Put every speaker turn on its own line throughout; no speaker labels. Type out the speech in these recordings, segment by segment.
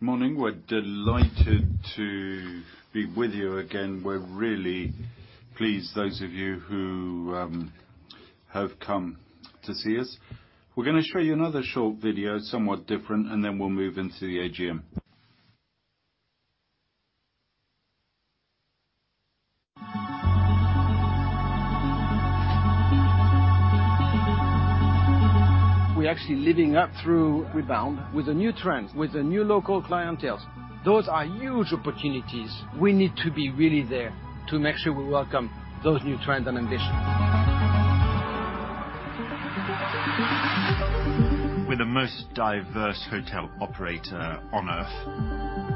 Morning. We're delighted to be with you again. We're really pleased those of you who have come to see us. We're gonna show you another short video, somewhat different, and then we'll move into the AGM.
We're actually living up through rebound with the new trends, with the new local clienteles. Those are huge opportunities. We need to be really there to make sure we welcome those new trends and ambition. We're the most diverse hotel operator on Earth.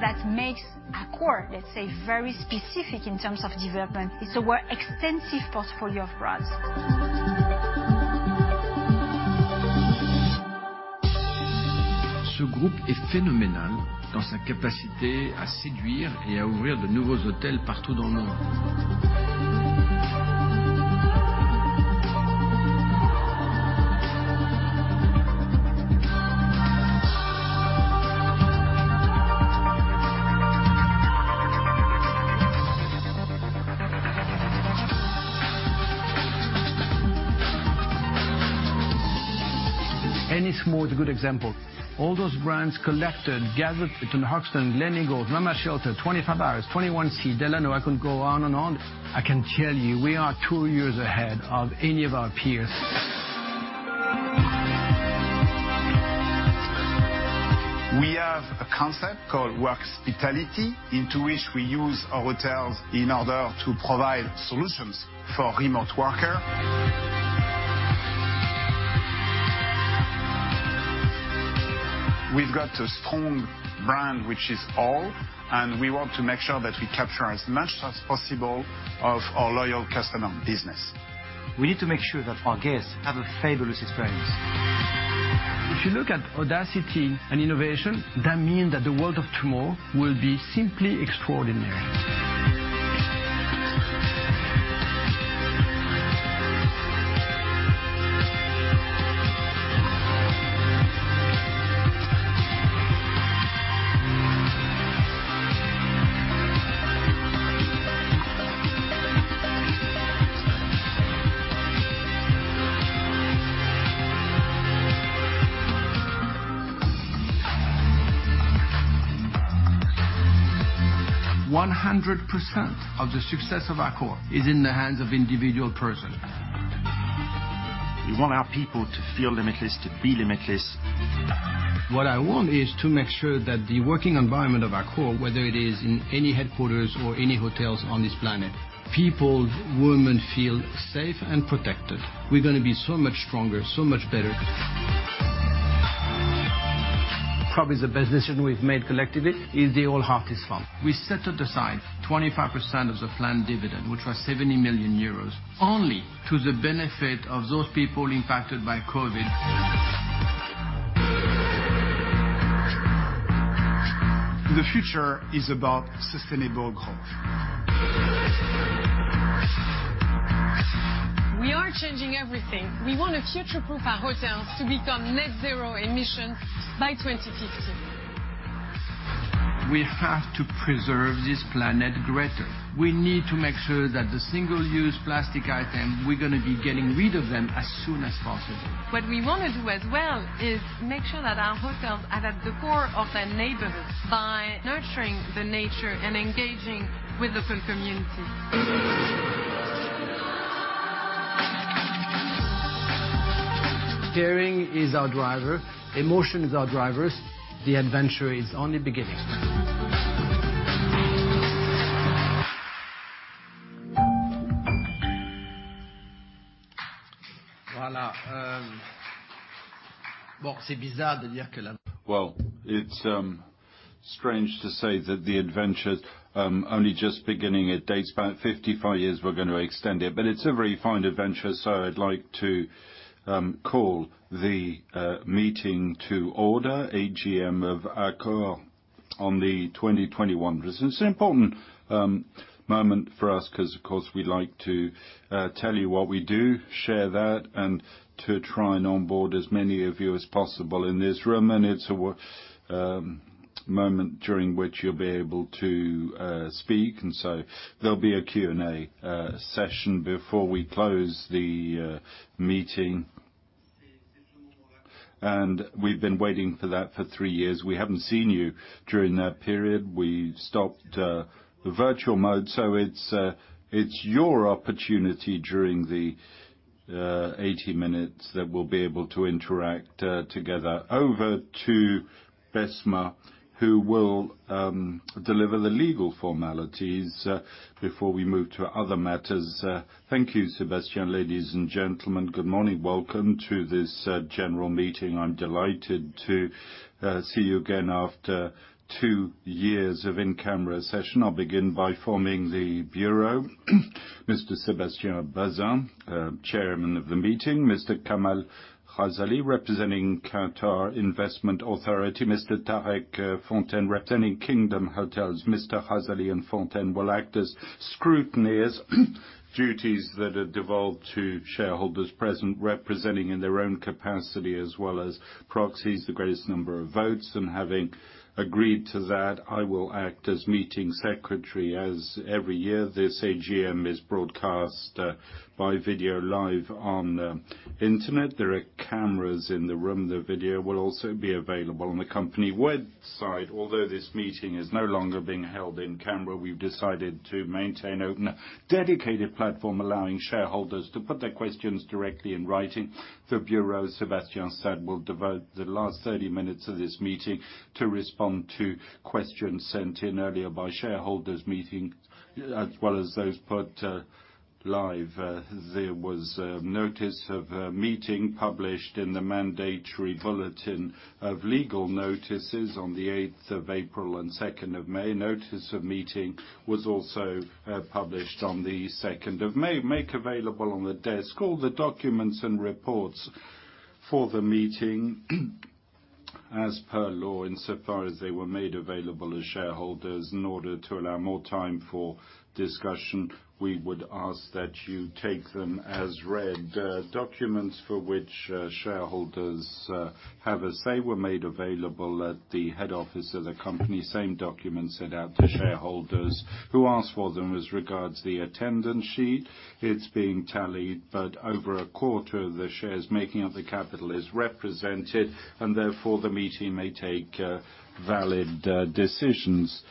That makes Accor, let's say, very specific in terms of development is our extensive portfolio of brands. Ennismore is a good example. All those brands collected, gathered between Hoxton, Gleneagles, Mama Shelter, 25hours, 21c, Delano, I can go on and on. I can tell you, we are two years ahead of any of our peers. We have a concept called Workspitality, in which we use our hotels in order to provide solutions for remote workers. We've got a strong brand, which is ALL, and we want to make sure that we capture as much as possible of our loyal customer business. We need to make sure that our guests have a fabulous experience. If you look at audacity and innovation, that mean that the world of tomorrow will be simply extraordinary. 100% of the success of Accor is in the hands of individual person. We want our people to feel limitless, to be limitless. What I want is to make sure that the working environment of Accor, whether it is in any headquarters or any hotels on this planet, people, women feel safe and protected. We're gonna be so much stronger, so much better. Probably the best decision we've made collectively is the ALL Heartist Fund. We set it aside 25% of the planned dividend, which was 70 million euros, only to the benefit of those people impacted by COVID. The future is about sustainable growth. We are changing everything. We want to future-proof our hotels to become net zero emission by 2050. We have to preserve this planet greater. We need to make sure that the single-use plastic item, we're gonna be getting rid of them as soon as possible. What we wanna do as well is make sure that our hotels are at the core of their neighborhoods by nurturing the nature and engaging with the full community. Daring is our driver. Emotion is our drivers. The adventure is only beginning.
Well, it's strange to say that the adventure only just beginning. It dates back 55 years. We're gonna extend it. It's a very fine adventure, so I'd like to call the meeting to order, AGM of Accor on the 2021. This is an important moment for us 'cause, of course, we like to tell you what we do, share that, and to try and onboard as many of you as possible in this room. It's a moment during which you'll be able to speak, and so there'll be a Q&A session before we close the meeting. We've been waiting for that for three years. We haven't seen you during that period. We've stopped the virtual mode. It's your opportunity during the 80 minutes that we'll be able to interact together. Over to Besma, who will deliver the legal formalities before we move to other matters. Thank you, Sébastien. Ladies and gentlemen, good morning. Welcome to this general meeting. I'm delighted to see you again after two years of in-camera session. I'll begin by forming the bureau. Mr. Sébastien Bazin, chairman of the meeting, Mr. Kamal Ghazali, representing Qatar Investment Authority, Mr. Tareq Fontanel, representing Kingdom Hotel Investments. Mr. Ghazali and Fontanel will act as scrutineers. Duties that are devolved to shareholders present representing in their own capacity as well as proxies, the greatest number of votes. Having agreed to that, I will act as meeting secretary. As every year, this AGM is broadcast by video live on the internet. There are cameras in the room. The video will also be available on the company website. Although this meeting is no longer being held in camera, we've decided to maintain open a dedicated platform allowing shareholders to put their questions directly in writing. The Bureau, Sébastien said, will devote the last 30 minutes of this meeting to respond to questions sent in earlier by shareholders for the meeting as well as those put live. There was a notice of a meeting published in the mandatory bulletin of legal notices on the eighth of April and second of May. Notice of meeting was also published on the second of May. Made available on the desk all the documents and reports for the meeting as per law, insofar as they were made available to shareholders. In order to allow more time for discussion, we would ask that you take them as read. Documents for which shareholders have, as they were made available at the head office of the company. Same document sent out to shareholders who asked for them. As regards the attendance sheet, it's being tallied, but over a quarter of the shares making up the capital is represented, and therefore the meeting may take valid decisions.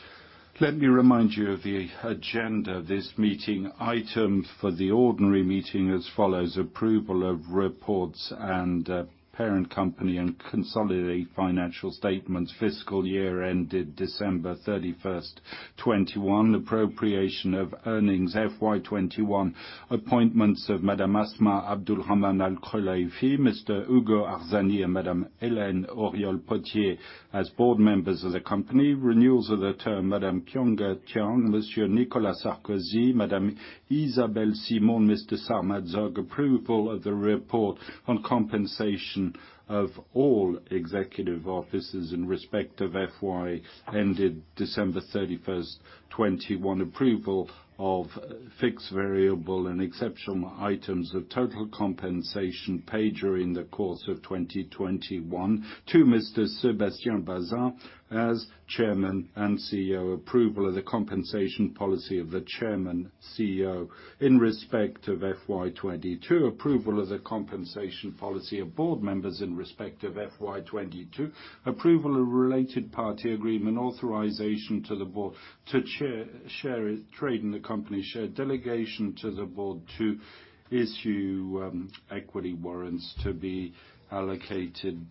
Let me remind you of the agenda. This meeting item for the ordinary meeting as follows: approval of reports and parent company and consolidated financial statements fiscal year ended December 31st, 2021. Appropriation of earnings FY 2021. Appointments of Madame Asma Abdulrahman Al-Khulaifi, Mr. Ugo Arzani and Madame Hélène Auriol Pottier as board members of the company. Renewals of the term Madame Qiong'Er Jiang, Monsieur Nicolas Sarkozy, Madame Isabelle Simon, Mr. Sarmad Zok. Approval of the report on compensation of all executive officers in respect of FY ended December 31st, 2021. Approval of fixed, variable, and exceptional items of total compensation paid during the course of 2021 to Mr. Sébastien Bazin as Chairman and CEO. Approval of the compensation policy of the Chairman and CEO in respect of FY 2022. Approval of the compensation policy of board members in respect of FY 2022. Approval of related party agreement. Authorization to the board to trade in the company share. Delegation to the board to issue equity warrants to be allocated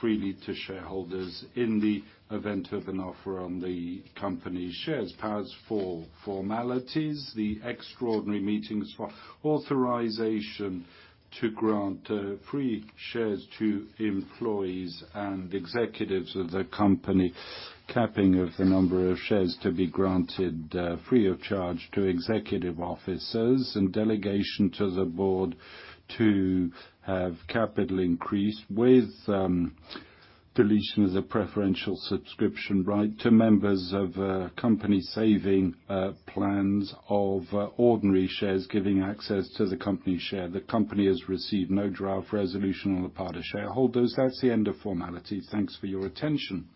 freely to shareholders in the event of an offer on the company's shares. Powers for formalities. The extraordinary meetings for authorization to grant free shares to employees and executives of the company, capping of the number of shares to be granted free of charge to executive officers, and delegation to the board to have capital increase with deletion of the preferential subscription right to members of company savings plans of ordinary shares giving access to the company share. The company has received no draft resolution on the part of shareholders. That's the end of formalities. Thanks for your attention.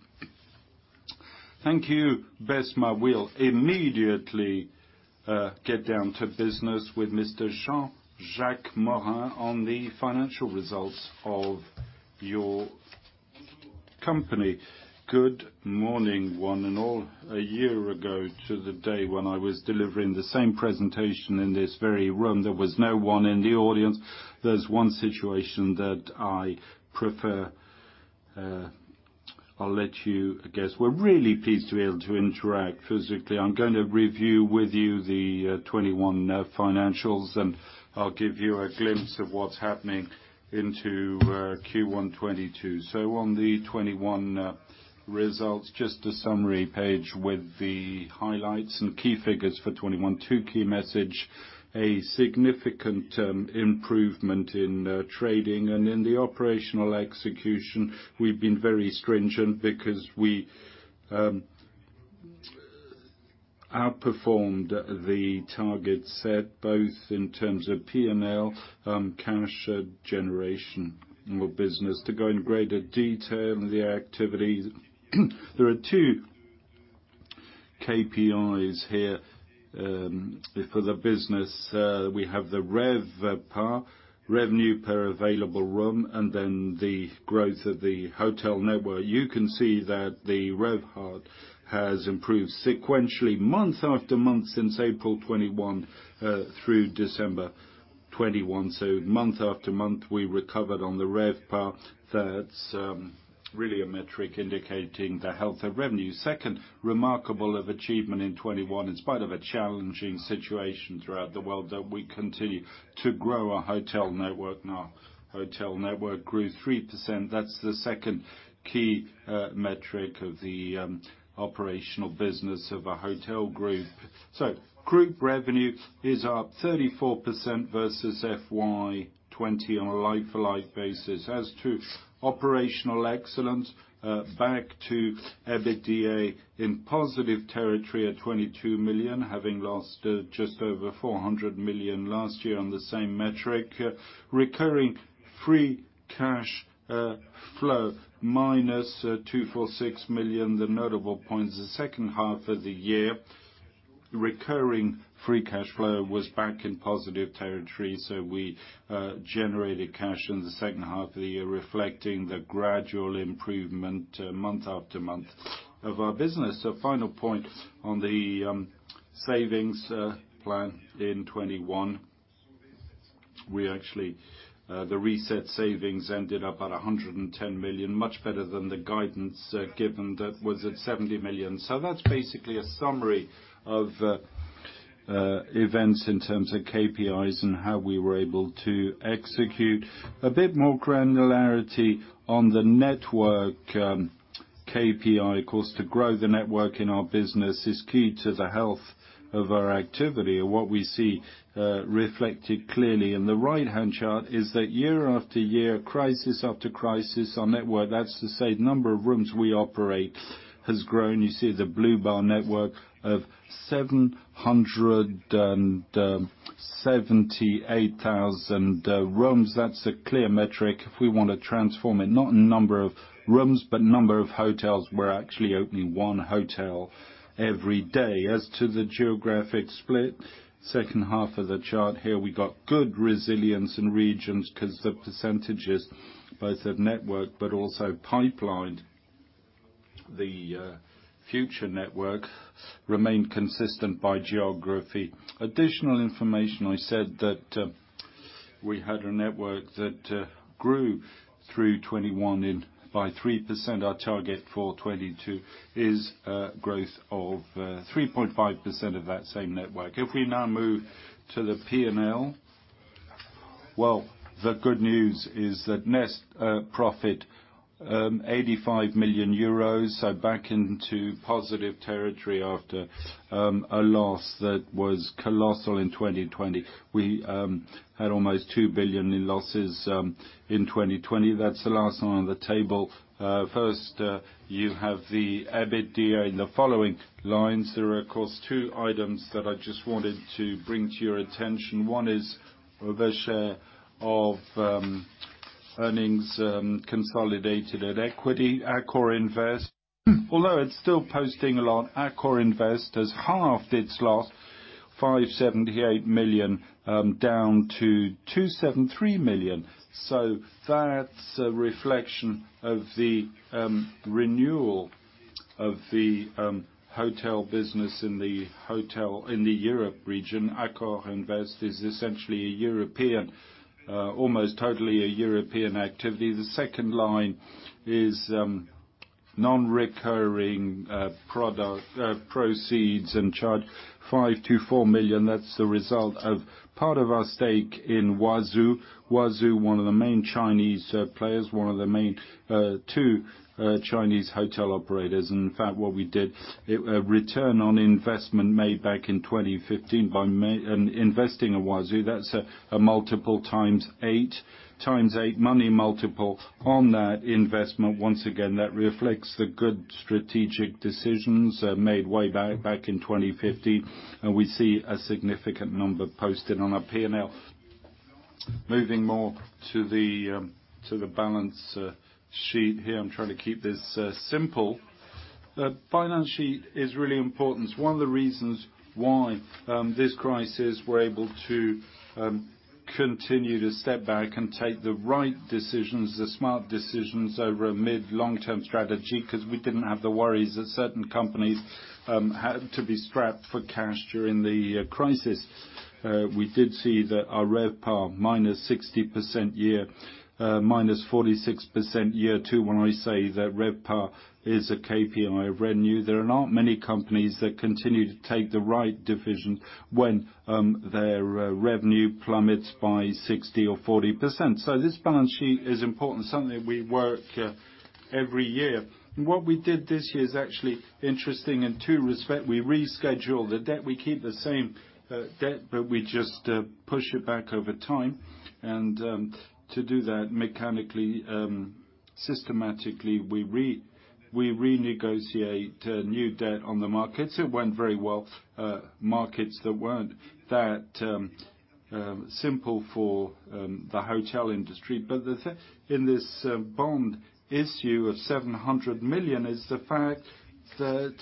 Thank you. We'll immediately get down to business with Mr. Jean-Jacques Morin on the financial results of your company. Good morning, one and all. A year ago to the day when I was delivering the same presentation in this very room, there was no one in the audience. There's one situation that I prefer, I'll let you guess. We're really pleased to be able to interact physically. I'm going to review with you the 2021 financials, and I'll give you a glimpse of what's happening into Q1 2022. On the 2021 results, just a summary page with the highlights and key figures for 2021. Two key message, a significant improvement in trading. In the operational execution, we've been very stringent because we outperformed the target set both in terms of P&L, cash generation business. To go in greater detail in the activities, there are two KPIs here for the business. We have the RevPAR, revenue per available room, and then the growth of the hotel network. You can see that the RevPAR has improved sequentially month after month since April 2021 through December 2021. Month after month, we recovered on the RevPAR. That's really a metric indicating the health of revenue. Second remarkable achievement in 2021, in spite of a challenging situation throughout the world, that we continue to grow our hotel network. Our hotel network grew 3%. That's the second key metric of the operational business of a hotel group. Group revenue is up 34% versus FY 2020 on a like-for-like basis. As to operational excellence, back to EBITDA in positive territory at 22 million, having lost just over 400 million last year on the same metric. Recurring free cash flow -246 million, the notable points the second half of the year. Recurring free cash flow was back in positive territory, so we generated cash in the second half of the year, reflecting the gradual improvement month after month of our business. Final point on the savings plan in 2021. The reset savings ended up at 110 million, much better than the guidance given that was at 70 million. That's basically a summary of events in terms of KPIs and how we were able to execute. A bit more granularity on the network KPI, cost to grow the network in our business is key to the health of our activity. What we see reflected clearly in the right-hand chart is that year after year, crisis after crisis, our network, that's to say the number of rooms we operate, has grown. You see the blue bar network of 778,000 rooms. That's a clear metric if we wanna transform it. Not in number of rooms, but number of hotels. We're actually opening one hotel every day. As to the geographic split, second half of the chart here, we got good resilience in regions 'cause the percentages, both of network but also pipeline, the future network, remain consistent by geography. Additional information, I said that we had a network that grew through 2021 by 3%. Our target for 2022 is growth of 3.5% of that same network. If we now move to the P&L. Well, the good news is that net profit 85 million euros, so back into positive territory after a loss that was colossal in 2020. We had almost 2 billion in losses in 2020. That's the last one on the table. First, you have the EBITDA in the following lines. There are, of course, two items that I just wanted to bring to your attention. One is our share of earnings consolidated at equity, AccorInvest. Although it's still posting a loss, AccorInvest has halved its loss, 578 million down to 273 million. That's a reflection of the renewal of the hotel business in the Europe region. AccorInvest is essentially a European, almost totally a European activity. The second line is non-recurring product proceeds and charge 524 million. That's the result of part of our stake in Huazhu. Huazhu, one of the main Chinese players, one of the main two Chinese hotel operators. In fact, what we did, return on investment made back in 2015 in investing in Huazhu. That's an 8x money multiple on that investment. Once again, that reflects the good strategic decisions made way back in 2015. We see a significant number posted on our P&L. Moving more to the balance sheet here. I'm trying to keep this simple. The balance sheet is really important. It's one of the reasons why this crisis, we're able to continue to step back and take the right decisions, the smart decisions over a mid- long-term strategy, 'cause we didn't have the worries that certain companies had to be strapped for cash during the crisis. We did see that our RevPAR -60% year, -46% year two, when I say that RevPAR is a KPI of revenue. There are not many companies that continue to take the right decision when their revenue plummets by 60% or 40%. This balance sheet is important, something we work every year. What we did this year is actually interesting in two respects. We rescheduled the debt. We keep the same debt, but we just push it back over time. To do that mechanically, systematically, we renegotiate new debt on the markets. It went very well, markets that weren't that simple for the hotel industry. In this bond issue of 700 million is the fact that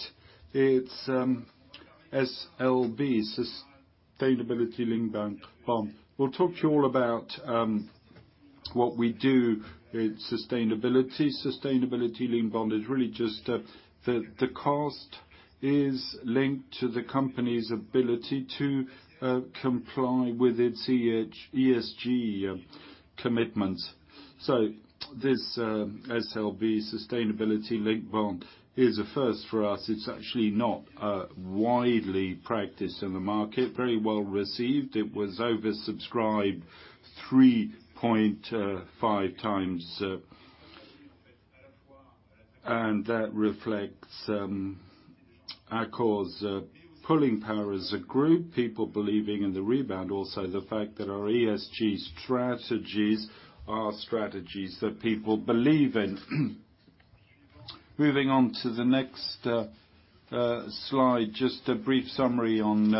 it's SLB, sustainability-linked bond. We'll talk to you all about what we do with sustainability. Sustainability-linked bond is really just the cost is linked to the company's ability to comply with its ESG commitments. This SLB, sustainability-linked bond, is a first for us. It's actually not widely practiced in the market. Very well-received. It was oversubscribed 3.5 times. That reflects Accor's pulling power as a group, people believing in the rebound, also the fact that our ESG strategies are strategies that people believe in. Moving on to the next slide, just a brief summary on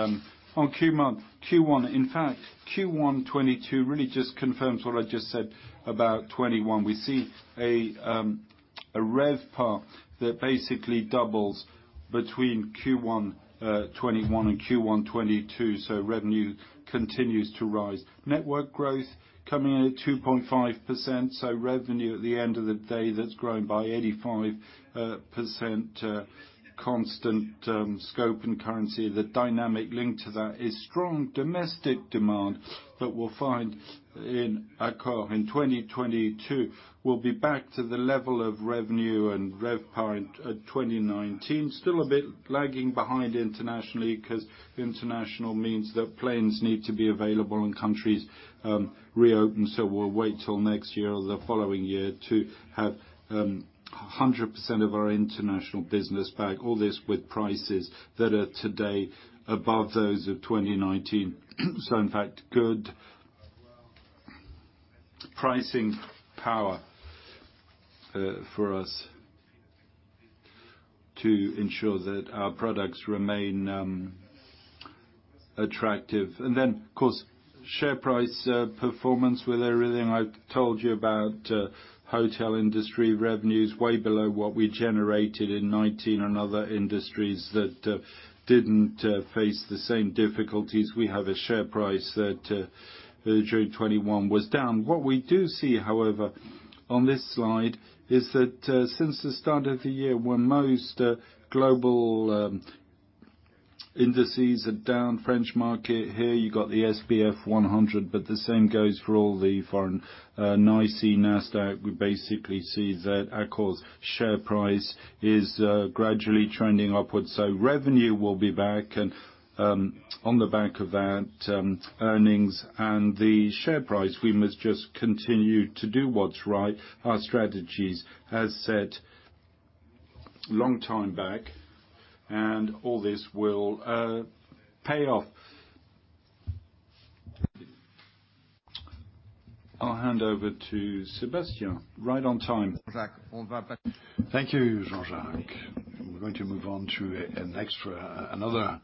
Q1. In fact, Q1 2022 really just confirms what I just said about 2021. We see a RevPAR that basically doubles between Q1 2021 and Q1 2022, so revenue continues to rise. Network growth coming in at 2.5%, so revenue at the end of the day, that's grown by 85%, constant scope and currency. The dynamic link to that is strong domestic demand that we'll find in Accor in 2022 will be back to the level of revenue and RevPAR at 2019. Still a bit lagging behind internationally 'cause international means that planes need to be available and countries reopen. We'll wait till next year or the following year to have 100% of our international business back. All this with prices that are today above those of 2019. In fact, good pricing power for us to ensure that our products remain attractive. Then of course, share price performance with everything I told you about, hotel industry revenues way below what we generated in 2019 and other industries that didn't face the same difficulties. We have a share price that June 2021 was down. What we do see, however, on this slide is that since the start of the year, when most global indices are down, French market, here you got the SBF 120, but the same goes for all the foreign NYSE, NASDAQ. We basically see that Accor's share price is gradually trending upwards. Revenue will be back and on the back of that, earnings and the share price, we must just continue to do what's right. Our strategies as set long time back, and all this will pay off. I'll hand over to Sébastien. Right on time.
Thank you, Jean-Jacques. We're going to move on to another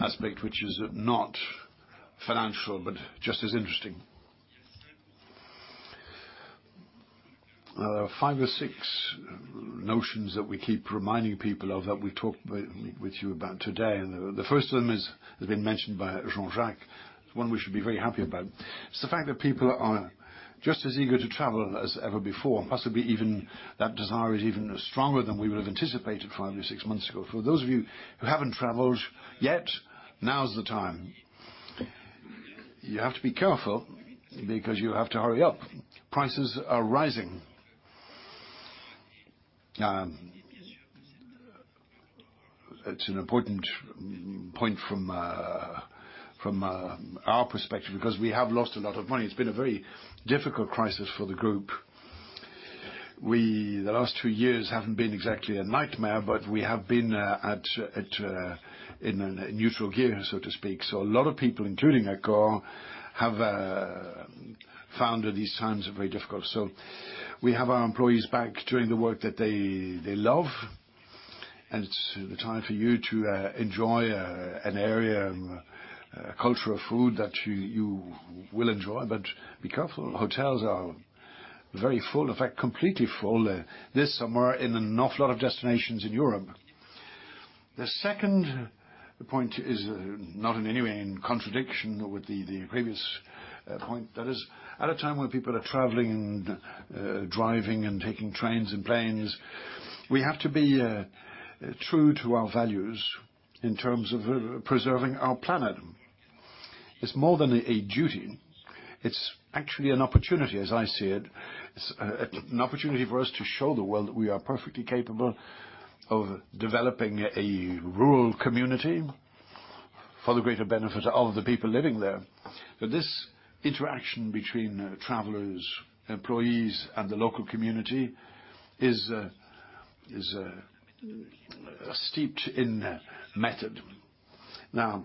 aspect which is not financial, but just as interesting. Five or six notions that we keep reminding people of that we talked with you about today. The first of them is, has been mentioned by Jean-Jacques, one we should be very happy about. It's the fact that people are just as eager to travel as ever before. Possibly even, that desire is even stronger than we would have anticipated five or six months ago. For those of you who haven't traveled yet, now's the time. You have to be careful because you have to hurry up. Prices are rising. It's an important point from our perspective, because we have lost a lot of money. It's been a very difficult crisis for the group. The last two years haven't been exactly a nightmare, but we have been in a neutral gear, so to speak. A lot of people, including Accor, have found these times very difficult. We have our employees back doing the work that they love, and it's the time for you to enjoy a culture of food that you will enjoy. Be careful, hotels are very full. In fact, completely full this summer in an awful lot of destinations in Europe. The second point is not in any way in contradiction with the previous point. That is, at a time when people are traveling and driving and taking trains and planes, we have to be true to our values in terms of preserving our planet. It's more than a duty. It's actually an opportunity, as I see it. It's an opportunity for us to show the world that we are perfectly capable of developing a rural community for the greater benefit of the people living there. This interaction between travelers, employees, and the local community is steeped in method. Now,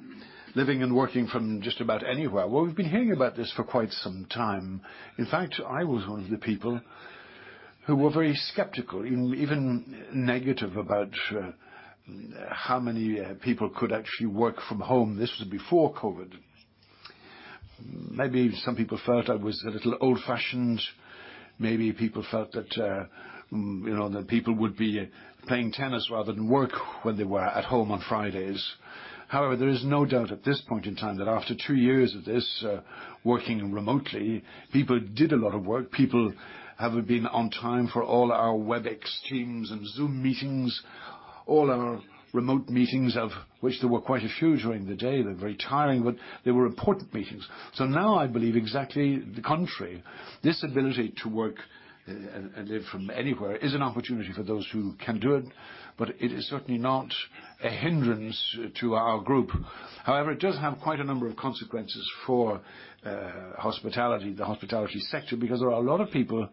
living and working from just about anywhere. Well, we've been hearing about this for quite some time. In fact, I was one of the people who were very skeptical, even negative about how many people could actually work from home. This was before COVID. Maybe some people felt I was a little old-fashioned. Maybe people felt that, you know, that people would be playing tennis rather than work when they were at home on Fridays. However, there is no doubt at this point in time that after two years of this, working remotely, people did a lot of work. People have been on time for all our Webex, Teams, and Zoom meetings, all our remote meetings, of which there were quite a few during the day. They're very tiring, but they were important meetings. Now I believe exactly the contrary. This ability to work and from anywhere is an opportunity for those who can do it, but it is certainly not a hindrance to our group. However, it does have quite a number of consequences for, hospitality, the hospitality sector, because there are a lot of people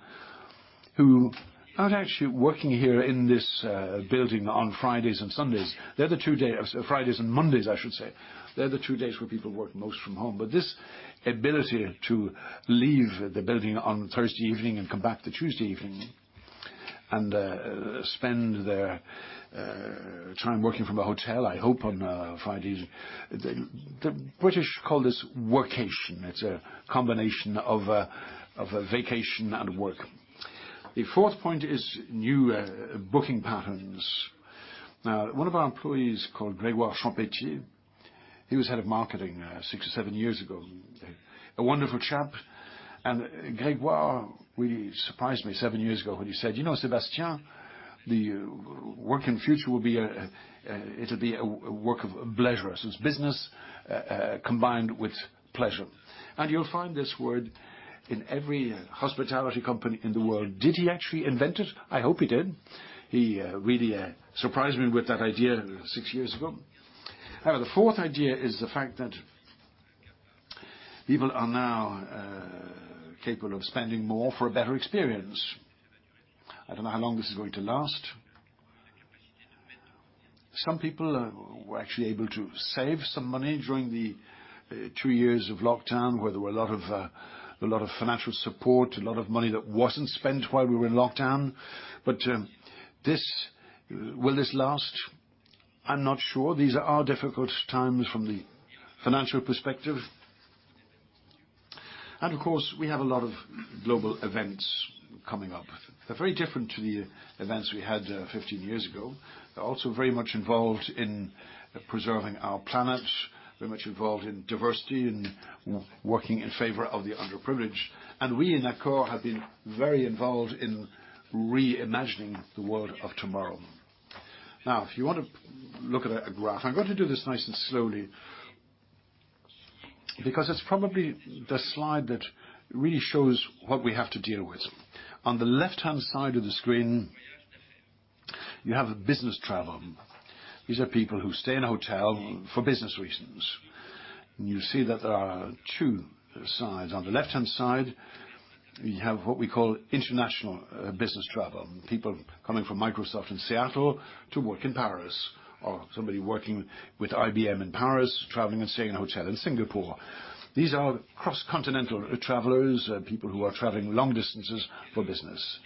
who aren't actually working here in this, building on Fridays and Sundays. They're the two days, Fridays and Mondays, I should say. They're the two days where people work most from home. This ability to leave the building on Thursday evening and come back to Tuesday evening and spend their time working from a hotel, I hope on Fridays. The British call this workation. It's a combination of a vacation and work. The fourth point is new booking patterns. Now, one of our employees called Grégoire Champetier, he was head of marketing six or seven years ago, a wonderful chap. Grégoire really surprised me seven years ago when he said, "You know, Sébastien, the work in future will be, it'll be a work of pleasure. It's business combined with pleasure." You'll find this word in every hospitality company in the world. Did he actually invent it? I hope he did. He really surprised me with that idea six years ago. However, the fourth idea is the fact that people are now capable of spending more for a better experience. I don't know how long this is going to last. Some people were actually able to save some money during the two years of lockdown, where there were a lot of financial support, a lot of money that wasn't spent while we were in lockdown. Will this last? I'm not sure. These are difficult times from the financial perspective. Of course, we have a lot of global events coming up. They're very different to the events we had 15 years ago. They're also very much involved in preserving our planet, very much involved in diversity and working in favor of the underprivileged. We in Accor have been very involved in reimagining the world of tomorrow. Now, if you want to look at a graph, I'm going to do this nice and slowly because it's probably the slide that really shows what we have to deal with. On the left-hand side of the screen, you have business travel. These are people who stay in a hotel for business reasons. You see that there are two sides. On the left-hand side, you have what we call international business travel. People coming from Microsoft in Seattle to work in Paris, or somebody working with IBM in Paris, traveling and staying in a hotel in Singapore. These are cross-continental travelers, people who are traveling long distances for business.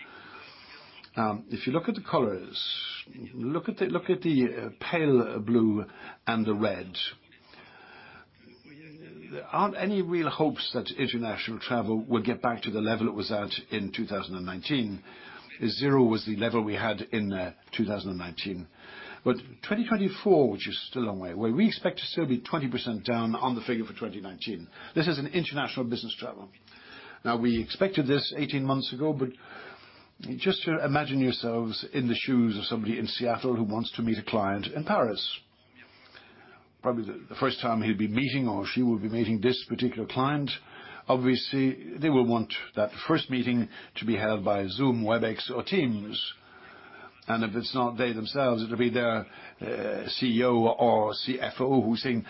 If you look at the colors, look at the pale blue and the red. There aren't any real hopes that international travel will get back to the level it was at in 2019, as 2019 was the level we had in 2019. 2024, which is still a long way away, we expect to still be 20% down on the figure for 2019. This is in international business travel. Now, we expected this eighteen months ago. Just imagine yourselves in the shoes of somebody in Seattle who wants to meet a client in Paris. Probably the first time he'll be meeting or she will be meeting this particular client. Obviously, they will want that first meeting to be held by Zoom, Webex or Teams. If it's not they themselves, it'll be their CEO or CFO who's saying,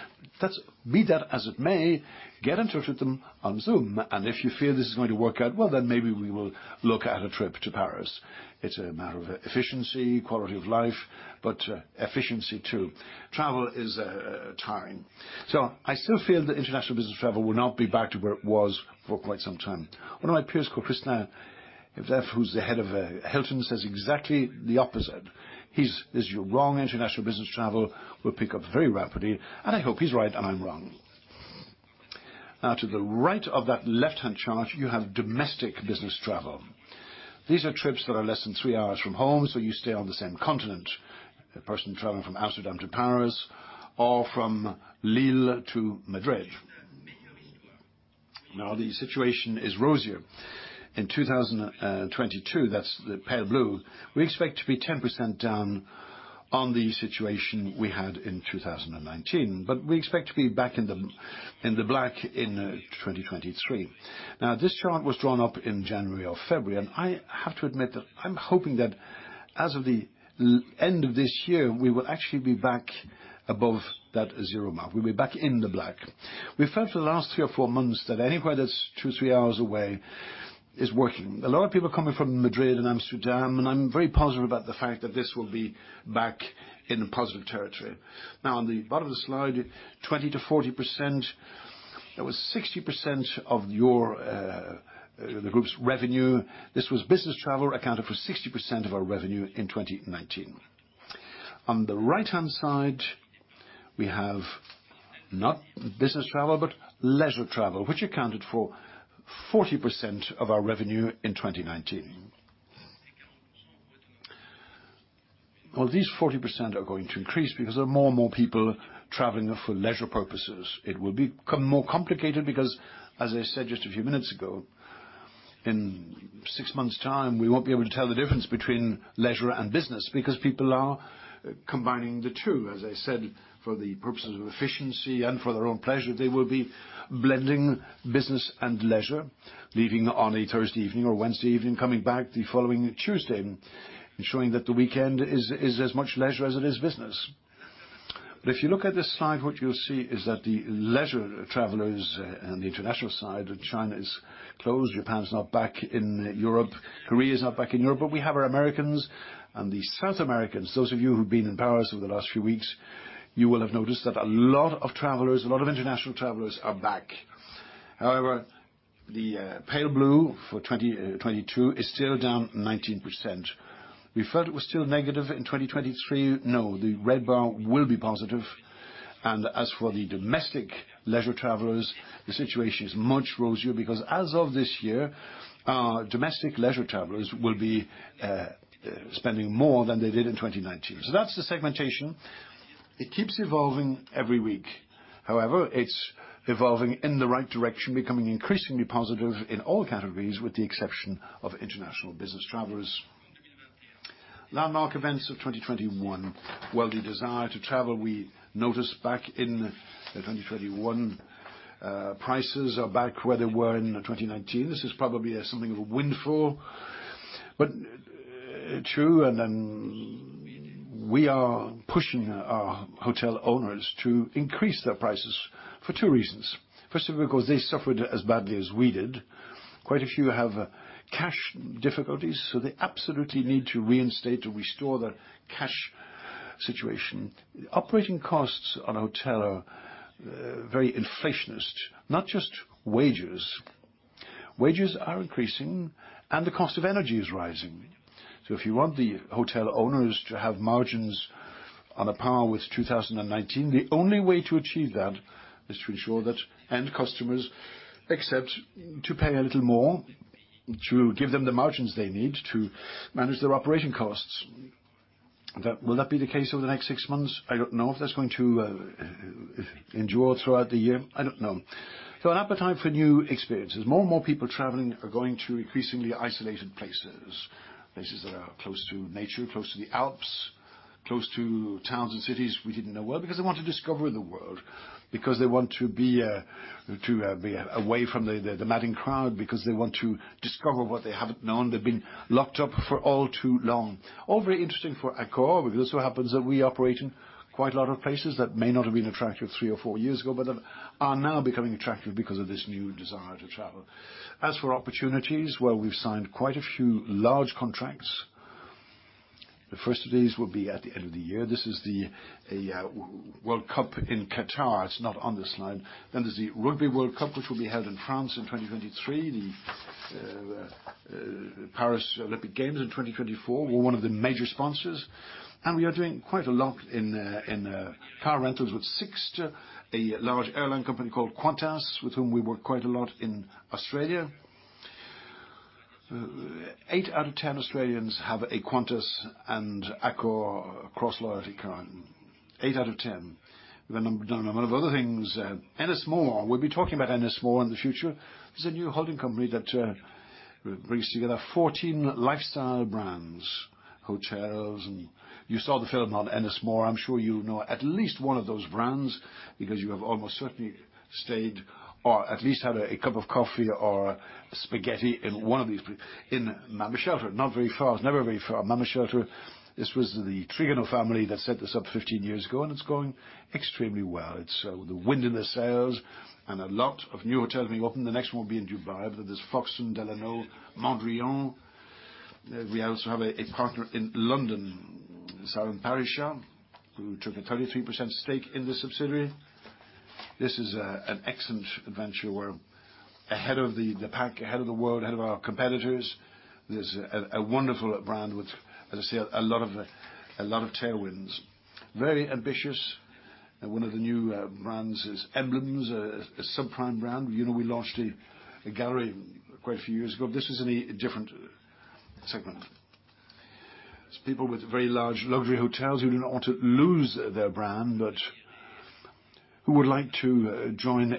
"Be that as it may, get in touch with them on Zoom, and if you feel this is going to work out, well, then maybe we will look at a trip to Paris." It's a matter of efficiency, quality of life, but efficiency too. Travel is tiring. I still feel that international business travel will not be back to where it was for quite some time. One of my peers called Chris Nassetta, who's the head of Hilton, says exactly the opposite. He's, "You're wrong. International business travel will pick up very rapidly." I hope he's right and I'm wrong. Now, to the right of that left-hand chart, you have domestic business travel. These are trips that are less than three hours from home, so you stay on the same continent. A person traveling from Amsterdam to Paris or from Lille to Madrid. Now, the situation is rosier. In 2022, that's the pale blue, we expect to be 10% down on the situation we had in 2019, but we expect to be back in the black in 2023. Now, this chart was drawn up in January or February, and I have to admit that I'm hoping that as of the end of this year, we will actually be back above that zero mark. We'll be back in the black. We felt for the last three or four months that anywhere that's two, three hours away is working. A lot of people are coming from Madrid and Amsterdam, and I'm very positive about the fact that this will be back in a positive territory. Now, on the bottom of the slide, 20%-40%. That was 60% of your, the group's revenue. This was business travel accounted for 60% of our revenue in 2019. On the right-hand side, we have not business travel, but leisure travel, which accounted for 40% of our revenue in 2019. Well, these 40% are going to increase because there are more and more people traveling for leisure purposes. It will become more complicated because, as I said just a few minutes ago, in six months' time, we won't be able to tell the difference between leisure and business because people are combining the two. As I said, for the purposes of efficiency and for their own pleasure, they will be blending business and leisure, leaving on a Thursday evening or Wednesday evening, coming back the following Tuesday, ensuring that the weekend is as much leisure as it is business. If you look at this slide, what you'll see is that the leisure travelers on the international side, China is closed, Japan's not back in Europe, Korea is not back in Europe, but we have our Americans and the South Americans. Those of you who've been in Paris over the last few weeks, you will have noticed that a lot of travelers, a lot of international travelers are back. However, the pale blue for 2022 is still down 19%. We felt it was still negative in 2023. No, the red bar will be positive. As for the domestic leisure travelers, the situation is much rosier because as of this year, our domestic leisure travelers will be spending more than they did in 2019. That's the segmentation. It keeps evolving every week. However, it's evolving in the right direction, becoming increasingly positive in all categories, with the exception of international business travelers. Landmark events of 2021. Well, the desire to travel, we notice back in 2021, prices are back where they were in 2019. This is probably something of a windfall, but true, and then we are pushing our hotel owners to increase their prices for two reasons. Firstly, because they suffered as badly as we did. Quite a few have cash difficulties, so they absolutely need to reinstate or restore their cash situation. Operating costs on a hotel are very inflationary, not just wages. Wages are increasing and the cost of energy is rising. If you want the hotel owners to have margins on a par with 2019, the only way to achieve that is to ensure that end customers accept to pay a little more, to give them the margins they need to manage their operating costs. That. Will that be the case over the next six months? I don't know if that's going to endure throughout the year. I don't know. An appetite for new experiences. More and more people traveling are going to increasingly isolated places. Places that are close to nature, close to the Alps, close to towns and cities we didn't know well, because they want to discover the world, because they want to be away from the madding crowd, because they want to discover what they haven't known. They've been locked up for all too long. All very interesting for Accor, because it so happens that we operate in quite a lot of places that may not have been attractive three or four years ago, but are now becoming attractive because of this new desire to travel. As for opportunities, well, we've signed quite a few large contracts. The first of these will be at the end of the year. This is the World Cup in Qatar. It's not on this slide. Then there's the Rugby World Cup, which will be held in France in 2023. The Paris Olympic Games in 2024. We're one of the major sponsors. We are doing quite a lot in car rentals with Sixt, a large airline company called Qantas, with whom we work quite a lot in Australia. Eight out of ten Australians have a Qantas and Accor cross-loyalty card. Eight out of ten. The number of other things, Ennismore. We'll be talking about Ennismore in the future. This is a new holding company that brings together 14 lifestyle brands, hotels, and you saw the film on Ennismore. I'm sure you know at least one of those brands because you have almost certainly stayed or at least had a cup of coffee or spaghetti in one of these in Mama Shelter, not very far. It's never very far. Mama Shelter, this was the Trigano family that set this up 15 years ago, and it's going extremely well. It's the wind in their sails and a lot of new hotels being opened. The next one will be in Dubai, but there's The Hoxton, Delano, Mondrian. We also have a partner in London, Sovereign fund, who took a 33% stake in the subsidiary. This is an excellent venture. We're ahead of the pack, ahead of the world, ahead of our competitors. There's a wonderful brand with, as I say, a lot of tailwinds. Very ambitious. One of the new brands is Emblems, a superb brand. You know, we launched MGallery quite a few years ago. This is in a different segment. It's people with very large luxury hotels who do not want to lose their brand, but who would like to join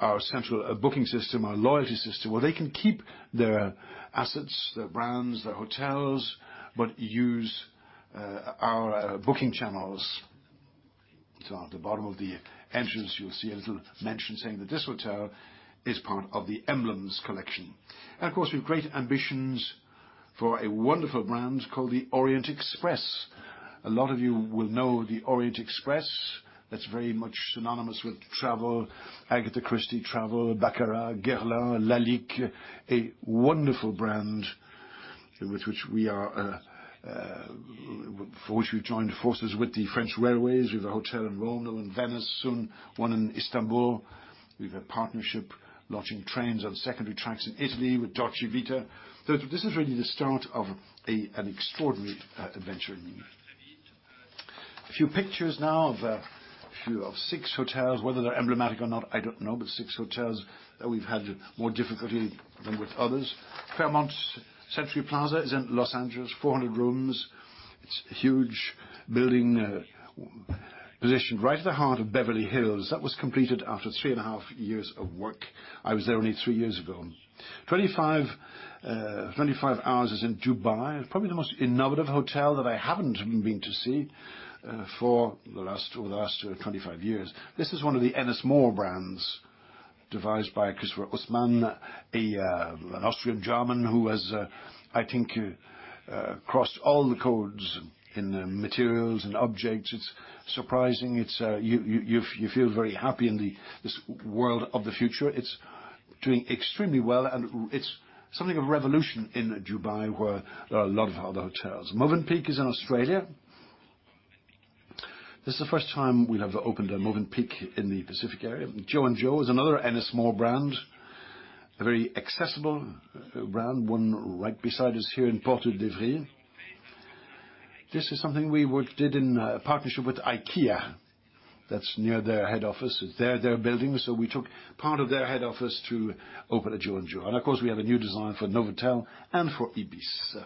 our central booking system, our loyalty system, where they can keep their assets, their brands, their hotels, but use our booking channels. At the bottom of the entrance, you'll see a little mention saying that this hotel is part of the Emblems Collection. Of course, we have great ambitions for a wonderful brand called the Orient Express. A lot of you will know the Orient Express. That's very much synonymous with travel. Agatha Christie travel, Baccarat, Guerlain, Lalique. A wonderful brand for which we've joined forces with the French railways. We have a hotel in Rome and Venice, soon one in Istanbul. We have a partnership launching trains on secondary tracks in Italy with La Dolce Vita. This is really the start of an extraordinary adventure. A few pictures now of a few of six hotels, whether they're emblematic or not, I don't know, but six hotels that we've had more difficulty than with others. Fairmont Century Plaza is in Los Angeles, 400 rooms. It's a huge building positioned right at the heart of Beverly Hills. That was completed after three and a half years of work. I was there only 3 years ago. 25hours is in Dubai. Probably the most innovative hotel that I haven't been to see for the last 25 years. This is one of the Ennismore brands devised by Christoph Hoffmann, an Austrian German who has, I think, crossed all the codes in materials and objects. It's surprising. It's you feel very happy in this world of the future. It's doing extremely well, and it's something of a revolution in Dubai, where there are a lot of other hotels. Mövenpick is in Australia. This is the first time we'll have opened a Mövenpick in the Pacific area. JO&JOE is another Ennismore brand, a very accessible brand, one right beside us here in Porte de Sèvres. This is something we did in partnership with IKEA. That's near their head office. It's their building, so we took part of their head office to open a JO&JOE. Of course, we have a new design for Novotel and for ibis.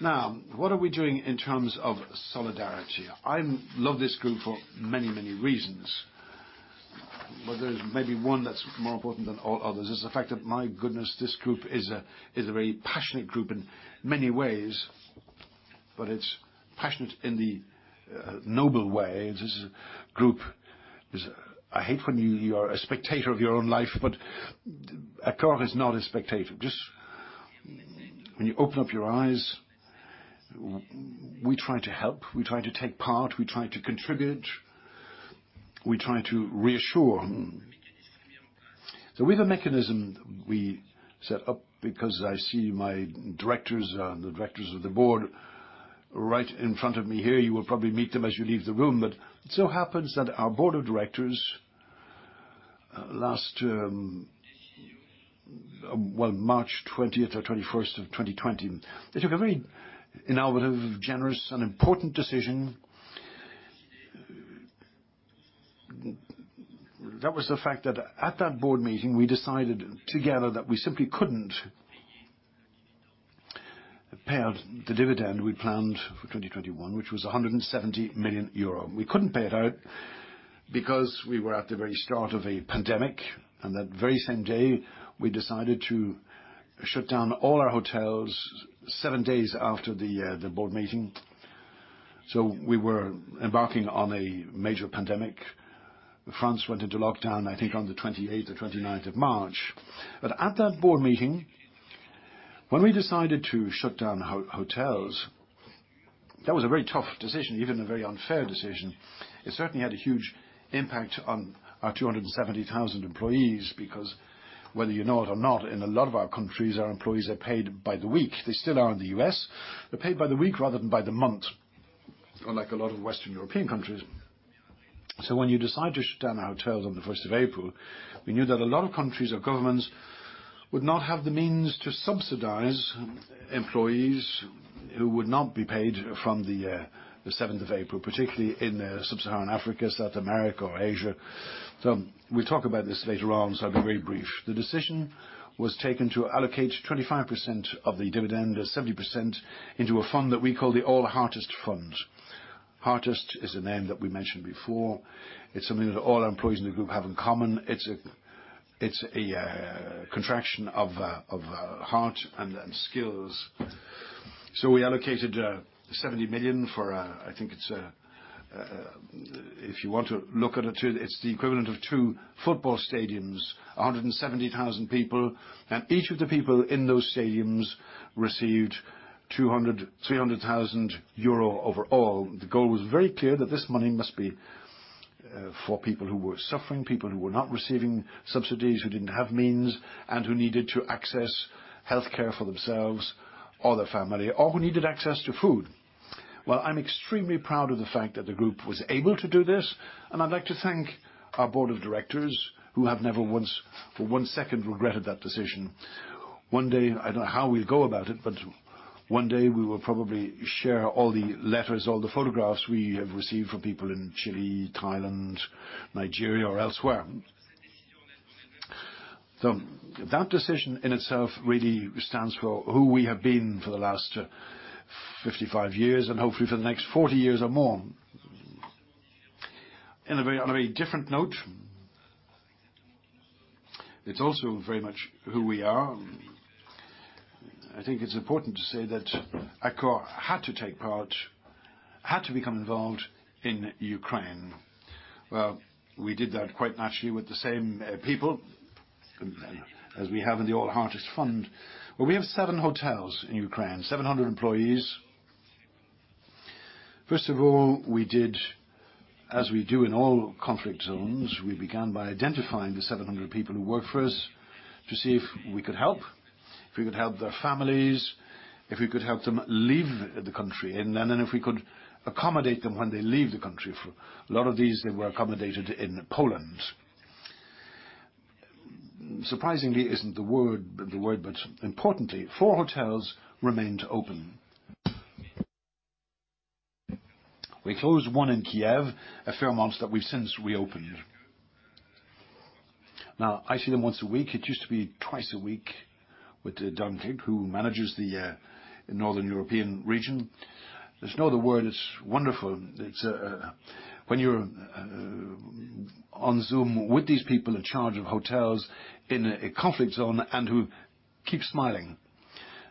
Now, what are we doing in terms of solidarity? I love this group for many reasons. There is maybe one that's more important than all others. It's the fact that, my goodness, this group is a very passionate group in many ways, but it's passionate in the noble way. This is a group. I hate when you are a spectator of your own life, but Accor is not a spectator. When you open up your eyes, we try to help, we try to take part, we try to contribute, we try to reassure. We have a mechanism we set up because I see my directors, the directors of the board right in front of me here. You will probably meet them as you leave the room. It so happens that our board of directors last March 20th or 21st of 2020, they took a very innovative, generous, and important decision. That was the fact that at that board meeting, we decided together that we simply couldn't pay out the dividend we planned for 2021, which was 170 million euro. We couldn't pay it out because we were at the very start of a pandemic, and that very same day, we decided to shut down all our hotels seven days after the board meeting. We were embarking on a major pandemic. France went into lockdown, I think, on the 28th or 29th of March. At that board meeting, when we decided to shut down hotels, that was a very tough decision, even a very unfair decision. It certainly had a huge impact on our 270,000 employees, because whether you know it or not, in a lot of our countries, our employees are paid by the week. They still are in the US. They're paid by the week rather than by the month, unlike a lot of Western European countries. When you decide to shut down hotels on the first of April, we knew that a lot of countries or governments would not have the means to subsidize employees who would not be paid from the seventh of April, particularly in Sub-Saharan Africa, South America or Asia. We'll talk about this later on, I'll be very brief. The decision was taken to allocate 25% of the dividend, 70% into a fund that we call the ALL Heartist Fund. Heartist is a name that we mentioned before. It's something that all our employees in the group have in common. It's a contraction of heart and skills. We allocated 70 million for, I think it's, if you want to look at it's the equivalent of two football stadiums, 170,000 people. Each of the people in those stadiums received 200-300 euro overall. The goal was very clear that this money must be for people who were suffering, people who were not receiving subsidies, who didn't have means, and who needed to access health care for themselves or their family, or who needed access to food. Well, I'm extremely proud of the fact that the group was able to do this, and I'd like to thank our board of directors who have never once for one second regretted that decision. One day, I don't know how we'll go about it, but one day we will probably share all the letters, all the photographs we have received from people in Chile, Thailand, Nigeria or elsewhere. That decision in itself really stands for who we have been for the last 55 years and hopefully for the next 40 years or more. On a very different note, it's also very much who we are. I think it's important to say that Accor had to take part, had to become involved in Ukraine. Well, we did that quite naturally with the same people as we have in the ALL Heartist Fund. Well, we have seven hotels in Ukraine, 700 employees. First of all, we did, as we do in all conflict zones, we began by identifying the 700 people who work for us to see if we could help, if we could help their families, if we could help them leave the country, and then if we could accommodate them when they leave the country. A lot of these, they were accommodated in Poland. Surprisingly isn't the word, but importantly, 4 hotels remained open. We closed one in Kyiv, a Fairmont that we've since reopened. Now, I see them once a week. It used to be twice a week with Duncan O'Rourke, who manages the Northern European region. There's no other word. It's wonderful. It's when you're on Zoom with these people in charge of hotels in a conflict zone and who keep smiling,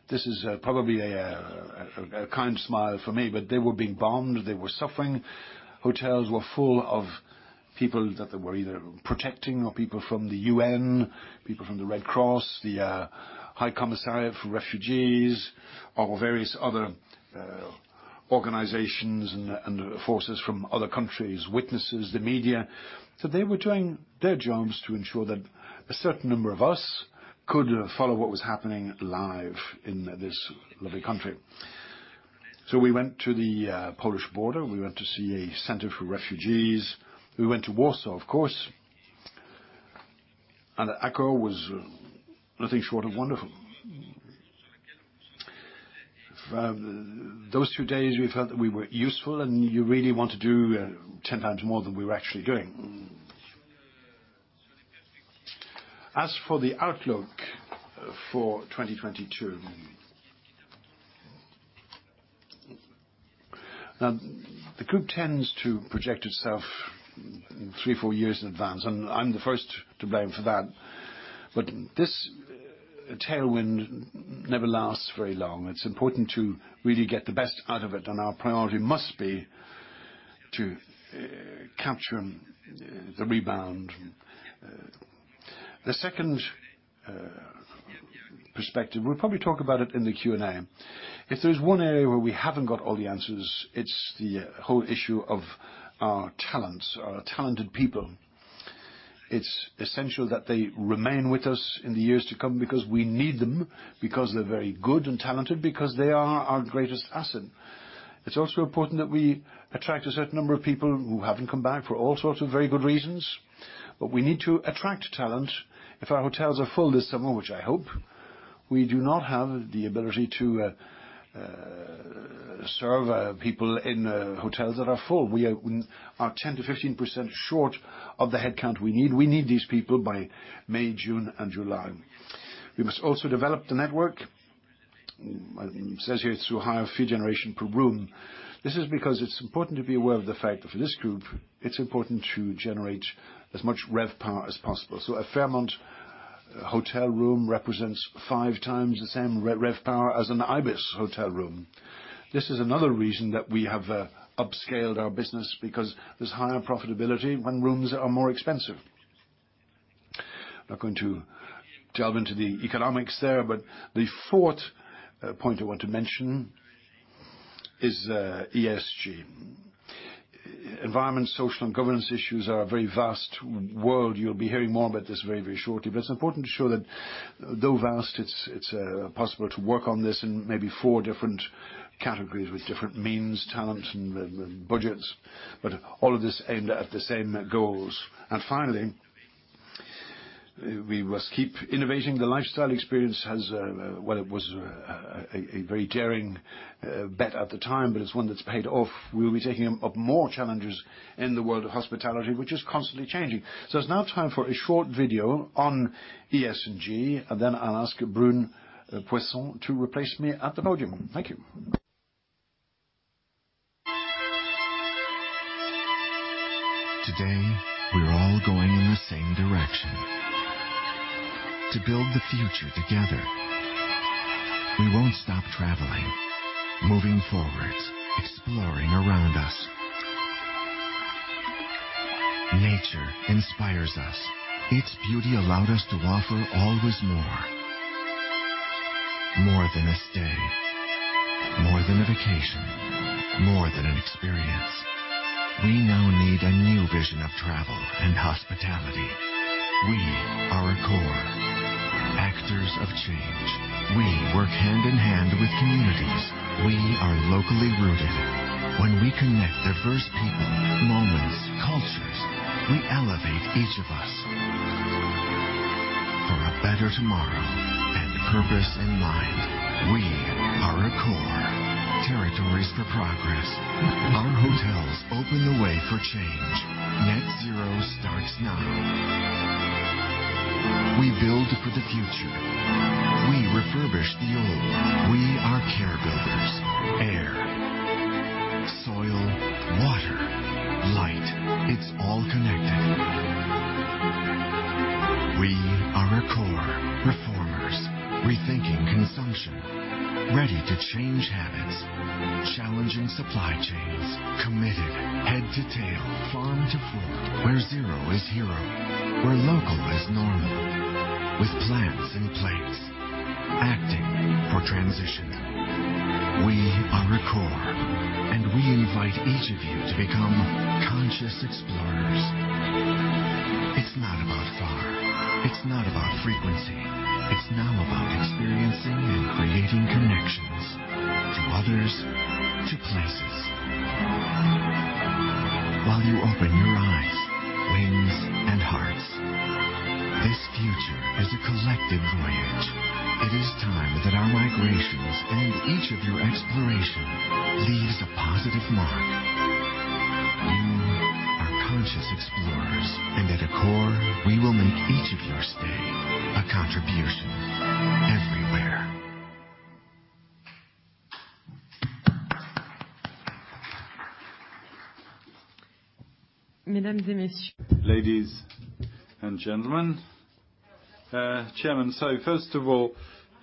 this is probably a kind smile for me, but they were being bombed, they were suffering. Hotels were full of people that they were either protecting or people from the UN, people from the Red Cross, the High Commissariat for Refugees, or various other organizations and forces from other countries, witnesses, the media. They were doing their jobs to ensure that a certain number of us could follow what was happening live in this lovely country. We went to the Polish border. We went to see a center for refugees. We went to Warsaw, of course. Accor was nothing short of wonderful. Those two days we felt that we were useful, and you really want to do 10 times more than we were actually doing. As for the outlook for 2022. Now, the group tends to project itself 3 years, 4 years in advance, and I'm the first to blame for that. This tailwind never lasts very long. It's important to really get the best out of it, and our priority must be to capture the rebound. The second perspective, we'll probably talk about it in the Q&A. If there's one area where we haven't got all the answers, it's the whole issue of our talents, our talented people. It's essential that they remain with us in the years to come because we need them, because they're very good and talented, because they are our greatest asset. It's also important that we attract a certain number of people who haven't come back for all sorts of very good reasons. We need to attract talent. If our hotels are full this summer, which I hope, we do not have the ability to serve people in hotels that are full. We are 10%-15% short of the headcount we need. We need these people by May, June and July. We must also develop the network associated to higher fee generation per room. This is because it's important to be aware of the fact that for this group, it's important to generate as much RevPAR as possible. A Fairmont hotel room represents five times the same RevPAR as an ibis hotel room. This is another reason that we have upscaled our business, because there's higher profitability when rooms are more expensive. Not going to delve into the economics there, but the fourth point I want to mention is ESG. Environmental, Social, and Governance issues are a very vast world. You'll be hearing more about this very, very shortly. It's important to show that though vast, it's possible to work on this in maybe four different categories with different means, talents and budgets. All of this aimed at the same goals. Finally, we must keep innovating. The lifestyle experience has well, it was a very daring bet at the time, but it's one that's paid off. We'll be taking up more challenges in the world of hospitality, which is constantly changing. It's now time for a short video on ESG, and then I'll ask Brune Poirson to replace me at the podium. Thank you.
Today we're all going in the same direction to build the future together. We won't stop traveling, moving forward, exploring around us. Nature inspires us. Its beauty allowed us to offer always more. More than a stay, more than a vacation, more than an experience. We now need a new vision of travel and hospitality. We are Accor. Actors of change. We work hand in hand with communities. We are locally rooted. When we connect diverse people, moments, cultures, we elevate each of us for a better tomorrow and purpose in mind. We are Accor. Territories for progress. Our hotels open the way for change. Net zero starts now. We build for the future. We refurbish the old. We are care builders. Air, soil, water, light. It's all connected. We are Accor. Reformers rethinking consumption, ready to change habits, challenging supply chains. Committed head to tail, farm to fork. Where zero is hero, where local is normal. With plans in place, acting for transition. We are Accor, and we invite each of you to become conscious explorers. It's not about far. It's not about frequency. It's now about experiencing and creating connections to others, to places, while you open your eyes, wings and hearts. This future is a collective voyage. It is time that our migrations and each of your exploration leaves a positive mark. You are conscious explorers, and at Accor, we will make each of your stay a contribution everywhere.
Ladies and gentlemen, chairman. First of all,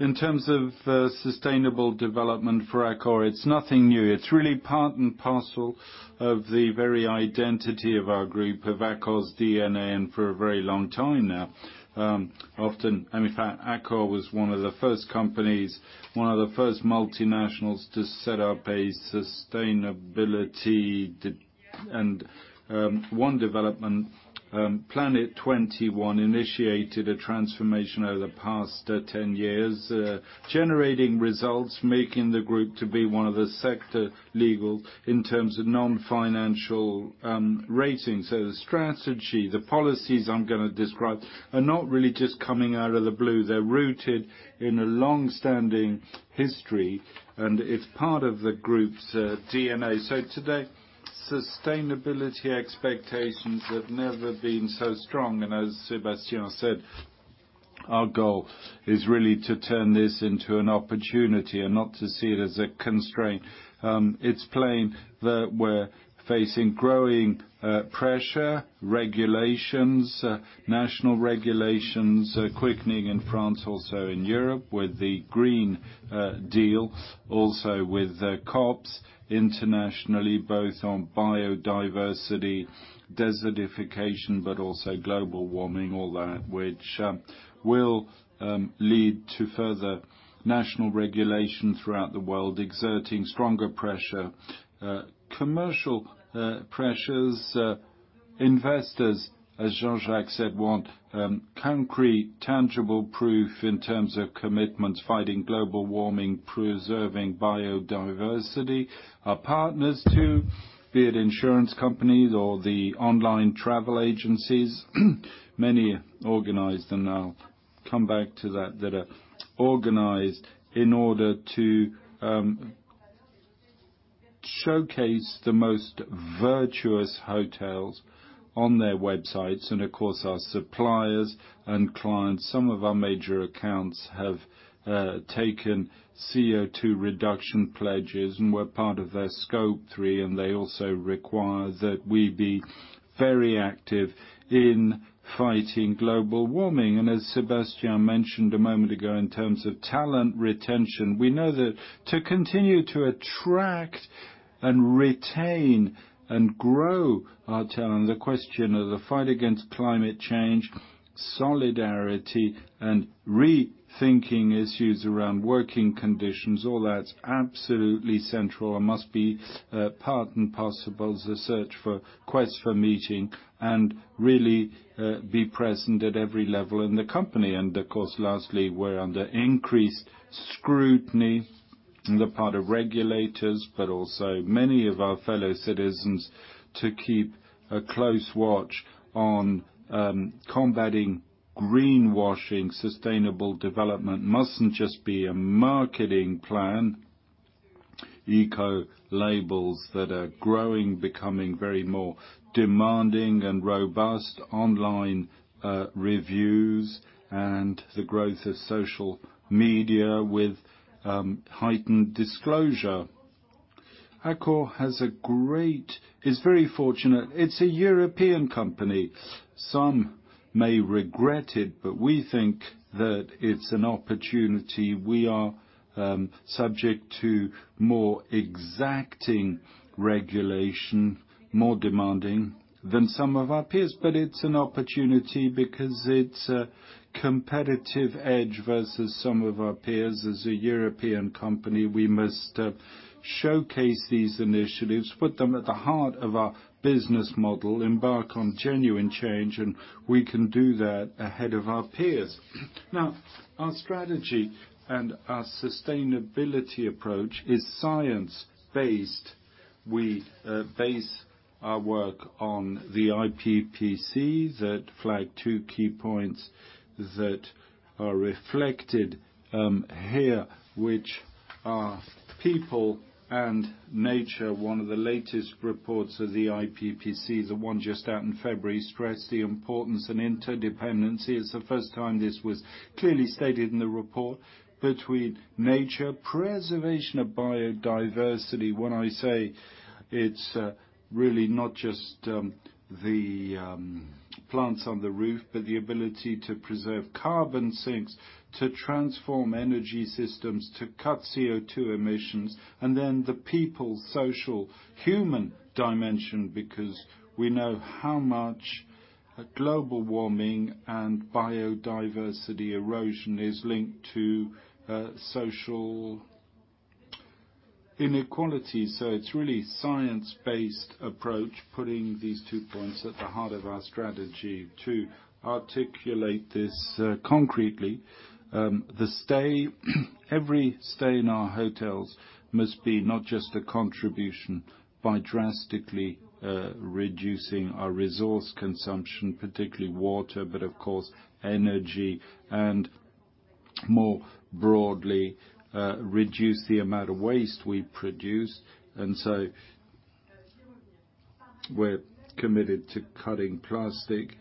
in terms of sustainable development for Accor, it's nothing new. It's really part and parcel of the very identity of our group, of Accor's DNA, and for a very long time now. In fact, Accor was one of the first companies, one of the first multinationals to set up a sustainability and sustainable development. Planet 21 initiated a transformation over the past 10 years, generating results, making the group one of the sector leaders in terms of non-financial ratings. The strategy, the policies I'm gonna describe are not really just coming out of the blue. They're rooted in a long-standing history, and it's part of the group's DNA. Today, sustainability expectations have never been so strong. As Sébastien said Our goal is really to turn this into an opportunity and not to see it as a constraint. It's plain that we're facing growing pressure, regulations, national regulations quickening in France, also in Europe with the European Green Deal, also with COPs internationally, both on biodiversity, desertification, but also global warming, all that, which will lead to further national regulation throughout the world, exerting stronger pressure. Commercial pressures, investors, as Jean-Jacques said, want concrete, tangible proof in terms of commitments, fighting global warming, preserving biodiversity. Our partners, too, be it insurance companies or the online travel agencies, many organized, and I'll come back to that are organized in order to showcase the most virtuous hotels on their websites. Of course, our suppliers and clients, some of our major accounts have taken CO₂ reduction pledges, and we're part of their Scope 3, and they also require that we be very active in fighting global warming. As Sébastien mentioned a moment ago, in terms of talent retention, we know that to continue to attract and retain and grow our talent, the question of the fight against climate change, solidarity, and rethinking issues around working conditions, all that's absolutely central and must be part and parcel, the quest for meeting and really be present at every level in the company. Of course, lastly, we're under increased scrutiny on the part of regulators, but also many of our fellow citizens to keep a close watch on combating greenwashing. Sustainable development mustn't just be a marketing plan. Eco labels that are growing, becoming very more demanding and robust, online reviews and the growth of social media with heightened disclosure. Accor is very fortunate. It's a European company. Some may regret it, but we think that it's an opportunity. We are subject to more exacting regulation, more demanding than some of our peers. It's an opportunity because it's a competitive edge versus some of our peers. As a European company, we must showcase these initiatives, put them at the heart of our business model, embark on genuine change, and we can do that ahead of our peers. Now, our strategy and our sustainability approach is science-based. We base our work on the IPCC that flag two key points that are reflected here, which are people and nature. One of the latest reports of the IPCC, the one just out in February, stressed the importance and interdependency. It's the first time this was clearly stated in the report between nature, preservation of biodiversity. When I say it's really not just the plants on the roof, but the ability to preserve carbon sinks, to transform energy systems, to cut CO₂ emissions, and then the people, social, human dimension, because we know how much global warming and biodiversity erosion is linked to social inequality. It's really science-based approach, putting these two points at the heart of our strategy to articulate this concretely. Every stay in our hotels must be not just a contribution by drastically reducing our resource consumption, particularly water, but of course, energy and more broadly, reduce the amount of waste we produce. We're committed to cutting plastic.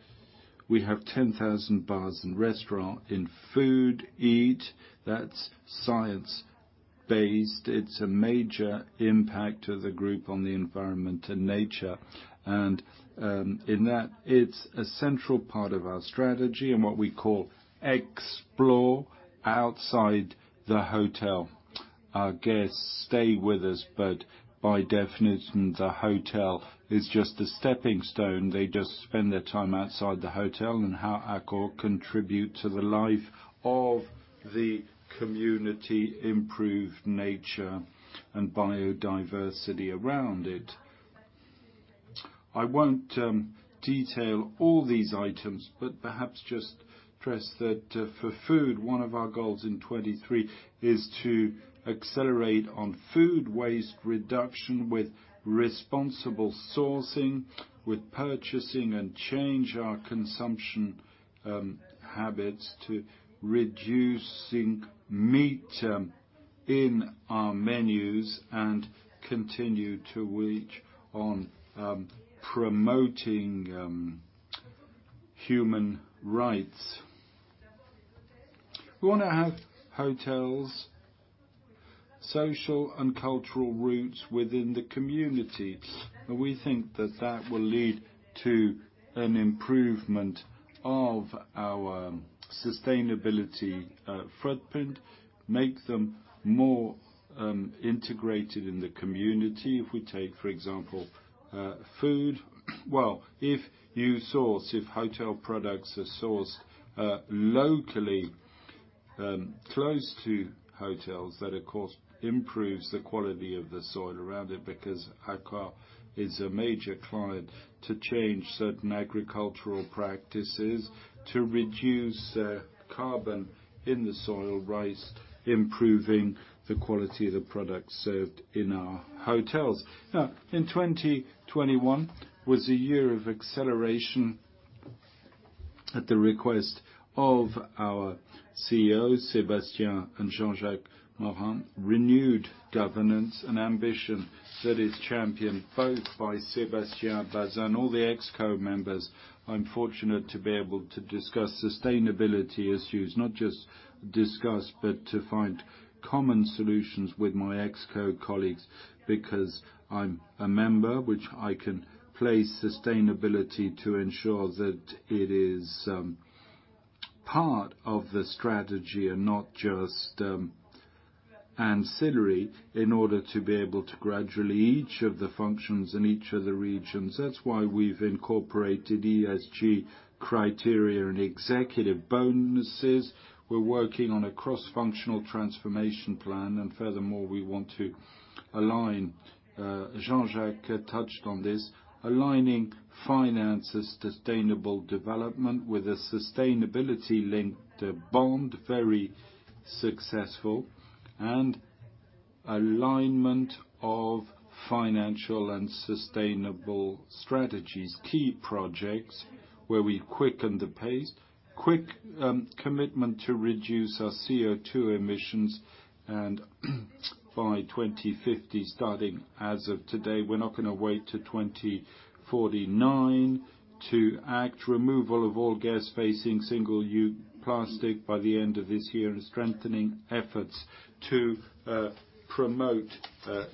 We have 10,000 bars and restaurants in food and beverage. That's science-based. It's a major impact to the group on the environment and nature. In that, it's a central part of our strategy and what we call Explore outside the hotel. Our guests stay with us, but by definition, the hotel is just a stepping stone. They just spend their time outside the hotel, and how Accor contributes to the life of the community, improves nature and biodiversity around it. I won't detail all these items, but perhaps just stress that, for food, one of our goals in 2023 is to accelerate on food waste reduction with responsible sourcing, with purchasing, and change our consumption habits to reducing meat in our menus and continue to work on promoting human rights. We wanna have hotels, social and cultural roots within the community. We think that will lead to an improvement of our sustainability footprint, make them more integrated in the community. If we take, for example, food. Well, if hotel products are sourced locally close to hotels, that of course improves the quality of the soil around it, because Accor is a major client to change certain agricultural practices to reduce carbon in the soil, thus improving the quality of the products served in our hotels. Now, in 2021 was a year of acceleration at the request of our CEOs, Sébastien and Jean-Jacques Morin, renewed governance and ambition that is championed both by Sébastien Bazin and all the ExCo members. I'm fortunate to be able to discuss sustainability issues. Not just discuss, but to find common solutions with my ExCo colleagues, because I'm a member which I can place sustainability to ensure that it is part of the strategy and not just ancillary in order to be able to gradually each of the functions in each of the regions. That's why we've incorporated ESG criteria and executive bonuses. We're working on a cross-functional transformation plan. Furthermore, we want to align, Jean-Jacques touched on this, aligning finance's sustainable development with a sustainability-linked bond, very successful, and alignment of financial and sustainable strategies. Key projects where we quicken the pace. Quick commitment to reduce our CO₂. emissions by 2050, starting as of today. We're not gonna wait to 2049 to act. Removal of all guest-facing single-use plastic by the end of this year, and strengthening efforts to promote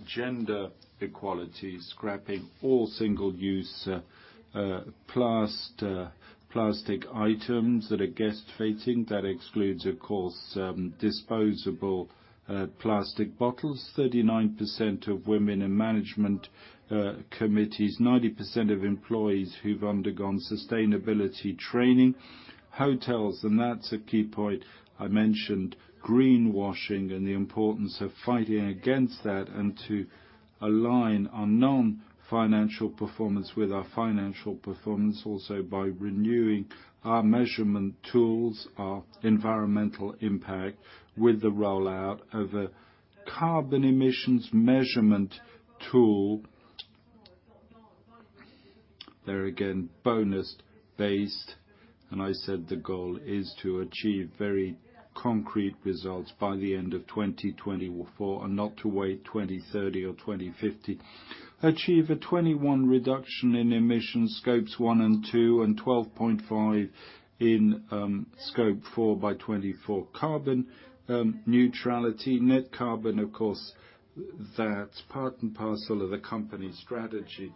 gender equality. Scrapping all single-use plastic items that are guest-facing. That excludes, of course, disposable plastic bottles. 39% of women in management committees, 90% of employees who've undergone sustainability training. Hotels, that's a key point I mentioned, greenwashing and the importance of fighting against that and to align our non-financial performance with our financial performance also by renewing our measurement tools, our environmental impact with the rollout of a carbon emissions measurement tool. There, again, bonus-based, and I said the goal is to achieve very concrete results by the end of 2024 and not to wait 2030 or 2050. Achieve a 21% reduction in emission Scopes 1 and Scopes 2 and 12.5% in Scope 3 by 2024. Carbon neutrality. Net carbon, of course, that's part and parcel of the company's strategy.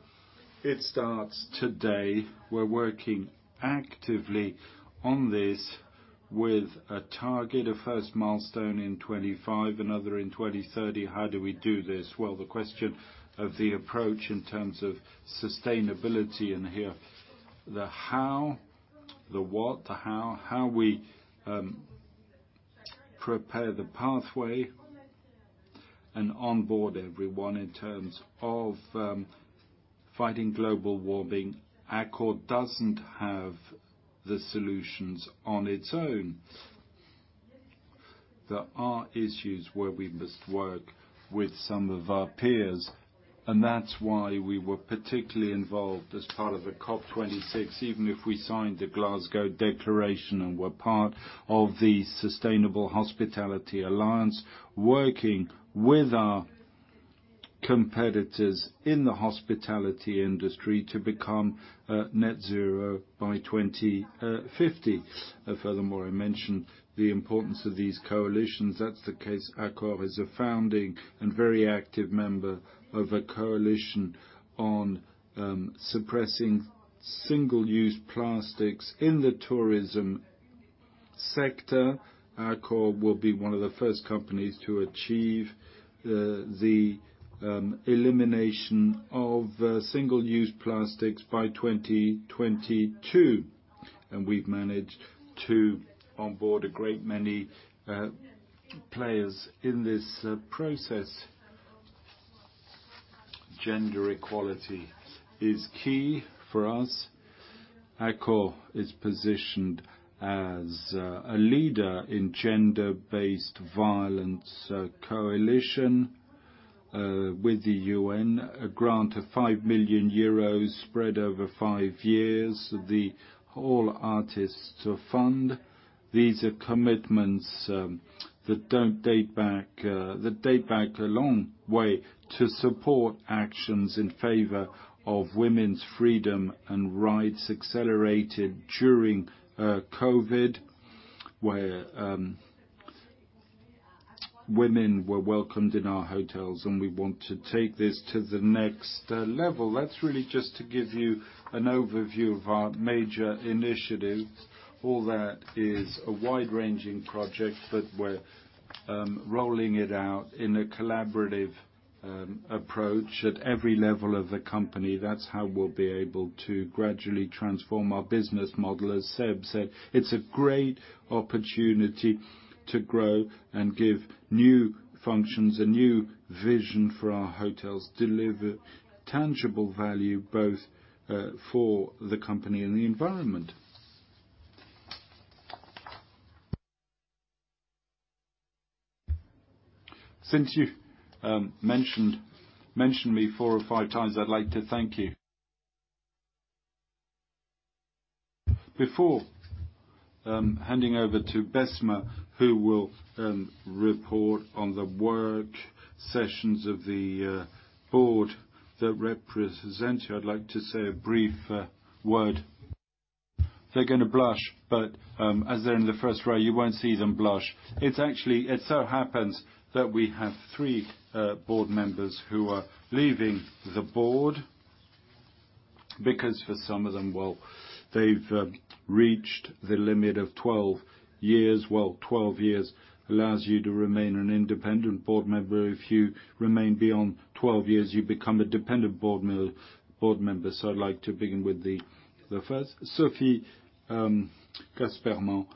It starts today. We're working actively on this with a target, a first milestone in 25, another in 2030. How do we do this? Well, the question of the approach in terms of sustainability in here, the how, the what, how we prepare the pathway and onboard everyone in terms of fighting global warming. Accor doesn't have the solutions on its own. There are issues where we must work with some of our peers, and that's why we were particularly involved as part of the COP 26, even if we signed the Glasgow Declaration and were part of the Sustainable Hospitality Alliance, working with our competitors in the hospitality industry to become net zero by 2050. Furthermore, I mentioned the importance of these coalitions. That's the case. Accor is a founding and very active member of a coalition on suppressing single-use plastics in the tourism sector. Accor will be one of the first companies to achieve the elimination of single-use plastics by 2022, and we've managed to onboard a great many players in this process. Gender equality is key for us. Accor is positioned as a leader in gender-based violence coalition with the UN, a grant of 5 million euros spread over five years, the ALL Heartist Fund. These are commitments that date back a long way to support actions in favor of women's freedom and rights accelerated during COVID, where women were welcomed in our hotels, and we want to take this to the next level. That's really just to give you an overview of our major initiatives. All that is a wide-ranging project, but we're rolling it out in a collaborative approach at every level of the company. That's how we'll be able to gradually transform our business model. As Seb said, it's a great opportunity to grow and give new functions, a new vision for our hotels, deliver tangible value both for the company and the environment. Since you've mentioned me four or five times, I'd like to thank you. Before handing over to Besma, who will report on the work sessions of the board that represent you, I'd like to say a brief word. They're gonna blush, but as they're in the first row, you won't see them blush. It so happens that we have three board members who are leaving the board because for some of them, well, they've reached the limit of 12 years. 12 years allows you to remain an independent board member. If you remain beyond 12 years, you become a dependent board member. I'd like to begin with the first, Sophie Gasperment.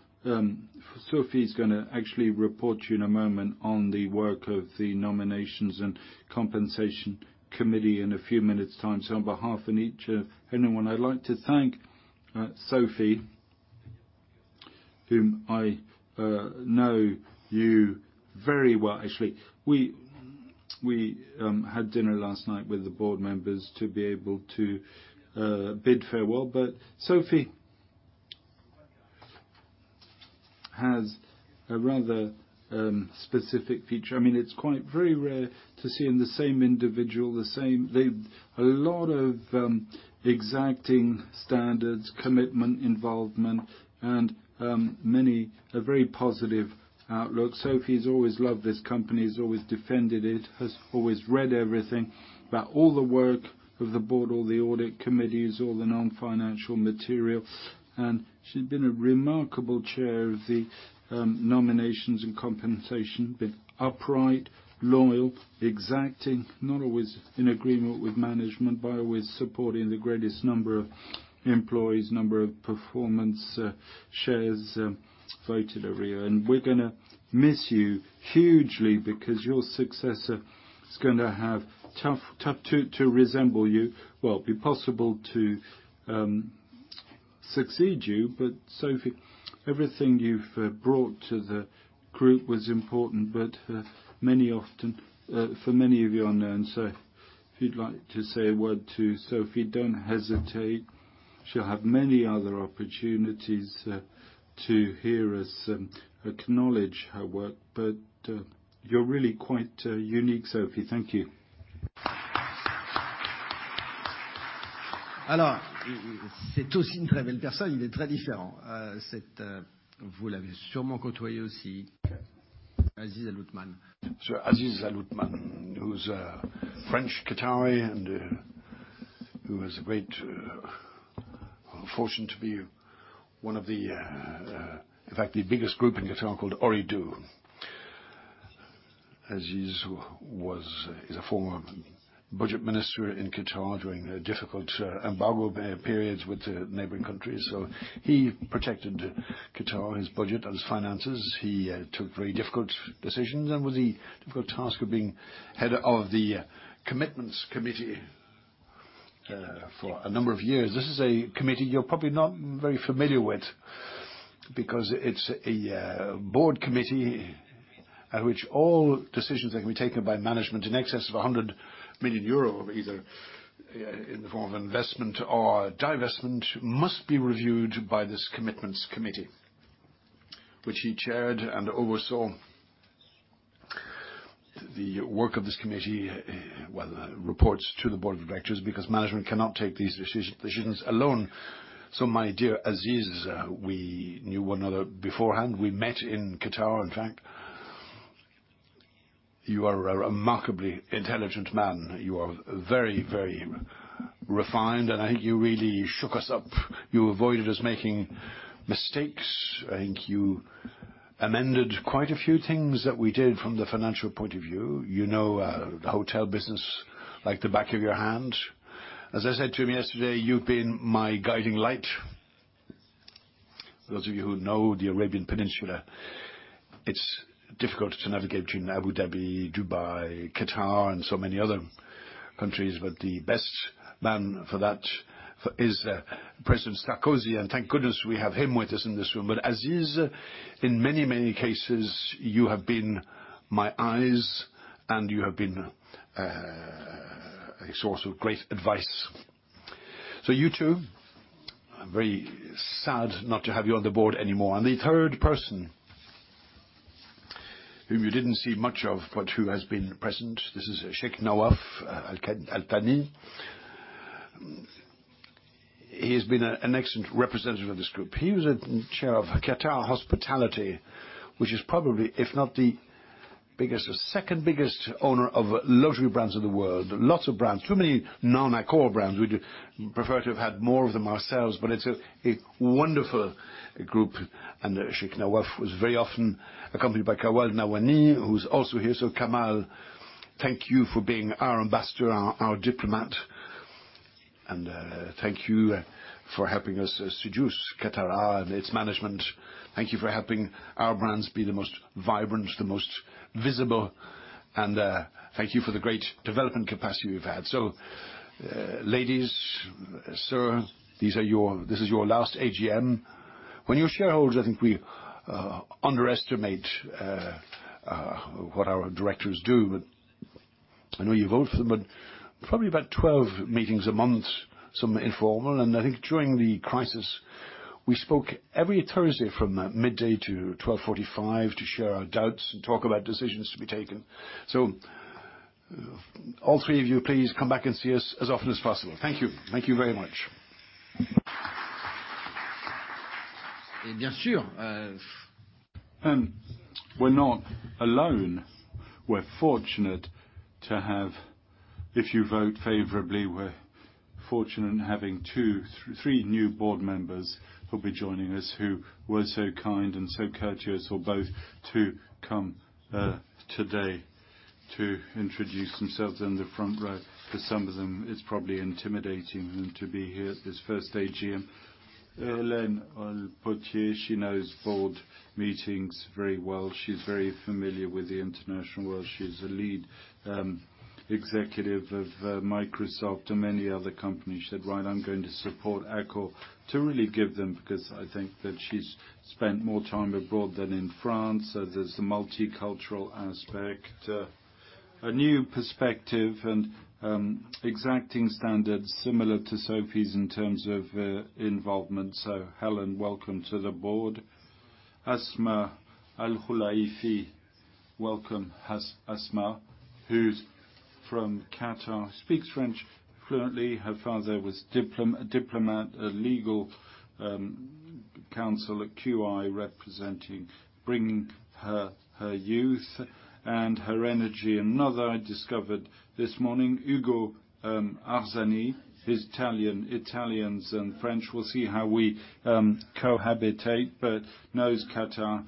Sophie is gonna actually report to you in a moment on the work of the Nominations and Compensation Committee in a few minutes time. On behalf of each and every one, I'd like to thank Sophie, whom you know very well, actually. We had dinner last night with the board members to be able to bid farewell. Sophie has a rather specific feature. I mean, it's quite very rare to see in the same individual they've a lot of exacting standards, commitment, involvement. A very positive outlook. Sophie's always loved this company, has always defended it, has always read everything about all the work of the board, all the audit committees, all the non-financial material. She's been a remarkable chair of the Nominations and Compensation. Been upright, loyal, exacting, not always in agreement with management, but always supporting the greatest number of employees, number of performance shares voted every year. We're gonna miss you hugely because your successor is gonna be tough to resemble you. It'll be possible to succeed you. Sophie, everything you've brought to the group was important. For many of you the end, so if you'd like to say a word to Sophie, don't hesitate. She'll have many other opportunities to hear us acknowledge her work. You're really quite unique, Sophie. Thank you.
Aziz Aluthman Fakhroo.
Aziz Aluthman Fakhroo, who's a French Qatari and, who has a great, fortune to be one of the, in fact, the biggest group in Qatar called Ooredoo. Aziz is a former budget minister in Qatar during difficult, embargo periods with the neighboring countries. He protected Qatar, his budget, and his finances. He took very difficult decisions and with the difficult task of being head of the Commitments Committee, for a number of years. This is a committee you're probably not very familiar with because it's a, board committee at which all decisions that can be taken by management in excess of 100 million euro, either in the form of investment or divestment, must be reviewed by this Commitments Committee, which he chaired and oversaw. The work of this committee reports to the board of directors because management cannot take these decisions alone. My dear Aziz, we knew one another beforehand. We met in Qatar, in fact. You are a remarkably intelligent man. You are very, very refined, and I think you really shook us up. You avoided us making mistakes. I think you amended quite a few things that we did from the financial point of view. You know, the hotel business like the back of your hand. As I said to him yesterday, you've been my guiding light. Those of you who know the Arabian Peninsula, it's difficult to navigate between Abu Dhabi, Dubai, Qatar, and so many other countries, but the best man for that is President Sarkozy, and thank goodness we have him with us in this room. Aziz, in many, many cases, you have been my eyes, and you have been a source of great advice. You two, I'm very sad not to have you on the board anymore. The third person, whom you didn't see much of, but who has been present, this is Sheikh Nawaf al-Thani. He has been an excellent representative of this group. He was the chair of Katara Hospitality, which is probably, if not the biggest or second biggest owner of luxury brands in the world. Lots of brands. Too many non-Accor brands. We'd prefer to have had more of them ourselves, but it's a wonderful group, and Sheikh Nawaf was very often accompanied by Kamal Rhazali, who's also here. Kamal, thank you for being our ambassador, our diplomat, and thank you for helping us seduce Katara and its management. Thank you for helping our brands be the most vibrant, the most visible, and thank you for the great development capacity you've had. Ladies, sir, this is your last AGM. When you're shareholders, I think we underestimate what our directors do. I know you vote for them, but probably about 12 meetings a month, some informal. I think during the crisis, we spoke every Thursday from 12:00 PM-12:45 PM to share our doubts and talk about decisions to be taken. All three of you, please come back and see us as often as possible. Thank you. Thank you very much. We're not alone. We're fortunate to have, if you vote favorably, we're fortunate in having three new board members who'll be joining us, who were so kind and so courteous or both to come today to introduce themselves in the front row. For some of them, it's probably intimidating them to be here at this first AGM. Hélène Auriol Pottier, she knows board meetings very well. She's very familiar with the international world. She's a lead executive of Microsoft and many other companies. She said, "Right, I'm going to support Accor to really give them," because I think that she's spent more time abroad than in France. There's the multicultural aspect, a new perspective and exacting standards similar to Sophie's in terms of involvement. Hélène, welcome to the board. Asma Abdulrahman Al-Khulaifi, welcome Asma, who's from Qatar, speaks French fluently. Her father was a diplomat, a legal counsel at QI, representing bringing her youth and her energy. Another I discovered this morning, Ugo Arzani, is Italian, Italians and French. We'll see how we cohabitate, but knows Qatar.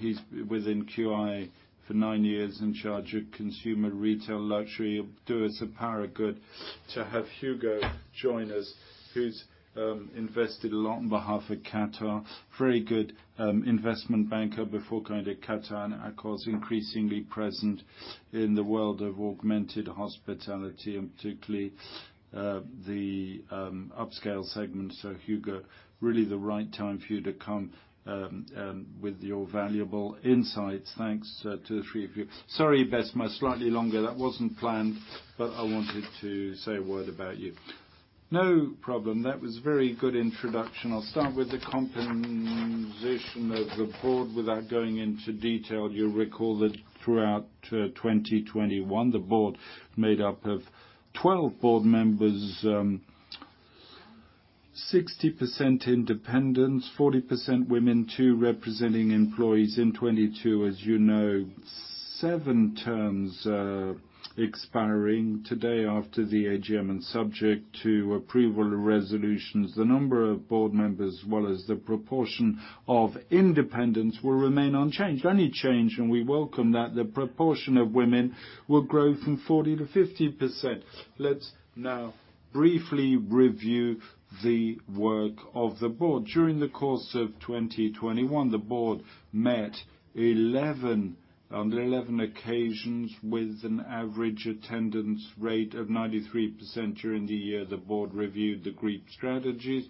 He's within QI for nine years, in charge of consumer retail luxury. It'll do us a power of good to have Ugo join us. Who's invested a lot on behalf of Qatar. Very good investment banker before going to Qatar, and Accor's increasingly present in the world of augmented hospitality and particularly, the upscale segment. Ugo, really the right time for you to come with your valuable insights. Thanks to the three of you. Sorry, Besma, slightly longer. That wasn't planned, but I wanted to say a word about you. No problem. That was a very good introduction. I'll start with the composition of the board without going into detail. You'll recall that throughout 2021, the board made up of 12 board members, 60% independents, 40% women, two representing employees. In 2022, as you know, 7 terms expiring today after the AGM and subject to approval of resolutions. The number of board members as well as the proportion of independents will remain unchanged. The only change, and we welcome that, the proportion of women will grow from 40%-50%. Let's now briefly review the work of the board. During the course of 2021, the board met on 11 occasions with an average attendance rate of 93%. During the year, the board reviewed the group strategies,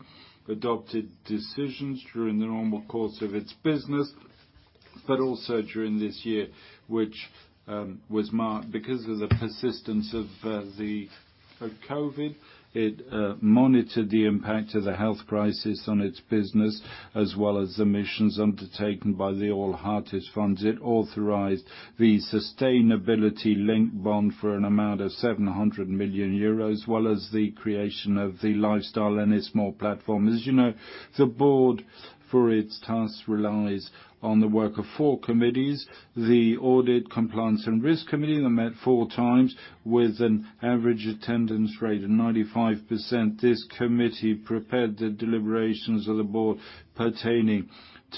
adopted decisions during the normal course of its business, but also during this year, which was marked because of the persistence of the COVID. It monitored the impact of the health crisis on its business, as well as the missions undertaken by the ALL Heartist Fund. It authorized the sustainability-linked bond for an amount of 700 million euros, as well as the creation of the Lifestyle and its small platform. As you know, the board, for its tasks, relies on the work of four committees. The Audit, Compliance, and Risk Committee met four times with an average attendance rate of 95%. This committee prepared the deliberations of the board pertaining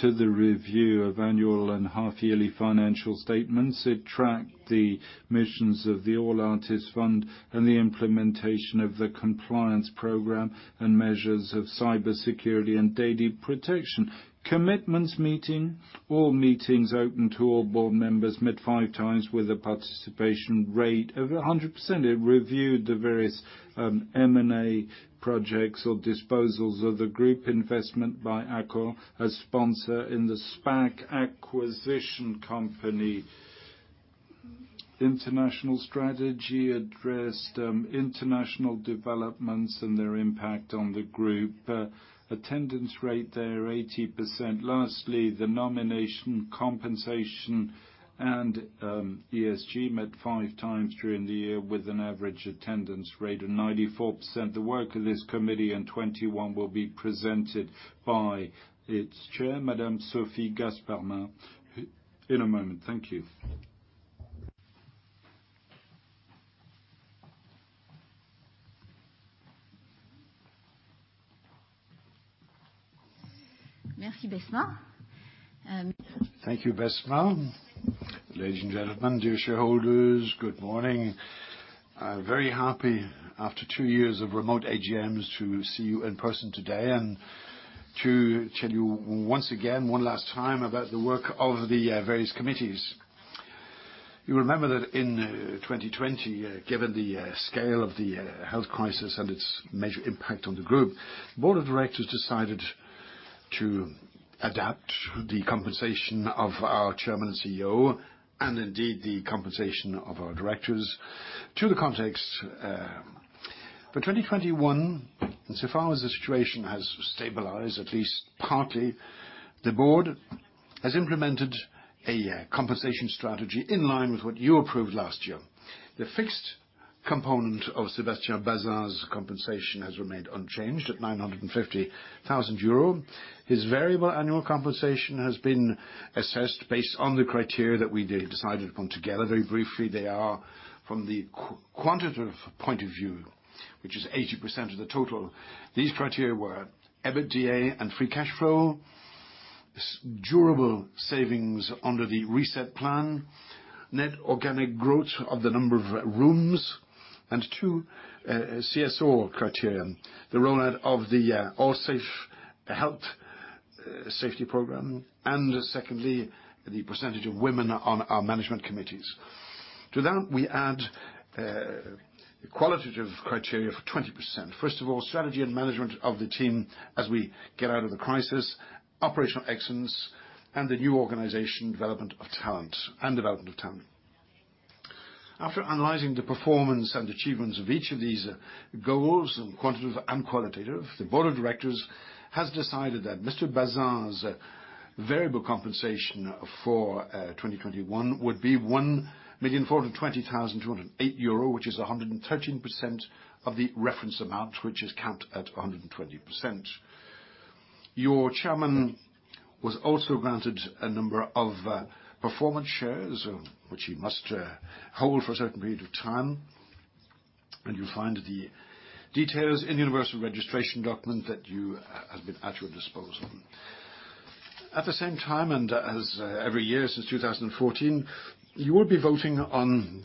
to the review of annual and half-yearly financial statements. It tracked the missions of the ALL Heartist Fund and the implementation of the compliance program and measures of cybersecurity and data protection. Commitments Committee, all meetings open to all board members, met five times with a participation rate of 100%. It reviewed the various M&A projects or disposals of the Group investments by Accor, a sponsor in the SPAC acquisition company. International strategy addressed international developments and their impact on the group. Attendance rate there 80%. Lastly, the Nomination, Compensation and ESG met five times during the year with an average attendance rate of 94%. The work of this committee in 2021 will be presented by its chair, Madame Sophie Gasperment, in a moment. Thank you.
Merci, Besma.
Thank you, Besma. Ladies and gentlemen, dear shareholders, good morning. I'm very happy after two years of remote AGMs to see you in person today and to tell you once again, one last time about the work of the various committees. You remember that in 2020, given the scale of the health crisis and its major impact on the group, Board of Directors decided to adapt the compensation of our Chairman and CEO and indeed the compensation of our directors to the context. For 2021, insofar as the situation has stabilized, at least partly, the board has implemented a compensation strategy in line with what you approved last year. The fixed component of Sébastien Bazin's compensation has remained unchanged at 950,000 euro. His variable annual compensation has been assessed based on the criteria that we decided upon together. Very briefly, they are from the quantitative point of view, which is 80% of the total. These criteria were EBITDA and free cash flow, sustainable savings under the reset plan, net organic growth of the number of rooms, and two CSR criteria, the rollout of the ALLSAFE health safety program, and secondly, the percentage of women on our management committees. To that we add a qualitative criteria of 20%. First of all, strategy and management of the team as we get out of the crisis, operational excellence, and the new organization development of talent. After analyzing the performance and achievements of each of these goals, in quantitative and qualitative, the board of directors has decided that Mr. Bazin's variable compensation for 2021 would be 1,420,208 euro, which is 113% of the reference amount, which is capped at 120%. Your chairman was also granted a number of performance shares, which he must hold for a certain period of time, and you'll find the details in the universal registration document that has been at your disposal. At the same time, as every year since 2014, you will be voting on the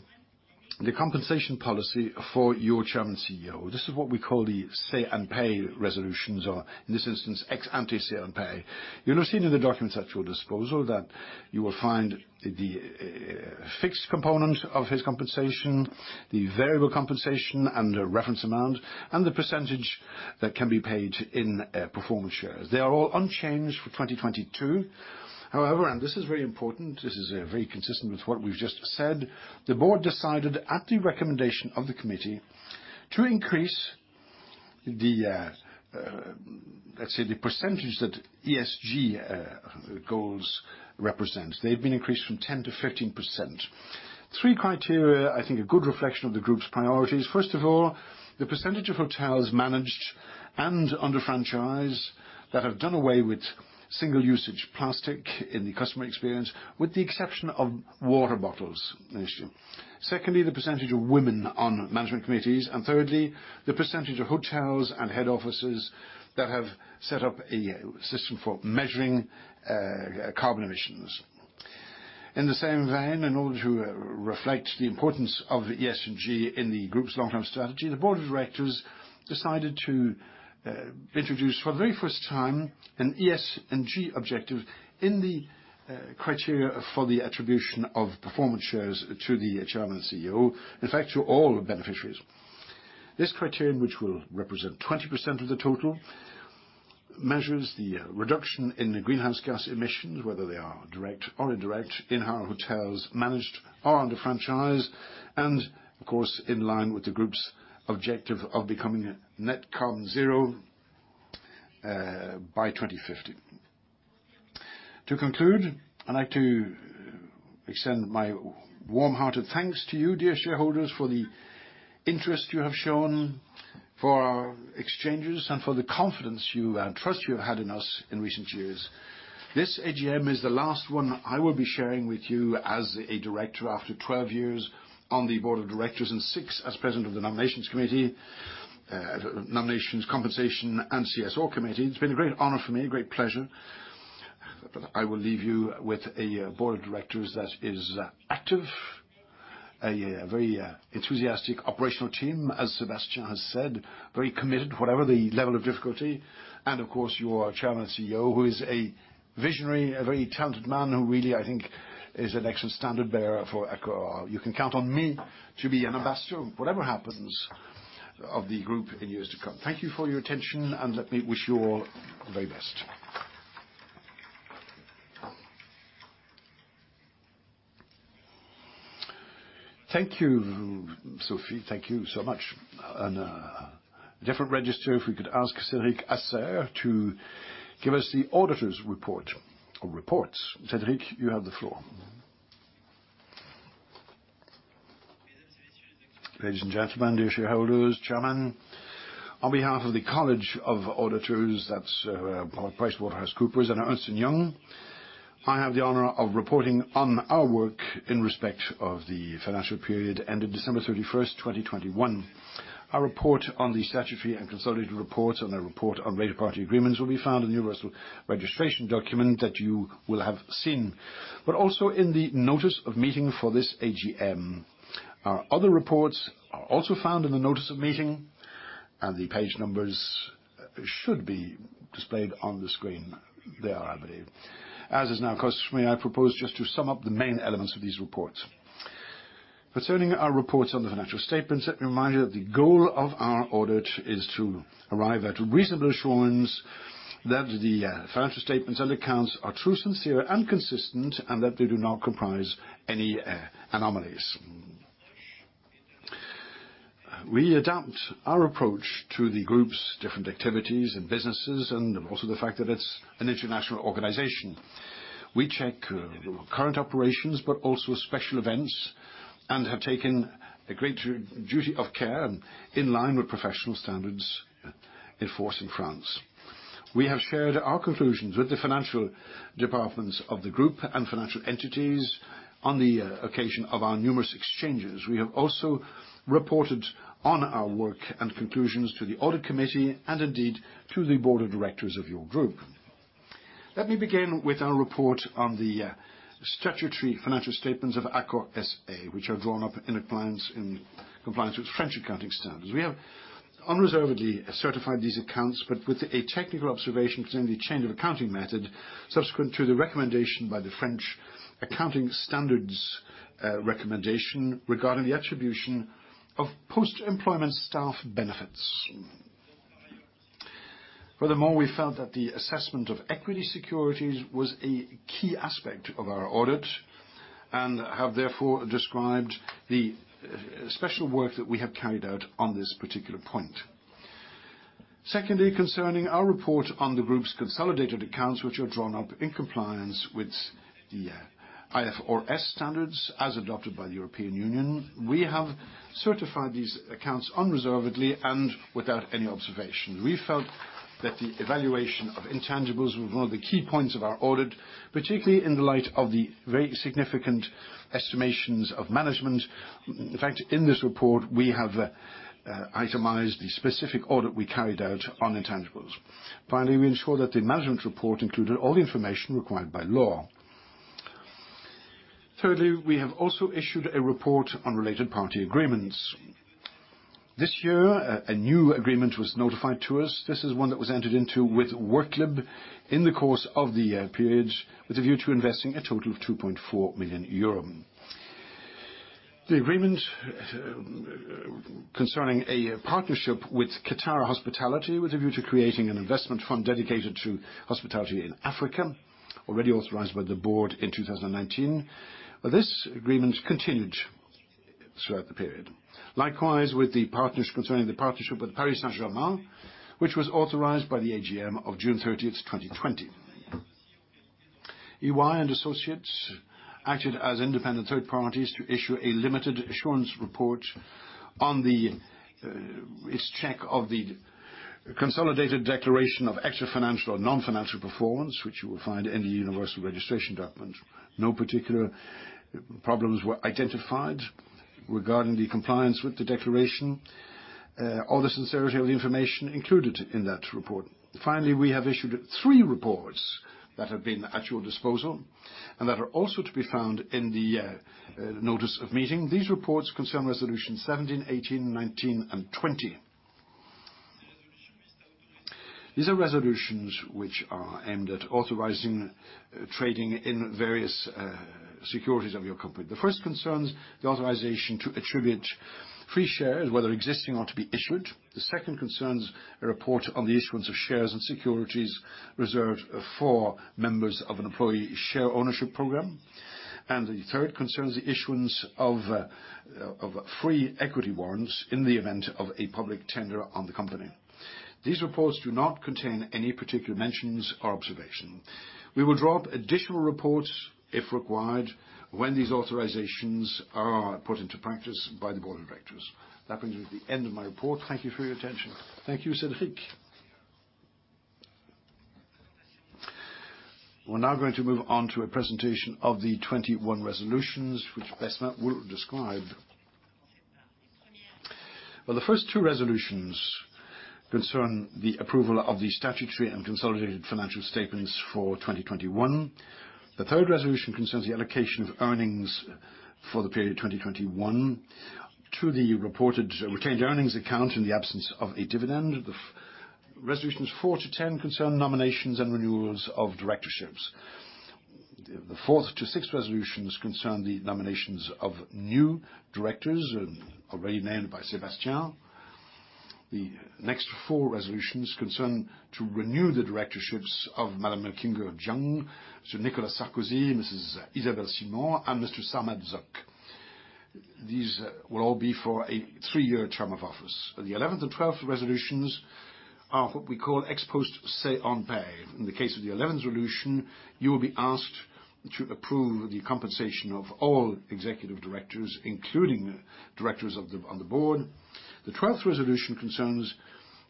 compensation policy for your chairman and CEO. This is what we call the say-and-pay resolutions, or in this instance, ex ante say-and-pay. You'll have seen in the documents at your disposal that you will find the fixed component of his compensation, the variable compensation and the reference amount, and the percentage that can be paid in performance shares. They are all unchanged for 2022. However, this is very important, this is very consistent with what we've just said. The board decided at the recommendation of the committee to increase the, let's say, the percentage that ESG goals represent. They've been increased from 10%-15%. Three criteria, I think, a good reflection of the group's priorities. First of all, the percentage of hotels managed and under franchise that have done away with single-use plastic in the customer experience, with the exception of water bottles issued. Secondly, the percentage of women on management committees, and thirdly, the percentage of hotels and head offices that have set up a system for measuring carbon emissions. In the same vein, in order to reflect the importance of ESG in the group's long-term strategy, the board of directors decided to introduce for the very first time an ESG objective in the criteria for the attribution of performance shares to the chairman CEO, in fact, to all beneficiaries. This criterion, which will represent 20% of the total, measures the reduction in the greenhouse gas emissions, whether they are direct or indirect, in our hotels managed or under franchise, and of course, in line with the group's objective of becoming net carbon zero by 2050. To conclude, I'd like to extend my warm-hearted thanks to you, dear shareholders, for the interest you have shown, for our exchanges, and for the confidence and trust you have had in us in recent years. This AGM is the last one I will be sharing with you as a director after 12 years on the board of directors and 6 as president of the nominations, compensation, and CSO committee. It's been a great honor for me, a great pleasure. I will leave you with a board of directors that is active, a very enthusiastic operational team, as Sébastien has said, very committed, whatever the level of difficulty. Of course, your chairman and CEO, who is a visionary, a very talented man, who really, I think, is an excellent standard-bearer for Accor. You can count on me to be an ambassador, whatever happens, of the group in years to come. Thank you for your attention, and let me wish you all the very best.
Thank you, Sophie. Thank you so much. Different register, if we could ask Cédric Haaser to give us the auditor's report or reports. Cédric, you have the floor.
Ladies and gentlemen, dear shareholders, chairman. On behalf of the College of Auditors, that's PricewaterhouseCoopers and Ernst & Young, I have the honor of reporting on our work in respect of the financial period ending December 31st, 2021. Our report on the statutory and consolidated reports and a report on related party agreements will be found in the universal registration document that you will have seen, but also in the notice of meeting for this AGM. Our other reports are also found in the notice of meeting, and the page numbers should be displayed on the screen there, I believe. As is now customary, I propose just to sum up the main elements of these reports. Concerning our reports on the financial statements, let me remind you that the goal of our audit is to arrive at reasonable assurance that the financial statements and accounts are true, sincere, and consistent, and that they do not comprise any anomalies. We adapt our approach to the group's different activities and businesses, and also the fact that it's an international organization. We check current operations, but also special events, and have taken a great deal of care in line with professional standards in force in France. We have shared our conclusions with the financial departments of the group and financial entities on the occasion of our numerous exchanges. We have also reported on our work and conclusions to the audit committee, and indeed to the board of directors of your group. Let me begin with our report on the statutory financial statements of Accor SA, which are drawn up in compliance with French accounting standards. We have unreservedly certified these accounts, but with a technical observation concerning the change of accounting method subsequent to the recommendation by the French accounting standards recommendation regarding the attribution of post-employment staff benefits. Furthermore, we felt that the assessment of equity securities was a key aspect of our audit and have therefore described the special work that we have carried out on this particular point. Secondly, concerning our report on the group's consolidated accounts, which are drawn up in compliance with the IFRS standards as adopted by the European Union, we have certified these accounts unreservedly and without any observation. We felt that the evaluation of intangibles was one of the key points of our audit, particularly in the light of the very significant estimations of management. In fact, in this report, we have itemized the specific audit we carried out on intangibles. Finally, we ensure that the management report included all the information required by law. Thirdly, we have also issued a report on related party agreements. This year, a new agreement was notified to us. This is one that was entered into with Worklib in the course of the year period, with a view to investing a total of 2.4 million euro. The agreement concerning a partnership with Katara Hospitality, with a view to creating an investment fund dedicated to hospitality in Africa, already authorized by the board in 2019. This agreement continued throughout the period. Likewise, with the partners concerning the partnership with Paris Saint-Germain, which was authorized by the AGM of June 30th, 2020. EY and Associates acted as independent third parties to issue a limited assurance report on the check of the consolidated declaration of extrafinancial or non-financial performance, which you will find in the universal registration document. No particular problems were identified regarding the compliance with the declaration or the sincerity of the information included in that report. Finally, we have issued three reports that have been at your disposal and that are also to be found in the notice of meeting. These reports concern resolutions 17, 18, 19, and 20. These are resolutions which are aimed at authorizing trading in various securities of your company. The first concerns the authorization to attribute free shares, whether existing or to be issued. The second concerns a report on the issuance of shares and securities reserved for members of an employee share ownership program. The third concerns the issuance of free equity warrants in the event of a public tender on the company. These reports do not contain any particular mentions or observation. We will draw up additional reports if required when these authorizations are put into practice by the board of directors. That brings me to the end of my report. Thank you for your attention.
Thank you, Cédric. We're now going to move on to a presentation of the 21 resolutions, which Besma will describe.
Well, the first two resolutions concern the approval of the statutory and consolidated financial statements for 2021. The third resolution concerns the allocation of earnings for the period 2021 to the reported retained earnings account in the absence of a dividend. The resolutions 4-10 concern nominations and renewals of directorships. The fourth to sixth resolutions concern the nominations of new directors already named by Sébastien. The next four resolutions concern the renewal of the directorships of Madame Kinga Göncz, Nicolas Sarkozy, Mrs. Isabelle Simon, and Mr. Sarmad Zok. These will all be for a three-year term of office. The eleventh and twelfth resolutions are what we call ex post say-on-pay. In the case of the eleventh resolution, you will be asked to approve the compensation of all executive directors, including directors on the board. The twelfth resolution concerns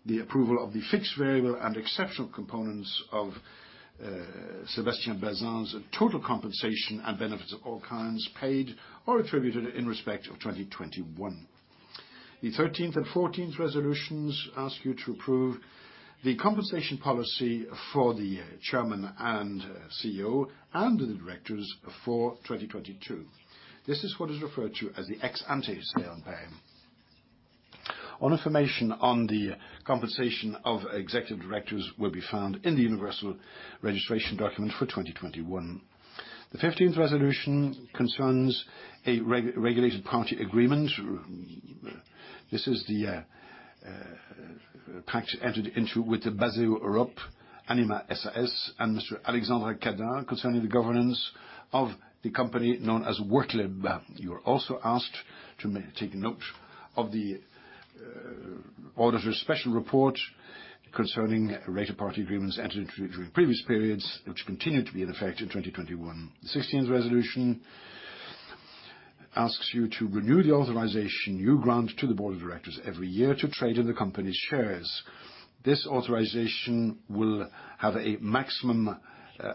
the approval of the fixed variable and exceptional components of Sébastien Bazin's total compensation and benefits of all kinds paid or attributed in respect of 2021. The thirteenth and fourteenth resolutions ask you to approve the compensation policy for the chairman and CEO and the directors for 2022. This is what is referred to as the ex-ante say on pay. All information on the compensation of executive directors will be found in the universal registration document for 2021. The fifteenth resolution concerns a related party agreement. This is the pact entered into with the Bazilu, Anima SAS, and Mr. Alexandre Cadain concerning the governance of the company known as Worklib. You are also asked to take note of the auditor's special report concerning related party agreements entered into during previous periods, which continued to be in effect in 2021. The sixteenth resolution asks you to renew the authorization you grant to the board of directors every year to trade in the company's shares. This authorization will have a maximum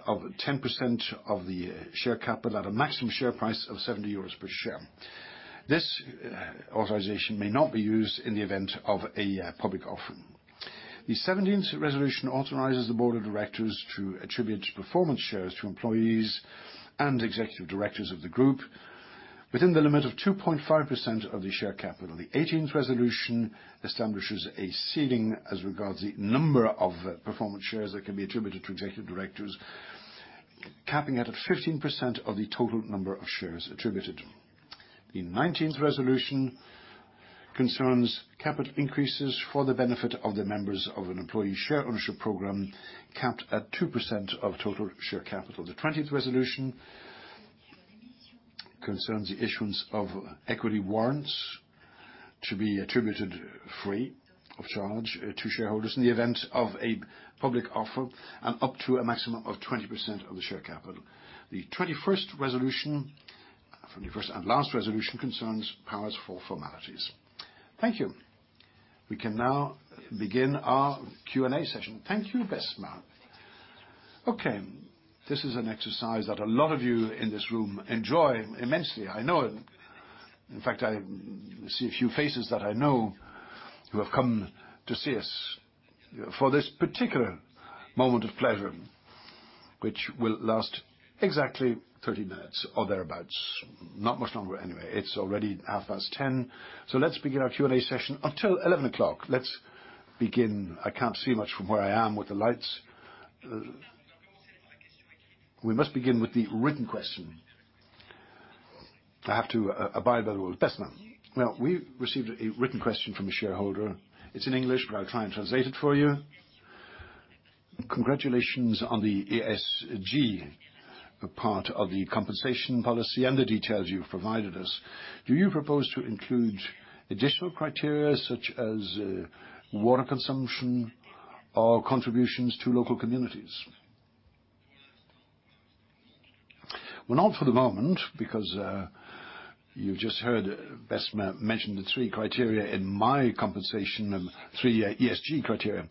of 10% of the share capital at a maximum share price of 70 euros per share. This authorization may not be used in the event of a public offer. The seventeenth resolution authorizes the board of directors to attribute performance shares to employees and executive directors of the group within the limit of 2.5% of the share capital. The eighteenth resolution establishes a ceiling as regards the number of performance shares that can be attributed to executive directors, capping it at 15% of the total number of shares attributed. The nineteenth resolution concerns capital increases for the benefit of the members of an employee share ownership program, capped at 2% of total share capital. The 20fth resolution concerns the issuance of equity warrants to be attributed free of charge to shareholders in the event of a public offer and up to a maximum of 20% of the share capital. The 21st and last resolution concerns powers for formalities. Thank you. We can now begin our Q&A session.
Thank you, Besma. Okay. This is an exercise that a lot of you in this room enjoy immensely. I know it. In fact, I see a few faces that I know who have come to see us for this particular moment of pleasure, which will last exactly 30 minutes or thereabout. Not much longer anyway. It's already 10:30AM. Let's begin our Q&A session until 11:00. Let's begin. I can't see much from where I am with the lights. We must begin with the written question. I have to abide by the rules. Besma. Well, we've received a written question from a shareholder. It's in English, but I'll try and translate it for you. Congratulations on the ESG part of the compensation policy and the details you've provided us. Do you propose to include additional criteria such as water consumption or contributions to local communities? Well, not for the moment because you've just heard Besma mention the three criteria in my compensation, three ESG criteria.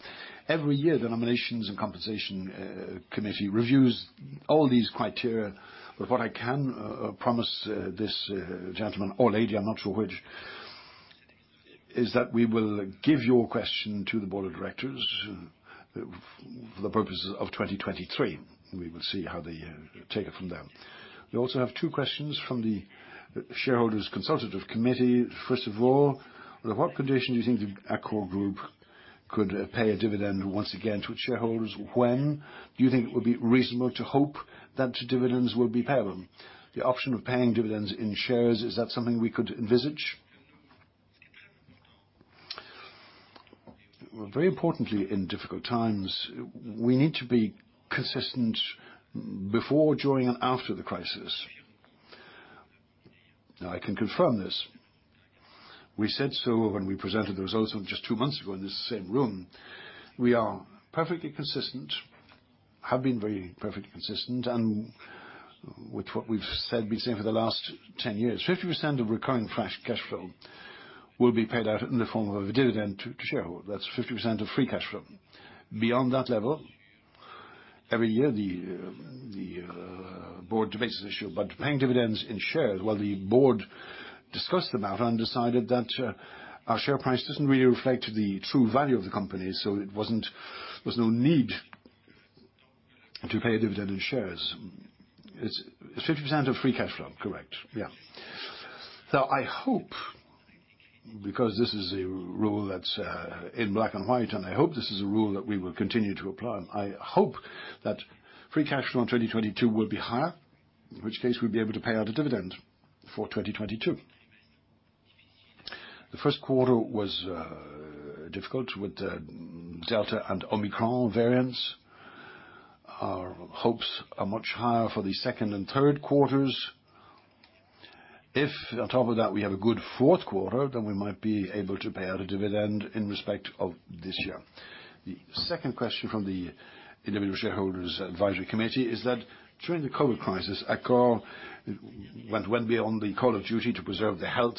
Every year, the Nominations and Compensation Committee reviews all these criteria. What I can promise this gentleman or lady, I'm not sure which, is that we will give your question to the board of directors for the purposes of 2023. We will see how they take it from there. We also have two questions from the Shareholders Consultative Committee. First of all, under what condition do you think the Accor Group could pay a dividend once again to its shareholders? When do you think it would be reasonable to hope that dividends will be payable? The option of paying dividends in shares, is that something we could envisage? Well, very importantly, in difficult times, we need to be consistent before, during, and after the crisis. Now, I can confirm this. We said so when we presented the results of just two months ago in this same room. We are perfectly consistent and with what we've been saying for the last 10 years, 50% of recurring free cash flow will be paid out in the form of a dividend to shareholders. That's 50% of free cash flow. Beyond that level, every year the board debates this issue. Paying dividends in shares, well, the board discussed the matter and decided that our share price doesn't really reflect the true value of the company. There was no need to pay a dividend in shares. It's 50% of free cash flow, correct? Yeah. I hope, because this is a rule that's in black and white, and I hope this is a rule that we will continue to apply. I hope that free cash flow in 2022 will be higher. In which case, we'll be able to pay out a dividend for 2022. The first quarter was difficult with the Delta and Omicron variants. Our hopes are much higher for the second and third quarters. If on top of that, we have a good fourth quarter, then we might be able to pay out a dividend in respect of this year. The second question from the Individual Shareholders Advisory Committee is that during the COVID crisis, Accor went beyond the call of duty to preserve the health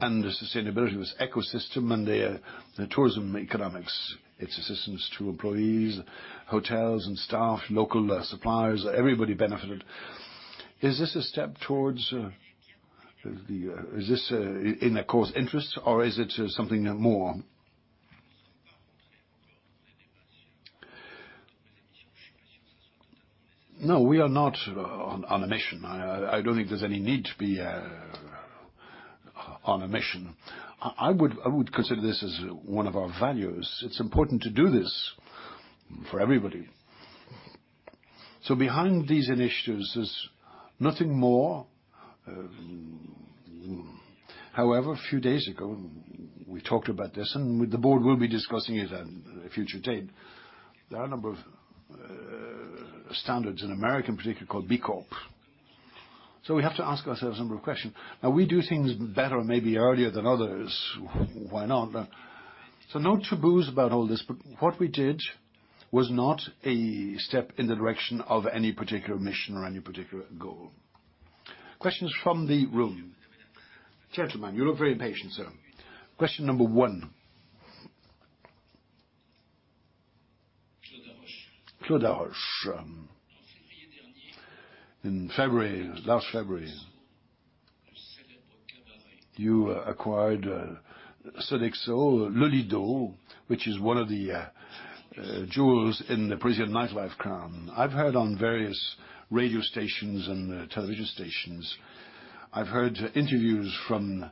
and the sustainability of its ecosystem and the tourism ecosystem, its assistance to employees, hotels and staff, local suppliers, everybody benefited. Is this a step towards the company's interest, or is it something more? No, we are not on a mission. I don't think there's any need to be on a mission. I would consider this as one of our values. It's important to do this for everybody. Behind these initiatives, there's nothing more. However, a few days ago, we talked about this, and the board will be discussing it at a future date. There are a number of standards in America in particular called B Corp. We have to ask ourselves a number of questions. Now, we do things better, maybe earlier than others. Why not? No taboos about all this, but what we did was not a step in the direction of any particular mission or any particular goal. Questions from the room. Gentlemen, you look very impatient, sir. Question number one.
Claude Roche.
Claude Roche. In February, last February, you acquired Sodexo, Le Lido, which is one of the jewels in the Parisian nightlife crown. I've heard on various radio stations and television stations, I've heard interviews from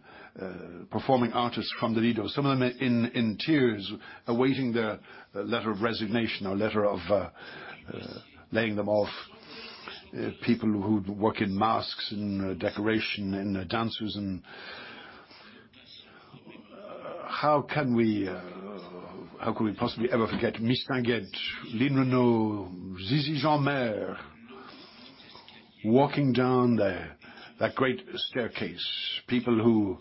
performing artists from Le Lido, some of them in tears, awaiting their letter of resignation or letter of laying them off, people who work in masks and decoration and dancers. How could we possibly ever forget Mistinguett, Line Renaud, Zizi Jeanmaire walking down that great staircase, people who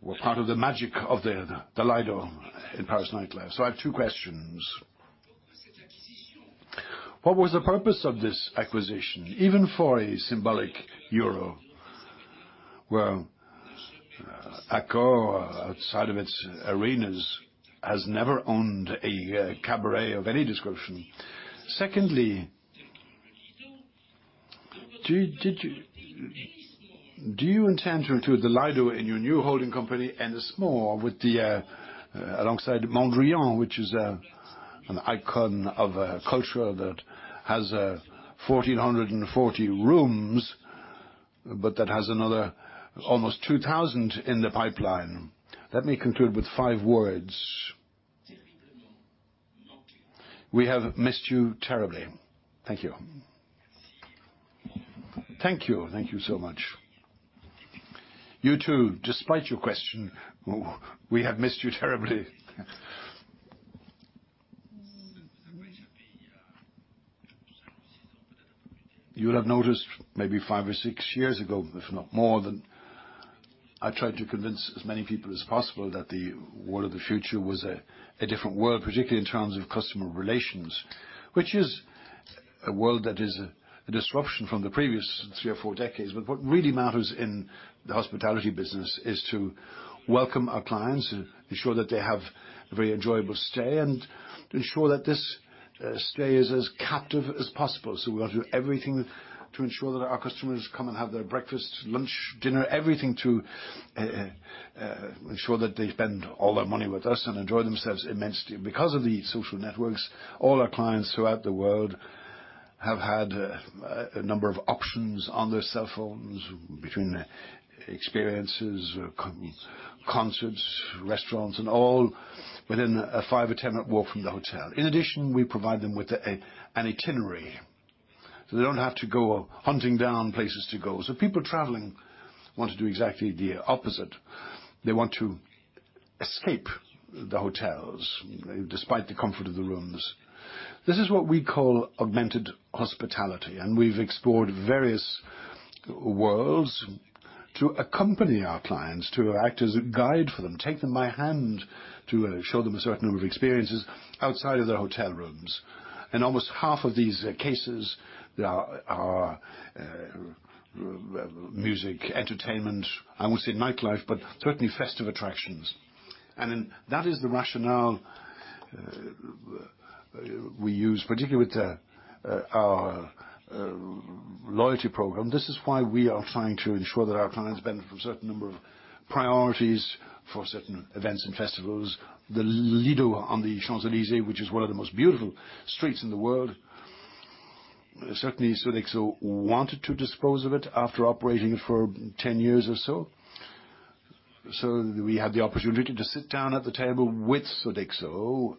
were part of the magic of the Lido in Paris nightlife. I have two questions. What was the purpose of this acquisition, even for a symbolic euro? Accor, outside of its arenas, has never owned a cabaret of any description. Secondly, do you intend to include the Le Lido in your new holding company, Ennismore, alongside Mondrian, which is an icon of a culture that has 1,440 rooms, but that has another almost 2,000 in the pipeline? Let me conclude with five words. We have missed you terribly. Thank you. Thank you so much. You too, despite your question, we have missed you terribly. You would have noticed maybe five or six years ago, if not more, that I tried to convince as many people as possible that the world of the future was a different world, particularly in terms of customer relations, which is a world that is a disruption from the previous three or four decades. What really matters in the hospitality business is to welcome our clients, ensure that they have a very enjoyable stay, and ensure that this stay is as captive as possible. We ought to do everything to ensure that our customers come and have their breakfast, lunch, dinner, everything to ensure that they spend all their money with us and enjoy themselves immensely. Because of the social networks, all our clients throughout the world have had a number of options on their cell phones between experiences, concerts, restaurants, and all within a five or 10-minute walk from the hotel. In addition, we provide them with an itinerary, so they don't have to go hunting down places to go. People traveling want to do exactly the opposite. They want to escape the hotels despite the comfort of the rooms. This is what we call augmented hospitality, and we've explored various worlds to accompany our clients, to act as a guide for them, take them by hand to show them a certain number of experiences outside of their hotel rooms. In almost half of these cases, there are music, entertainment, I won't say nightlife, but certainly festive attractions. Then that is the rationale we use, particularly with our loyalty program. This is why we are trying to ensure that our clients benefit from a certain number of priorities for certain events and festivals. Le Lido on the Champs-Élysées, which is one of the most beautiful streets in the world, certainly Sodexo wanted to dispose of it after operating it for 10 years or so. We had the opportunity to sit down at the table with Sodexo.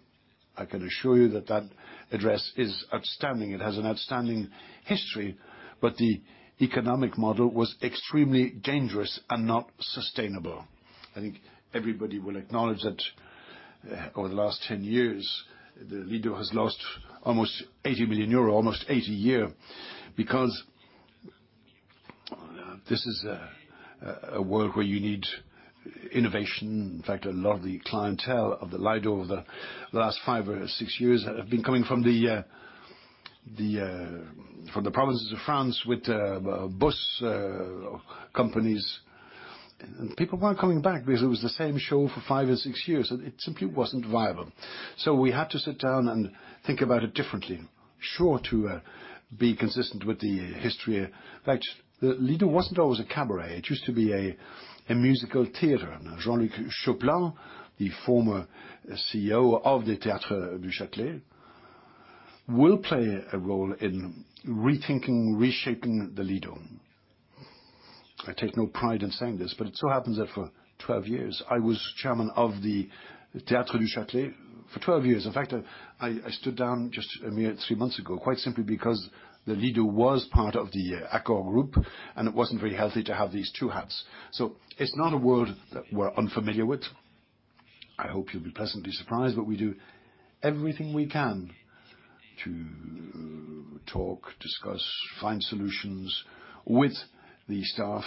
I can assure you that that address is outstanding. It has an outstanding history, but the economic model was extremely dangerous and not sustainable. I think everybody will acknowledge that over the last 10 years, Le Lido has lost almost 80 million euro, almost 8 million a year, because this is a world where you need innovation. In fact, a lot of the clientele of Le Lido over the last five or six years have been coming from the provinces of France with bus companies. People weren't coming back because it was the same show for five or six years, and it simply wasn't viable. We had to sit down and think about it differently. Sure, to be consistent with the history. In fact, Le Lido wasn't always a cabaret. It used to be a musical theater. Now, Jean-Luc Choplin, the former CEO of the Théâtre du Châtelet, will play a role in rethinking, reshaping Le Lido. I take no pride in saying this, but it so happens that for 12 years, I was chairman of the Théâtre du Châtelet. In fact, I stood down just a mere three months ago, quite simply because Le Lido was part of the Accor group, and it wasn't very healthy to have these two hats. It's not a world that we're unfamiliar with. I hope you'll be pleasantly surprised. We do everything we can to talk, discuss, find solutions with the staff.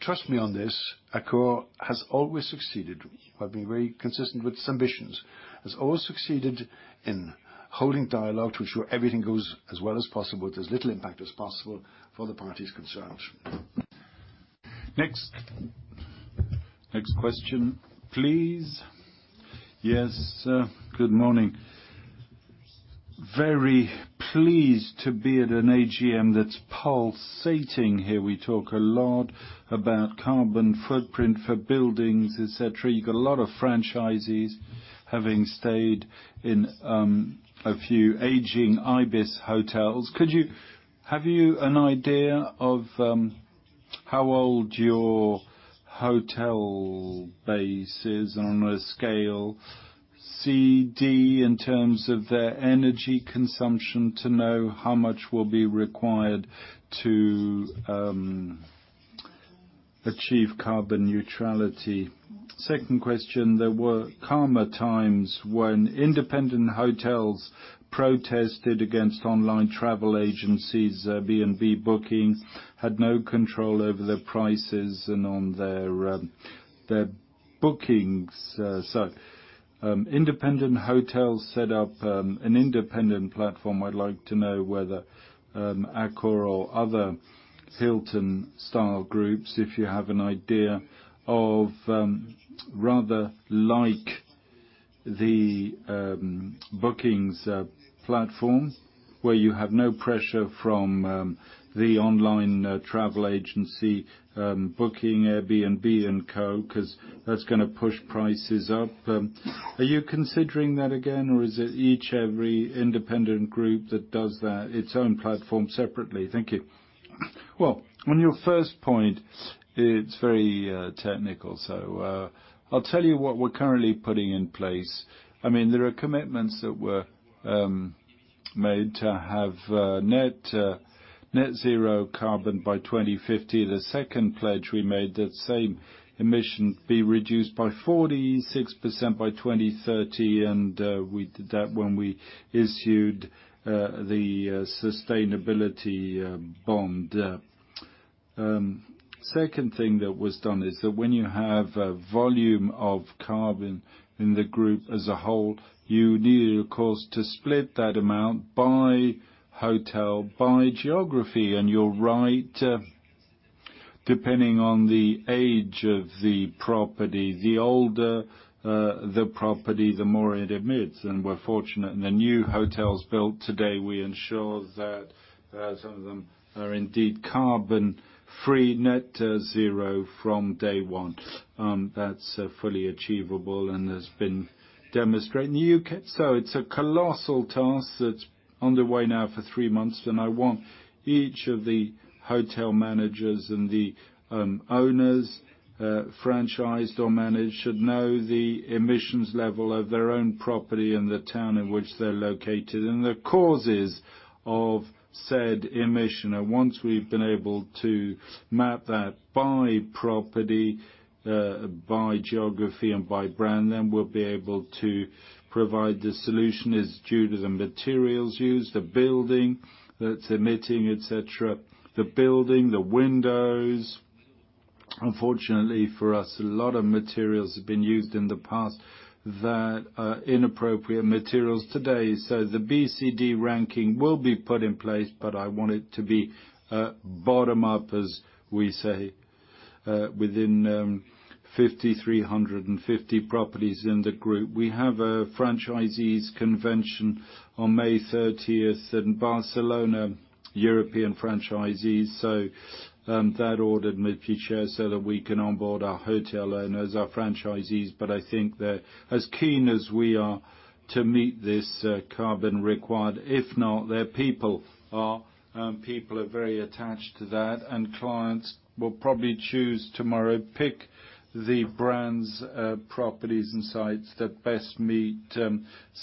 Trust me on this, Accor has always succeeded by being very consistent with its ambitions. Accor has always succeeded in holding dialogue to ensure everything goes as well as possible with as little impact as possible for the parties concerned.
Next, next question, please.
Yes, good morning. Very pleased to be at an AGM that's pulsating here. We talk a lot about carbon footprint for buildings, et cetera. You got a lot of franchisees having stayed in a few aging ibis hotels. Have you an idea of how old your hotel base is on a scale C, D, in terms of their energy consumption to know how much will be required to achieve carbon neutrality? Second question. There were calmer times when independent hotels protested against online travel agencies. Airbnb bookings had no control over their prices and on their bookings. Independent hotels set up an independent platform. I'd like to know whether Accor or other Hilton-style groups, if you have an idea of rather like the bookings platform, where you have no pressure from the online travel agency, booking Airbnb and co, 'cause that's gonna push prices up. Are you considering that again, or is it each every independent group that does that, its own platform separately? Thank you.
Well, on your first point, it's very technical. I'll tell you what we're currently putting in place. I mean, there are commitments that were made to have net zero carbon by 2050. The second pledge we made, that same emission be reduced by 46% by 2030. We did that when we issued the sustainability bond. Second thing that was done is that when you have a volume of carbon in the group as a whole, you need, of course, to split that amount by hotel, by geography. You're right, depending on the age of the property, the older the property, the more it emits. We're fortunate in the new hotels built today, we ensure that some of them are indeed carbon-free, net zero from day one. That's fully achievable and has been demonstrated in the U.K. It's a colossal task that's underway now for three months. I want each of the hotel managers and the owners, franchised or managed, should know the emissions level of their own property and the town in which they're located and the causes of said emission. Once we've been able to map that by property, by geography, and by brand, then we'll be able to provide the solution. It's due to the materials used, the building that's emitting, et cetera. The building, the windows. Unfortunately for us, a lot of materials have been used in the past that are inappropriate materials today. The BCD ranking will be put in place, but I want it to be bottom up, as we say. Within 5,350 properties in the group. We have a franchisees convention on May 30th in Barcelona, European franchisees. That order multi-share so that we can onboard our hotel owners, our franchisees. But I think they're as keen as we are to meet this carbon requirement. If not, their people are very attached to that, and clients will probably choose tomorrow, pick the brands, properties and sites that best meet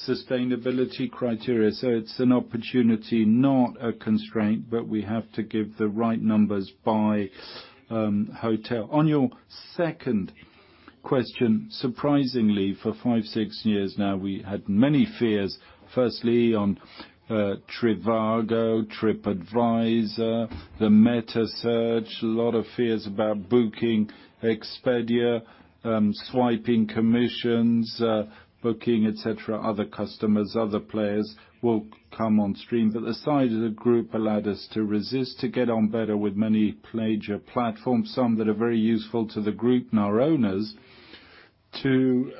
sustainability criteria. It's an opportunity, not a constraint, but we have to give the right numbers by hotel. On your second question, surprisingly, for five, six years now, we had many fears, firstly, on trivago, Tripadvisor, the metasearch, a lot of fears about Booking, Expedia, rising commissions, Booking, etc. Other customers, other players will come on stream. The size of the group allowed us to resist, to get on better with many major platforms, some that are very useful to the group and our owners, to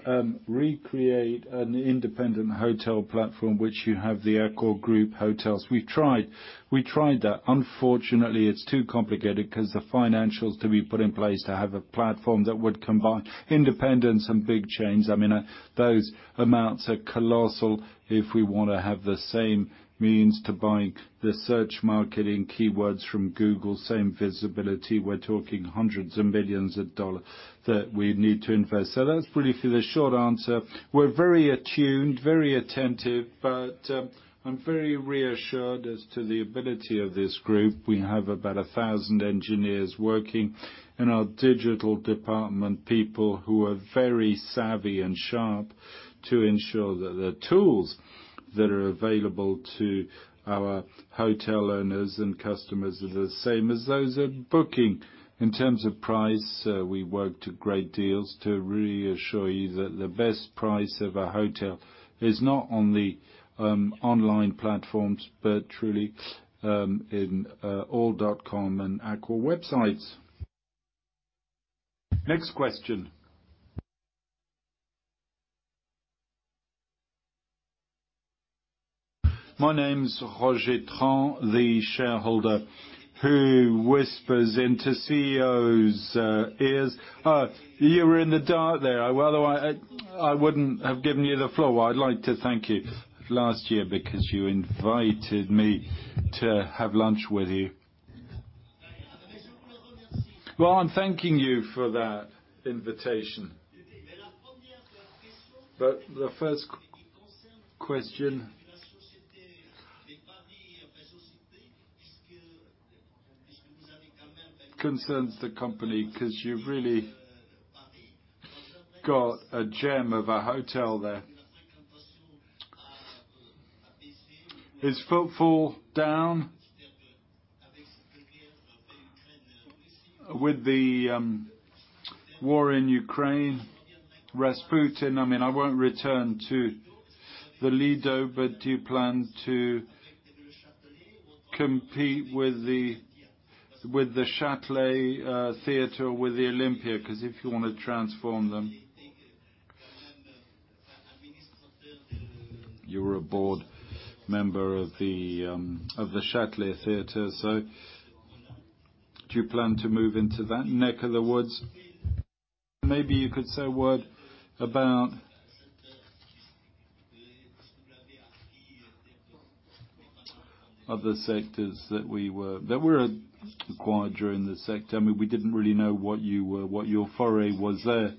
recreate an independent hotel platform, which you have the Accor Group hotels. We tried that. Unfortunately, it's too complicated 'cause the financials to be put in place to have a platform that would combine independence and big chains. I mean, those amounts are colossal if we wanna have the same means to buying the search marketing keywords from Google, same visibility. We're talking $ hundreds of millions that we'd need to invest. That's really for the short answer. We're very attuned, very attentive, but I'm very reassured as to the ability of this group. We have about 1,000 engineers working in our digital department, people who are very savvy and sharp to ensure that the tools that are available to our hotel owners and customers are the same as those at booking. In terms of price, we work to get great deals to reassure you that the best price of a hotel is not on the online platforms, but truly in all.accor.com and Accor websites. Next question. My name's Roger Trang, the shareholder who whispers into CEOs' ears. You were in the dark there. Otherwise, I wouldn't have given you the floor. I'd like to thank you last year because you invited me to have lunch with you. Well, I'm thanking you for that invitation. The first question concerns the company, 'cause you've really got a gem of a hotel there. Is footfall down? With the war in Ukraine, Rasputin, I mean, I won't return to Le Lido, but do you plan to compete with the Théâtre du Châtelet, with Olympia? 'Cause if you wanna transform them? You were a board member of the Théâtre du Châtelet, so do you plan to move into that neck of the woods? Maybe you could say a word about other sectors that were acquired during the sector. I mean, we didn't really know what you were, what your foray was there.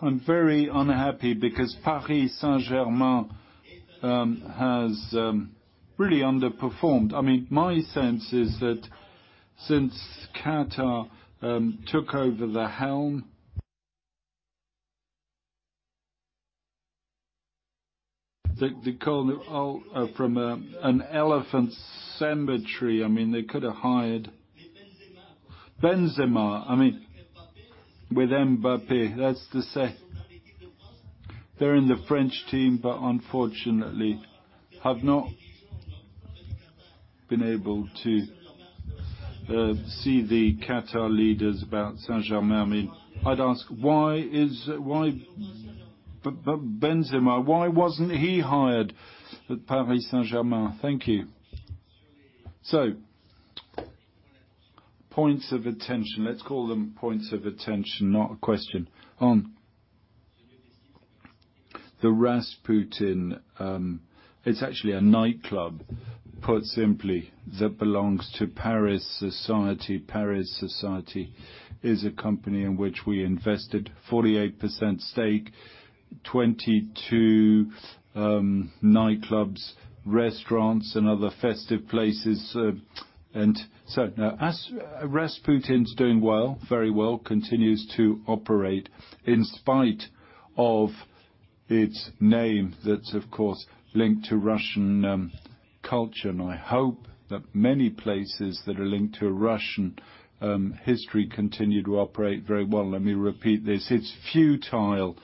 I'm very unhappy because Paris Saint-Germain has really underperformed. I mean, my sense is that since Qatar took over the helm, they called it an elephant cemetery. I mean, they could have hired Benzema. I mean, with Mbappé, that's to say they're in the French team, but unfortunately have not been able to see the Qatar leaders about Saint-Germain. I mean, I'd ask why Benzema, why wasn't he hired at Paris Saint-Germain? Thank you. Points of attention. Let's call them points of attention, not a question. On the Rasputin, it's actually a nightclub, put simply, that belongs to Paris Society. Paris Society is a company in which we invested 48% stake, 22 nightclubs, restaurants and other festive places. Now, Rasputin's doing well, very well, continues to operate in spite of its name that's of course linked to Russian culture. I hope that many places that are linked to Russian history continue to operate very well. Let me repeat this. It's futile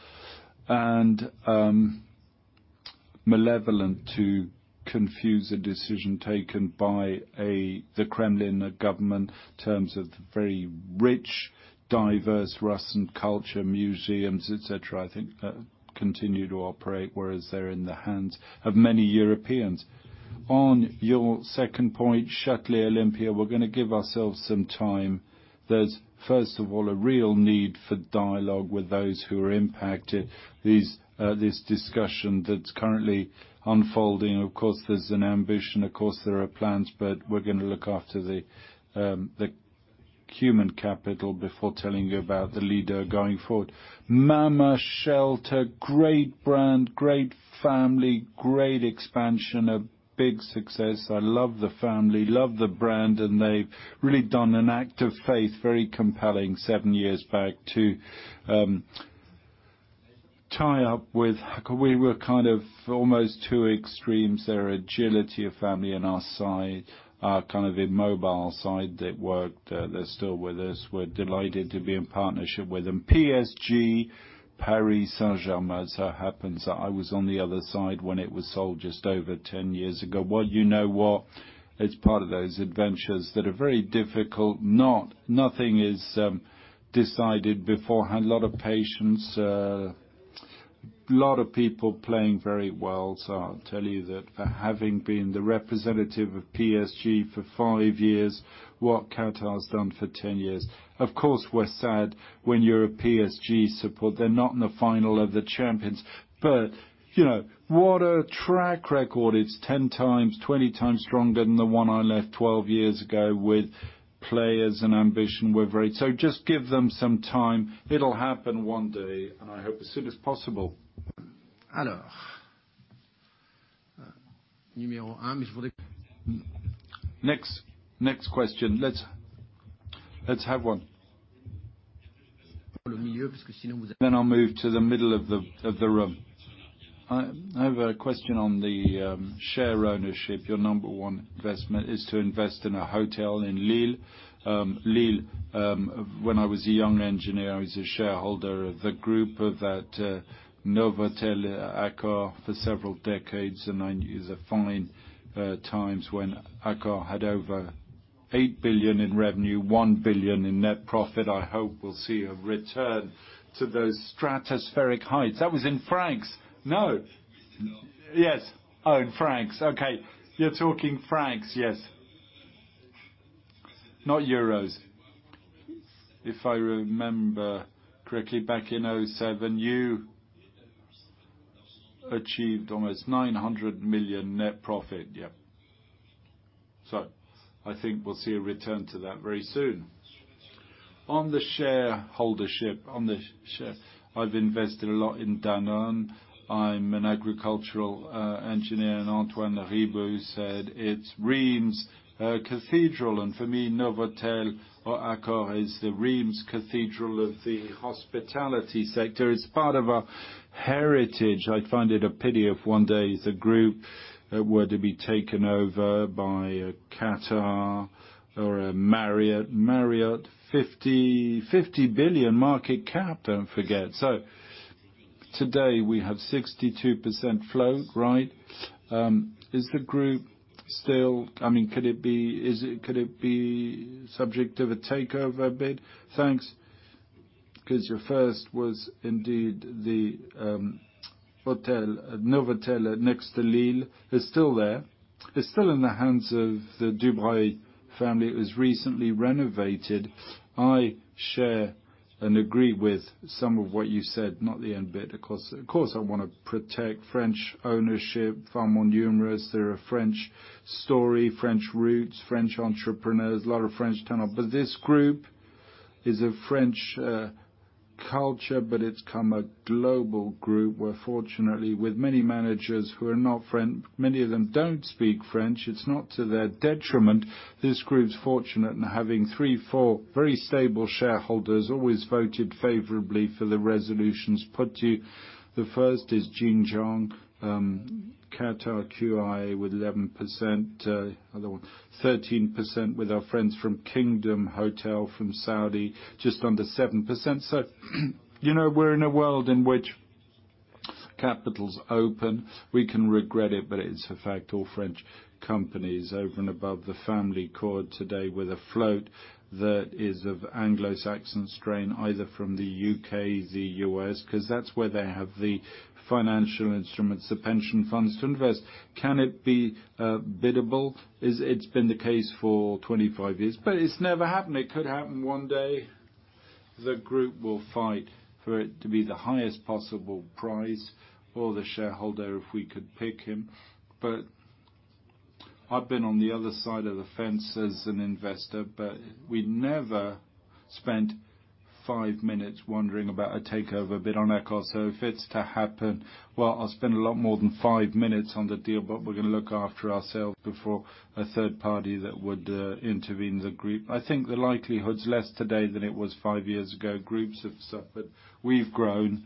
and malevolent to confuse a decision taken by the Kremlin, a government, in terms of the very rich, diverse Russian culture, museums, et cetera. I think continue to operate, whereas they're in the hands of many Europeans. On your second point, Shuttle Olympia, we're gonna give ourselves some time. There's first of all a real need for dialogue with those who are impacted. This discussion that's currently unfolding, of course, there's an ambition, of course, there are plans, but we're gonna look after the human capital before telling you about the leader going forward. Mama Shelter, great brand, great family, great expansion, a big success. I love the family, love the brand, and they've really done an act of faith, very compelling seven years back to tie up with. We were kind of almost two extremes. Their agility of family and our side, our kind of immobile side that worked. They're still with us. We're delighted to be in partnership with them. PSG, Paris Saint-Germain, as it happens, I was on the other side when it was sold just over 10 years ago. Well, you know what? It's part of those adventures that are very difficult. Nothing is decided beforehand. A lot of patience, lot of people playing very well. I'll tell you that for having been the representative of PSG for five years, what Qatar has done for 10 years. Of course, we're sad when you're a PSG supporter. They're not in the final of the champions. You know, what a track record. It's 10 times, 20 times stronger than the one I left 12 years ago with players and ambition. Just give them some time. It'll happen one day, and I hope as soon as possible. Next question. Let's have one. Then I'll move to the middle of the room. I have a question on the share ownership. Your number one investment is to invest in a hotel in Lille. Lille, when I was a young engineer, I was a shareholder of the group of that Novotel Accor for several decades, and I used to find times when Accor had over 8 billion in revenue, 1 billion in net profit. I hope we'll see a return to those stratospheric heights. That was in francs. No.
No. Yes. Oh, in francs. Okay. You're talking francs. Yes. Not euros. If I remember correctly, back in 2007, you achieved almost 900 million net profit. Yep. I think we'll see a return to that very soon. On the shareholdership, on the share, I've invested a lot in Danone. I'm an agricultural engineer, and Antoine Riboud said, "It's Reims Cathedral," and for me, Novotel or Accor is the Reims Cathedral of the hospitality sector. It's part of our heritage. I find it a pity if one day the group were to be taken over by a Qatar or a Marriott. Marriott, $55 billion market cap, don't forget. Today, we have 62% float, right? Could it be subject of a takeover bid? Thanks.
Because your first was indeed the hotel, Novotel next to Lille. It's still there. It's still in the hands of the Dubrule family. It was recently renovated. I share and agree with some of what you said, not the end bit. Of course, I wanna protect French ownership, far more numerous. They're a French story, French roots, French entrepreneurs, a lot of French talent. But this group is a French culture, but it's become a global group, where fortunately, with many managers who are not French, many of them don't speak French, it's not to their detriment. This group's fortunate in having three, four very stable shareholders, always voted favorably for the resolutions put to you. The first is Jin Jiang, Qatar QI with 11%, other one, 13% with our friends from Kingdom Hotel Investments from Saudi, just under 7%. You know, we're in a world in which capital's open. We can regret it, but it's a fact. All French companies open above the family control today with a float that is of Anglo-Saxon strain, either from the U.K., the U.S., 'cause that's where they have the financial instruments, the pension funds to invest. Can it be biddable? It's been the case for 25 years. But it's never happened. It could happen one day. The group will fight for it to be the highest possible price or the shareholder if we could pick him. But I've been on the other side of the fence as an investor, but we never spent five minutes wondering about a takeover bid on Accor. If it's to happen, I'll spend a lot more than 5 minutes on the deal, but we're gonna look after ourselves before a third party that would intervene in the group. I think the likelihood's less today than it was 5 years ago. Groups have suffered. We've grown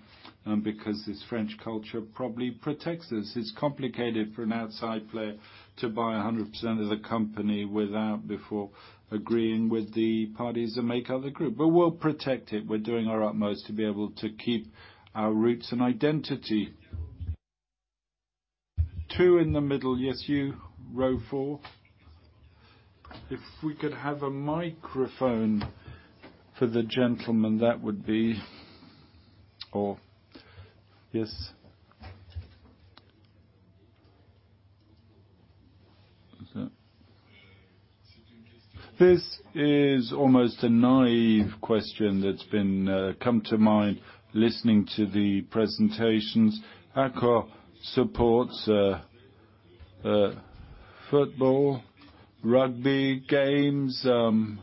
because this French culture probably protects us. It's complicated for an outside player to buy 100% of the company without first agreeing with the parties that make up the group. We'll protect it. We're doing our utmost to be able to keep our roots and identity. Two in the middle. Yes, you, row four. If we could have a microphone for the gentleman, that would be. Or, yes. This is almost a naïve question that's come to mind listening to the presentations. Accor supports football, rugby, games, the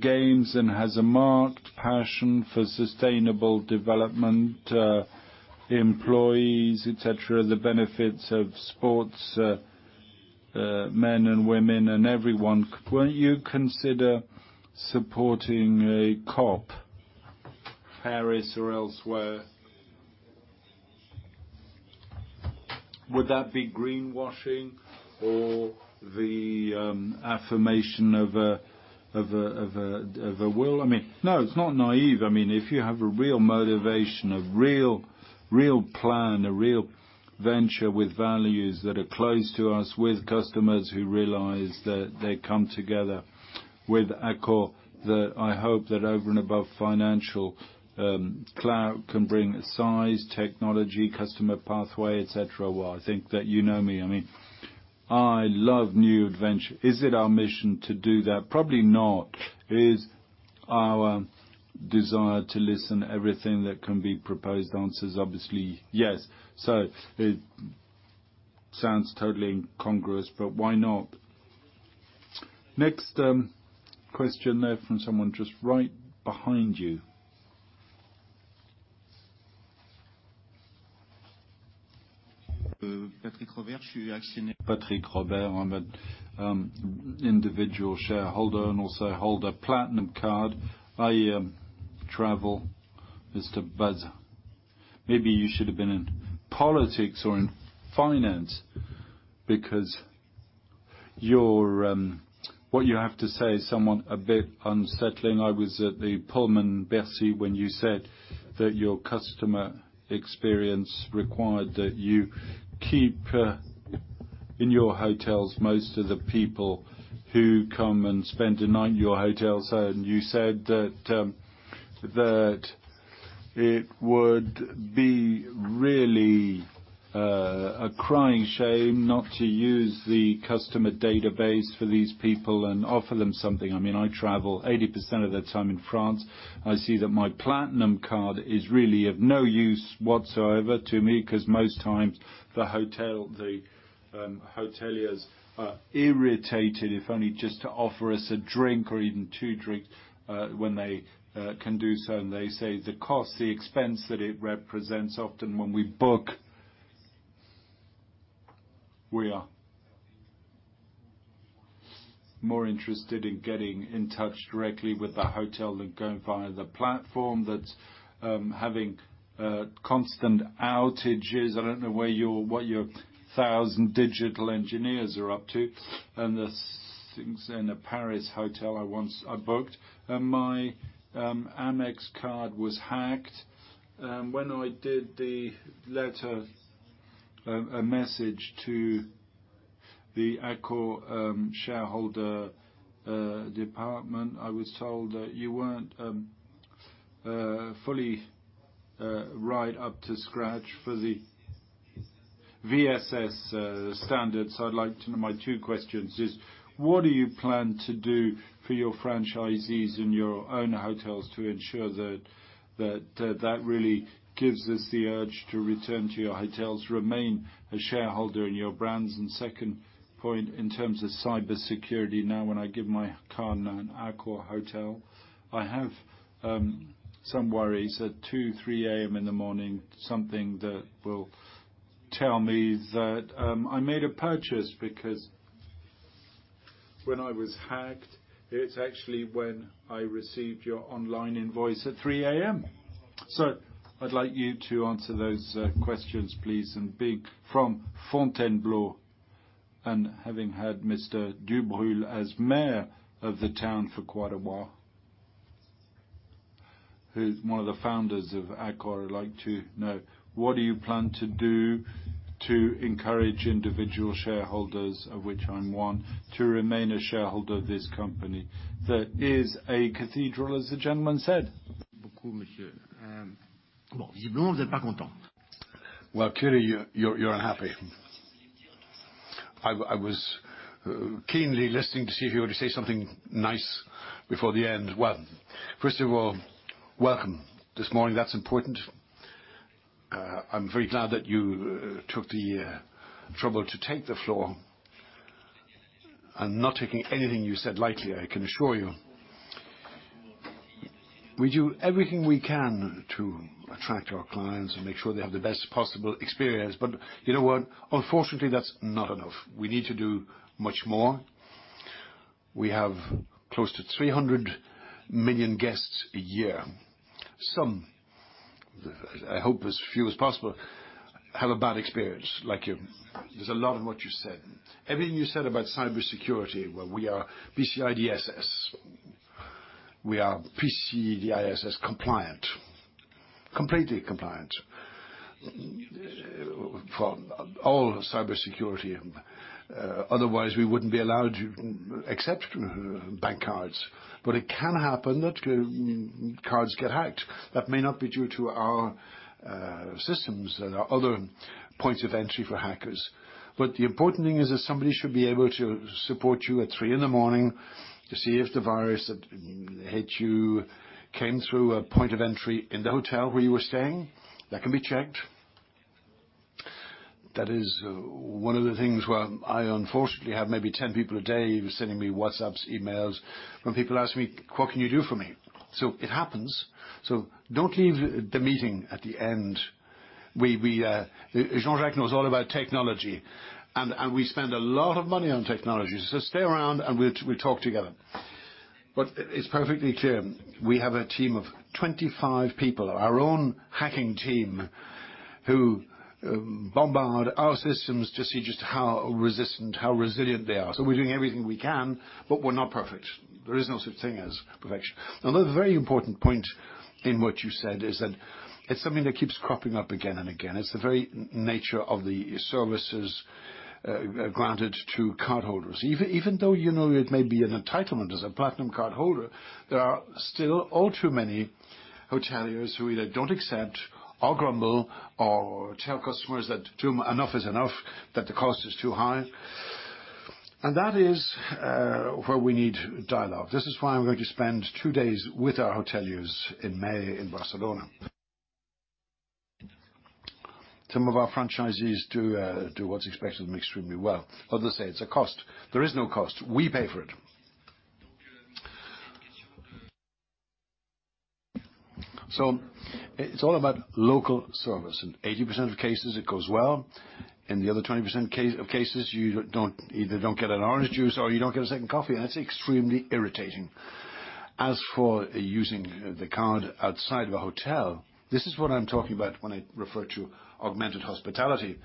games, and has a marked passion for sustainable development, employees, etc. The benefits of sports, men and women and everyone. Won't you consider supporting a cup, Paris or elsewhere? Would that be greenwashing or the affirmation of a will? I mean. No, it's not naive. I mean, if you have a real motivation, a real plan, a real venture with values that are close to us, with customers who realize that they come together with Accor, that I hope that over and above financial clout can bring size, technology, customer pathway, etc. Well, I think that you know me. I mean, I love new venture. Is it our mission to do that? Probably not. Is our desire to listen to everything that can be proposed answers, obviously, yes. It sounds totally incongruous, but why not? Next, question there from someone just right behind you.
Patrick Robert.
Patrick Robert. I'm an individual shareholder and also hold a platinum card. I travel. Mr. Sébastien Bazin, maybe you should have been in politics or in finance because you're what you have to say is somewhat a bit unsettling. I was at the Pullman Bercy when you said that your customer experience required that you keep in your hotels most of the people who come and spend a night in your hotel. You said that it would be really a crying shame not to use the customer database for these people and offer them something. I mean, I travel 80% of the time in France. I see that my platinum card is really of no use whatsoever to me 'cause most times the hoteliers are irritated if only just to offer us a drink or even two drinks when they can do so. They say the cost, the expense that it represents often when we book, we are more interested in getting in touch directly with the hotel than going via the platform that's having constant outages. I don't know what your 1,000 digital engineers are up to. These things in a Paris hotel I once booked, my Amex card was hacked. When I did the letter, a message to the Accor shareholder department, I was told that you weren't fully right up to scratch for the PCI DSS standards. I'd like to know, my two questions is, what do you plan to do for your franchisees in your own hotels to ensure that really gives us the urge to return to your hotels, remain a shareholder in your brands? Second point, in terms of cybersecurity, now when I give my card in an Accor hotel, I have some worries at 2:00AM, 3:00AM. in the morning, something that will tell me that I made a purchase because when I was hacked, it's actually when I received your online invoice at 3:00AM. I'd like you to answer those questions, please. Being from Fontainebleau and having had Mr. Dubrule as mayor of the town for quite a while, who's one of the founders of Accor, I'd like to know what do you plan to do to encourage individual shareholders, of which I'm one, to remain a shareholder of this company that is a cathedral, as the gentleman said?
Well, clearly you're unhappy. I was keenly listening to see if you were to say something nice before the end. Well, first of all, welcome this morning. That's important. I'm very glad that you took the trouble to take the floor. I'm not taking anything you said lightly, I can assure you. We do everything we can to attract our clients and make sure they have the best possible experience. But you know what? Unfortunately, that's not enough. We need to do much more. We have close to 300 million guests a year. Some, I hope as few as possible, have a bad experience like you. There's a lot in what you said. Everything you said about cybersecurity, well, we are PCI DSS. We are PCI DSS compliant, completely compliant for all cybersecurity. Otherwise, we wouldn't be allowed to accept bank cards. It can happen that cards get hacked. That may not be due to our systems. There are other points of entry for hackers. The important thing is that somebody should be able to support you at 3:00AM. to see if the virus that hit you came through a point of entry in the hotel where you were staying. That can be checked. That is one of the things where I unfortunately have maybe 10 people a day who are sending me WhatsApps, emails, when people ask me, "What can you do for me?" It happens. Don't leave the meeting at the end. Jean-Jacques knows all about technology, and we spend a lot of money on technology. Stay around, and we'll talk together. It's perfectly clear, and we have a team of 25 people, our own hacking team, who bombard our systems to see just how resistant, how resilient they are. We're doing everything we can, but we're not perfect. There is no such thing as perfection. Now, another very important point in what you said is that it's something that keeps cropping up again and again. It's the very nature of the services granted to cardholders. Even though, you know, it may be an entitlement as a platinum card holder, there are still all too many hoteliers who either don't accept or grumble or tell customers that enough is enough, that the cost is too high. That is where we need dialogue. This is why I'm going to spend two days with our hoteliers in May in Barcelona. Some of our franchisees do what's expected of extremely well. Others say it's a cost. There is no cost. We pay for it. It's all about local service. In 80% of cases, it goes well, and the other 20% of cases, you either don't get an orange juice or you don't get a second coffee, and that's extremely irritating. As for using the card outside of a hotel, this is what I'm talking about when I refer to augmented hospitality.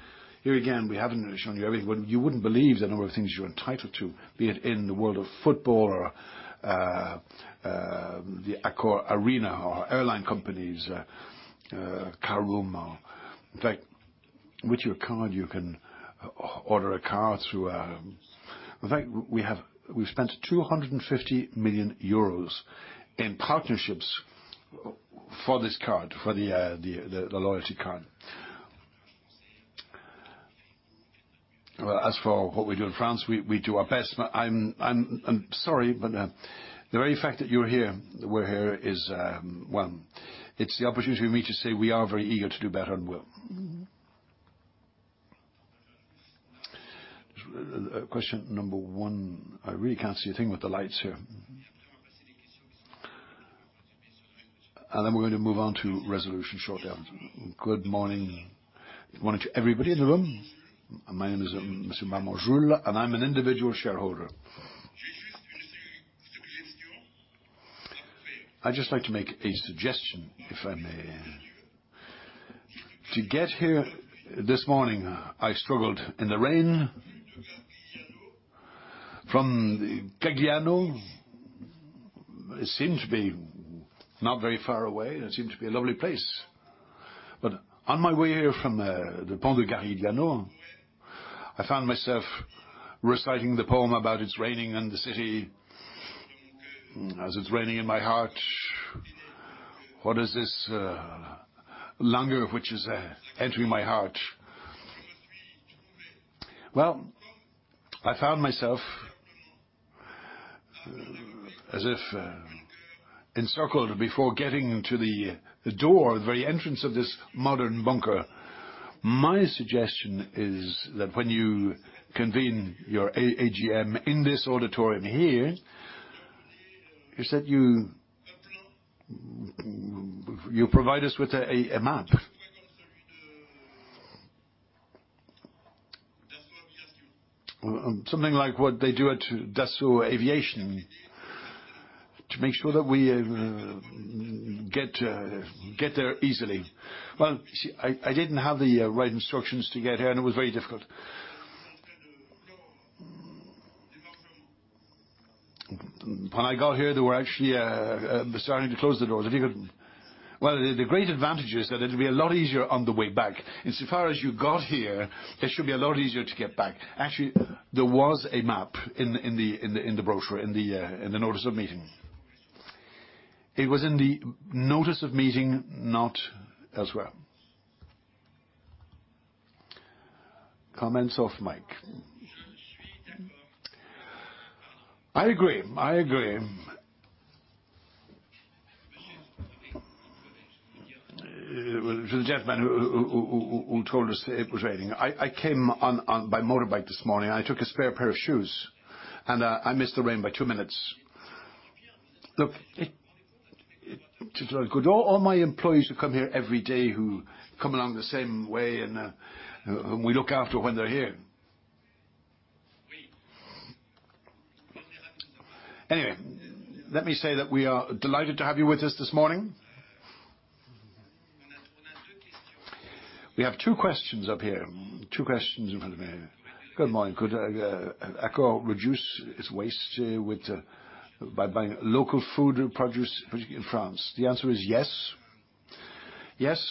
Here again, we haven't shown you everything. You wouldn't believe the number of things you're entitled to, be it in the world of football or the Accor Arena or airline companies, Careem or. In fact, with your card, you can order a car through our. In fact, we've spent 250 million euros in partnerships for this card, for the loyalty card. Well, as for what we do in France, we do our best. I'm sorry, but the very fact that you're here, we're here is, well, it's the opportunity for me to say we are very eager to do better and will.
Mm-hmm.
Question number one. I really can't see a thing with the lights here. We're gonna move on to resolution shortly after. Good morning. Morning to everybody in the room. My name is Monsieur Marmoul, and I'm an individual shareholder. I'd just like to make a suggestion, if I may. To get here this morning, I struggled in the rain from Garigliano. It seems to be not very far away, and it seems to be a lovely place. On my way here from the Pont du Garigliano, I found myself reciting the poem about it's raining in the city as it's raining in my heart. What is this, langueur which is entering my heart? Well, I found myself as if encircled before getting to the door, the very entrance of this modern bunker.
My suggestion is that when you convene your AGM in this auditorium here, is that you provide us with a map. Something like what they do at Dassault Aviation to make sure that we get there easily. Well, I didn't have the right instructions to get here, and it was very difficult. When I got here, they were actually starting to close the door. They figured. Well, the great advantage is that it'll be a lot easier on the way back. Insofar as you got here, it should be a lot easier to get back. Actually, there was a map in the brochure, in the notice of meeting. It was in the notice of meeting, not elsewhere. Comments off mic. I agree. The gentleman who told us it was raining. I came by motorbike this morning. I took a spare pair of shoes, and I missed the rain by two minutes. Look, all my employees who come here every day, who come along the same way and whom we look after when they're here. Anyway, let me say that we are delighted to have you with us this morning. We have two questions up here, two questions in front of me. Good morning. Could Accor reduce its waste by buying local food produce in France? The answer is yes. Yes,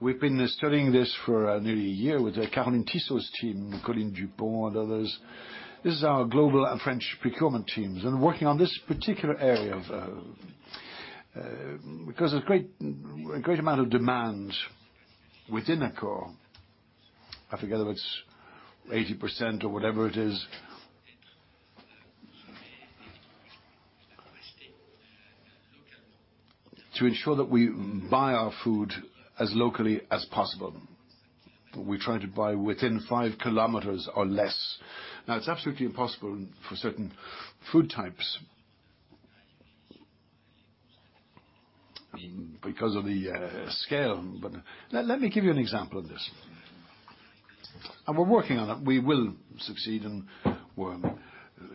we've been studying this for nearly a year with Caroline Tissot's team, Coline Point, others. This is our global and French procurement teams and working on this particular area of Because there's a great amount of demand within Accor. I forget if it's 80% or whatever it is. To ensure that we buy our food as locally as possible, we try to buy within five kilometers or less. Now, it's absolutely impossible for certain food types. I mean, because of the scale. Let me give you an example of this. We're working on it. We will succeed and we're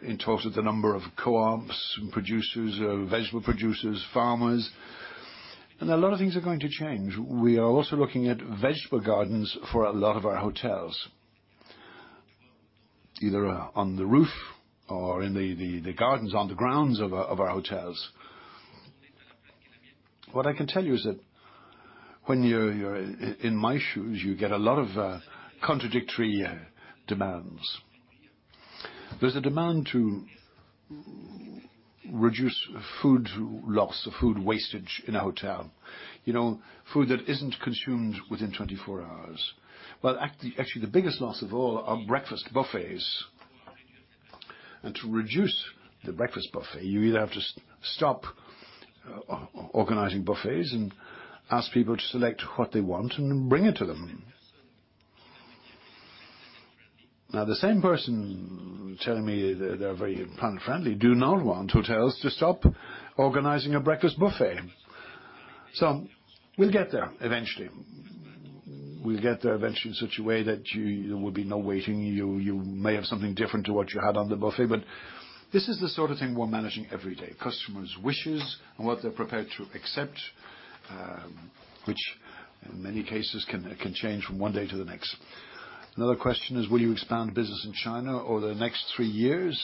in talks with a number of co-ops and producers, vegetable producers, farmers, and a lot of things are going to change. We are also looking at vegetable gardens for a lot of our hotels, either on the roof or in the gardens, on the grounds of our hotels. What I can tell you is that when you're in my shoes, you get a lot of contradictory demands. There's a demand to reduce food loss or food wastage in a hotel. You know, food that isn't consumed within 24 hours. Actually, the biggest loss of all are breakfast buffets. To reduce the breakfast buffet, you either have to stop organizing buffets and ask people to select what they want and then bring it to them. Now, the same person telling me they're very planet-friendly do not want hotels to stop organizing a breakfast buffet. We'll get there eventually. We'll get there eventually in such a way that you there will be no waiting. You may have something different to what you had on the buffet, but this is the sort of thing we're managing every day, customers' wishes and what they're prepared to accept, which in many cases can change from one day to the next. Another question is, will you expand business in China over the next three years?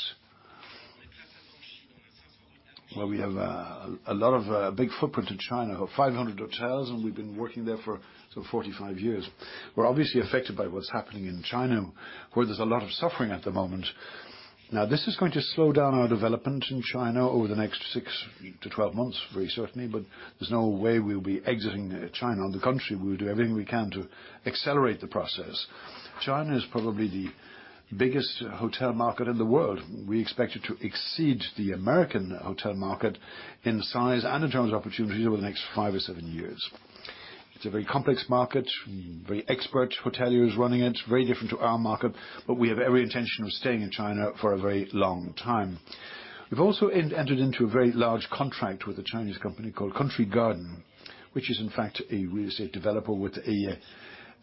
Well, we have a lot of big footprint in China, 500 hotels, and we've been working there for 45 years. We're obviously affected by what's happening in China, where there's a lot of suffering at the moment. Now, this is going to slow down our development in China over the next 6 months-12 months, very certainly, but there's no way we'll be exiting China. On the contrary, we will do everything we can to accelerate the process. China is probably the biggest hotel market in the world. We expect it to exceed the American hotel market in size and in terms of opportunities over the next 5 years-7 years. It's a very complex market, very expert hoteliers running it, very different to our market, but we have every intention of staying in China for a very long time. We've also entered into a very large contract with a Chinese company called Country Garden, which is in fact a real estate developer with a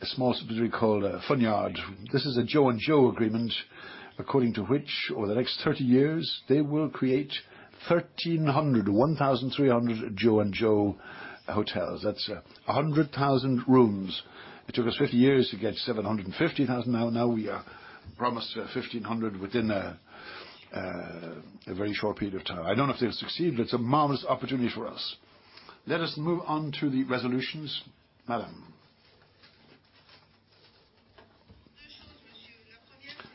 small subsidiary called Fun Yard. This is a JO&JOE agreement, according to which, over the next 30 years, they will create 1,300 JO&JOE hotels. That's 100,000 rooms. It took us 50 years to get to 750,000. Now we are promised 1,500 within a very short period of time. I don't know if they'll succeed, but it's a marvelous opportunity for us. Let us move on to the resolutions. Madam.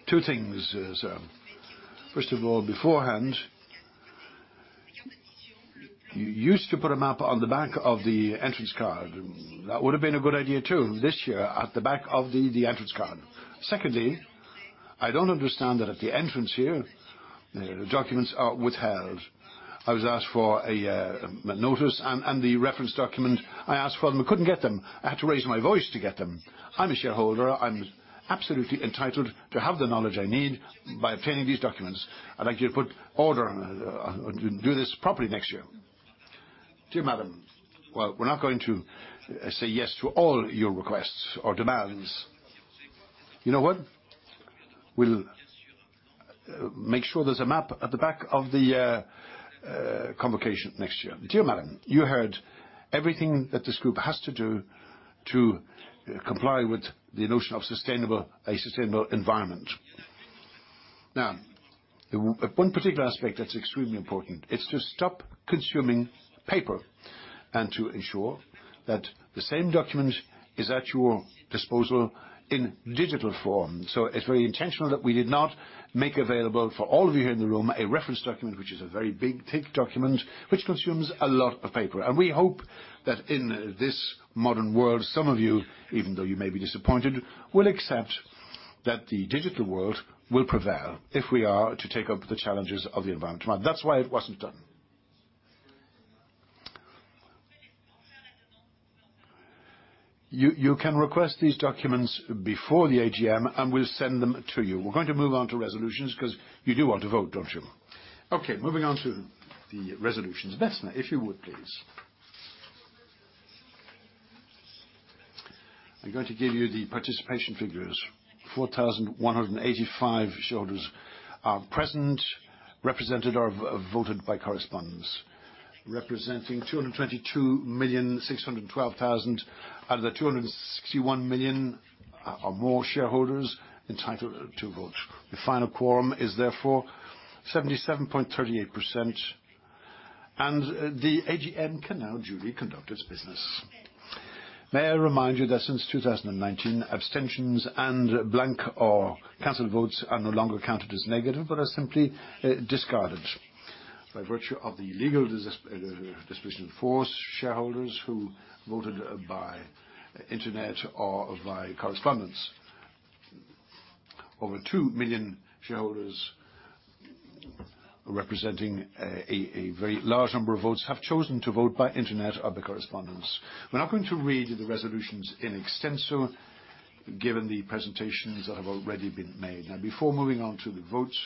Two things.
First of all, beforehand, you used to put a map on the back of the entrance card. That would have been a good idea, too, this year at the back of the entrance card. Secondly, I don't understand that at the entrance here, the documents are withheld. I was asked for a notice and the reference document. I asked for them, I couldn't get them. I had to raise my voice to get them. I'm a shareholder. I'm absolutely entitled to have the knowledge I need by obtaining these documents. I'd like you to put order and do this properly next year. Dear Madam, well, we're not going to say yes to all your requests or demands. You know what? We'll make sure there's a map at the back of the convocation next year.
Dear Madam, you heard everything that this group has to do to comply with the notion of sustainable, a sustainable environment. Now, one particular aspect that's extremely important is to stop consuming paper and to ensure that the same document is at your disposal in digital form. It's very intentional that we did not make available for all of you here in the room a reference document, which is a very big, thick document, which consumes a lot of paper. And we hope that in this modern world, some of you, even though you may be disappointed, will accept that the digital world will prevail if we are to take up the challenges of the environment. That's why it wasn't done. You can request these documents before the AGM, and we'll send them to you. We're going to move on to resolutions because you do want to vote, don't you? Okay, moving on to the resolutions. Besma, if you would, please. I'm going to give you the participation figures. 4,185 shareholders are present, represented or voted by correspondence, representing 222,612,000 out of the 261 million or more shareholders entitled to vote. The final quorum is therefore 77.38%, and the AGM can now duly conduct its business. May I remind you that since 2019, abstentions and blank or canceled votes are no longer counted as negative, but are simply discarded by virtue of the legal disposition in force. Shareholders who voted by internet or by correspondence. Over 2 million shareholders representing a very large number of votes have chosen to vote by internet or by correspondence. We're now going to read the resolutions in extenso, given the presentations that have already been made. Now, before moving on to the votes,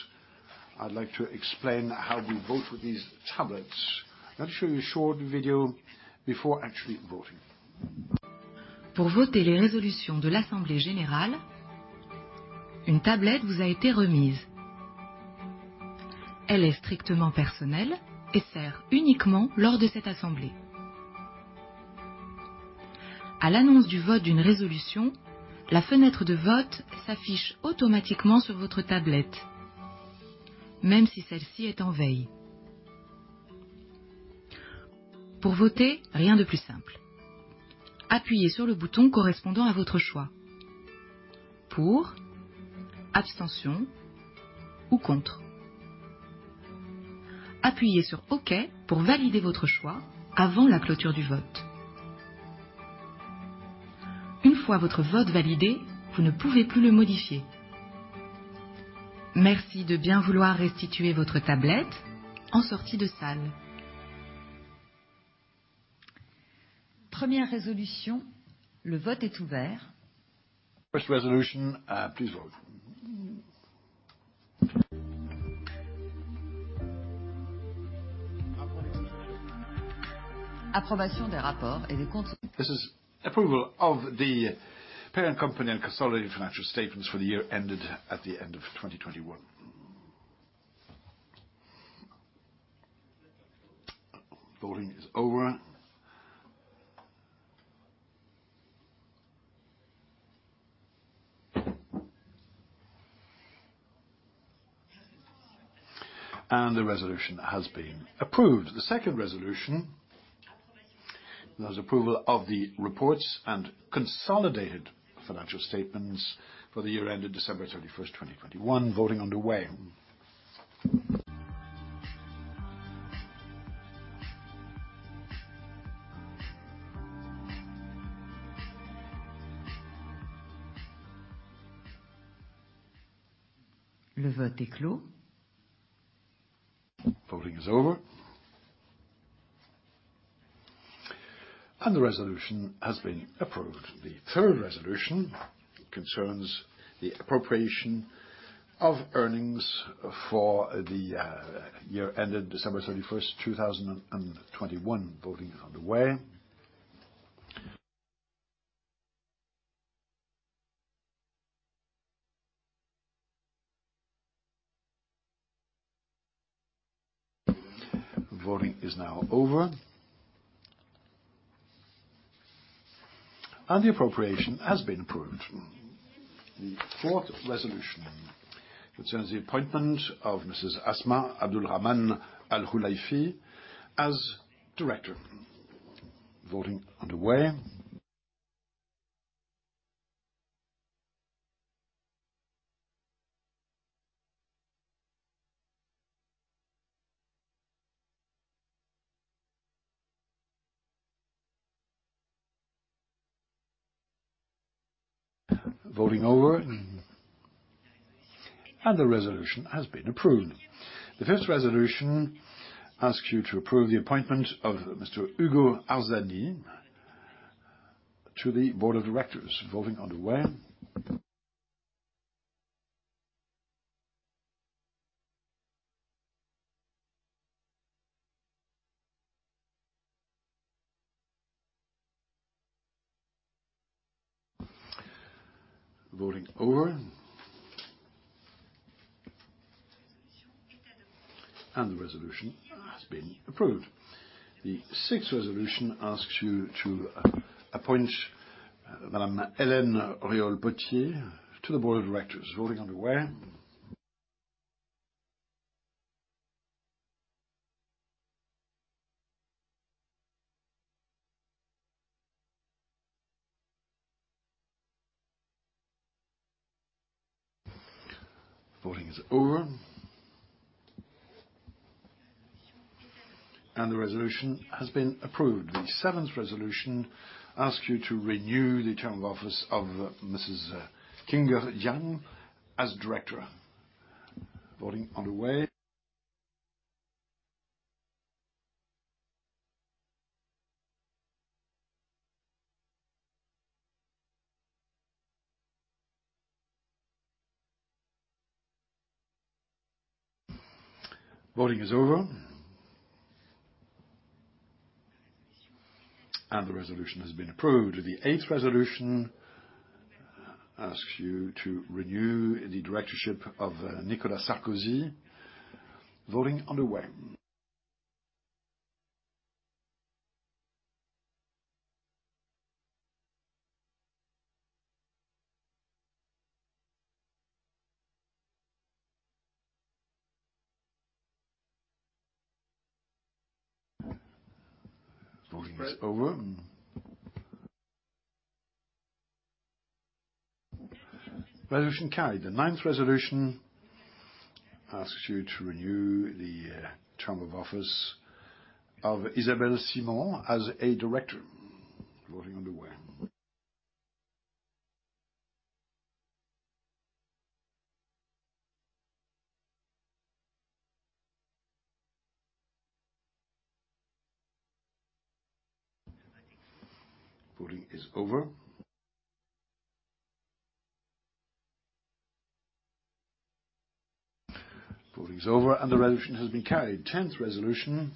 I'd like to explain how we vote with these tablets. Let me show you a short video before actually voting.
Pour voter les résolutions de l'Assemblée générale, une tablette vous a été remise. Elle est strictement personnelle et sert uniquement lors de cette assemblée. À l'annonce du vote d'une résolution, la fenêtre de vote s'affiche automatiquement sur votre tablette, même si celle-ci est en veille. Pour voter, rien de plus simple. Appuyez sur le bouton correspondant à votre choix. Pour, abstention ou contre. Appuyez sur OK pour valider votre choix avant la clôture du vote. Une fois votre vote validé, vous ne pouvez plus le modifier. Merci de bien vouloir restituer votre tablette en sortie de salle. Première résolution, le vote est ouvert.
First resolution, please vote.
Approbation des rapports et des comptes.
This is approval of the parent company and consolidated financial statements for the year ended at the end of 2021. Voting is over. The resolution has been approved. The second resolution that was approval of the reports and consolidated financial statements for the year ended December 31st, 2021. Voting underway.
Le vote est clos.
Voting is over. The resolution has been approved. The third resolution concerns the appropriation of earnings for the year ended December 31st, 2021. Voting underway. Voting is now over. The appropriation has been approved. The fourth resolution concerns the appointment of Mrs. Asma Abdulrahman Al-Khulaifi as director. Voting underway. Voting over. The resolution has been approved. The fifth resolution asks you to approve the appointment of Mr. Ugo Arzani to the Board of Directors. Voting underway. Voting over. The resolution has been approved. The sixth resolution asks you to appoint Madame Hélène Auriol-Pottier to the Board of Directors. Voting underway. Voting is over. The resolution has been approved. The seventh resolution asks you to renew the term of office of Mrs. Qiong'Er Jiang as director. Voting underway. Voting is over. The resolution has been approved. The eighth resolution asks you to renew the directorship of Nicolas Sarkozy. Voting underway. Voting is over. Resolution carried. The 9th resolution asks you to renew the term of office of Isabelle Simon as a director. Voting underway. Voting is over, and the resolution has been carried. 10th resolution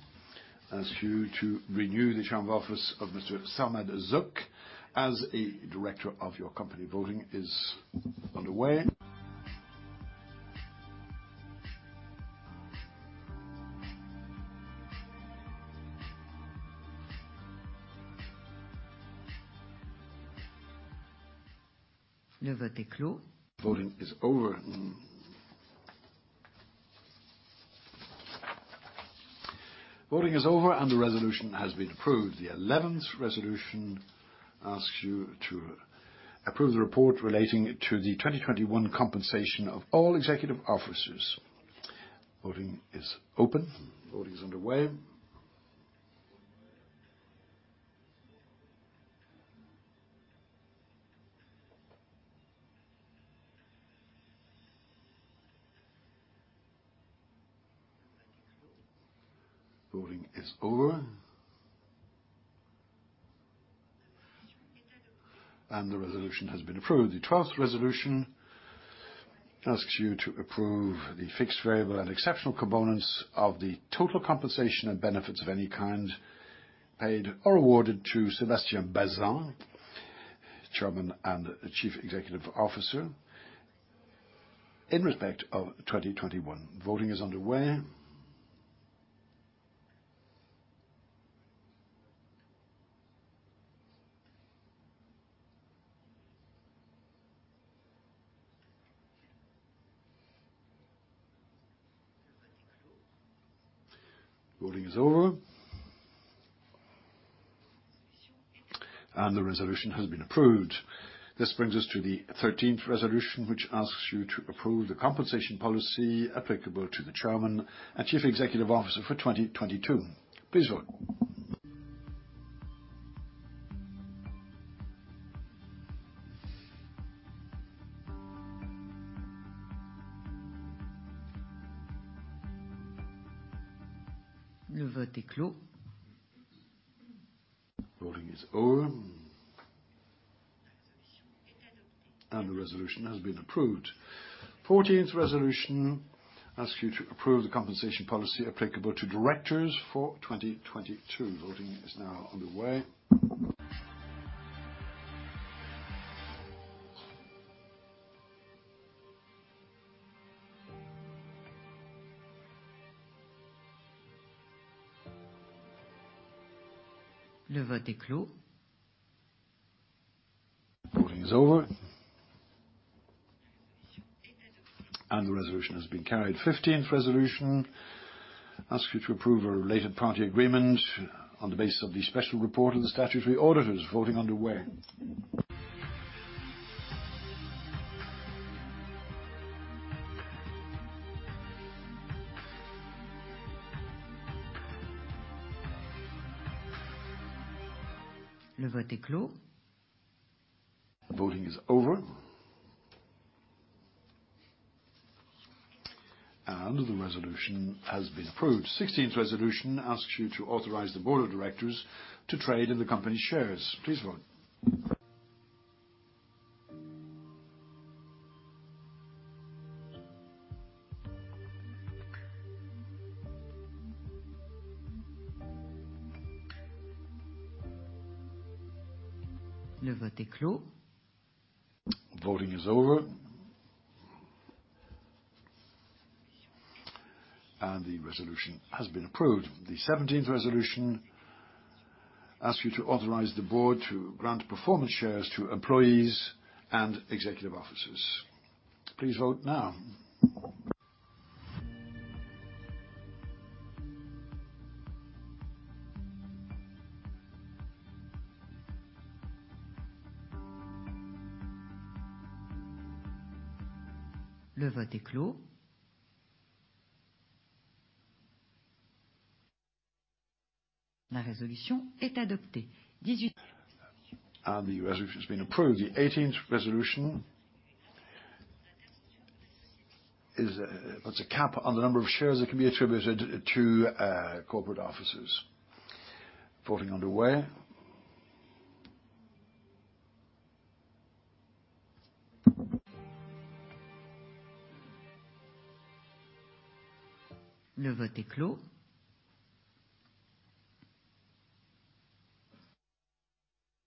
asks you to renew the term of office of Mr. Sarmad Zok as a director of your company. Voting is underway. Voting is over, and the resolution has been approved. The eleventh resolution asks you to approve the report relating to the 2021 compensation of all executive officers. Voting is open. Voting is underway. Voting is over. The resolution has been approved. The 12th resolution asks you to approve the fixed, variable, and exceptional components of the total compensation and benefits of any kind paid or awarded to Sébastien Bazin, Chairman and Chief Executive Officer, in respect of 2021. Voting is underway. Voting is over. The resolution has been approved. This brings us to the 13th resolution, which asks you to approve the compensation policy applicable to the chairman and chief executive officer for 2022. Please vote. Voting is over. The resolution has been approved. The 14th resolution asks you to approve the compensation policy applicable to directors for 2022. Voting is now underway. Voting is over. The resolution has been carried. The 15th resolution asks you to approve a related party agreement on the basis of the special report of the statutory auditors. Voting underway. The voting is over. The resolution has been approved. 16th resolution asks you to authorize the board of directors to trade in the company's shares. Please vote. Voting is over. The resolution has been approved. The 17th resolution asks you to authorize the board to grant performance shares to employees and executive officers. Please vote now. The resolution has been approved. The 18th resolution puts a cap on the number of shares that can be attributed to corporate officers. Voting underway.
Le vote est clos.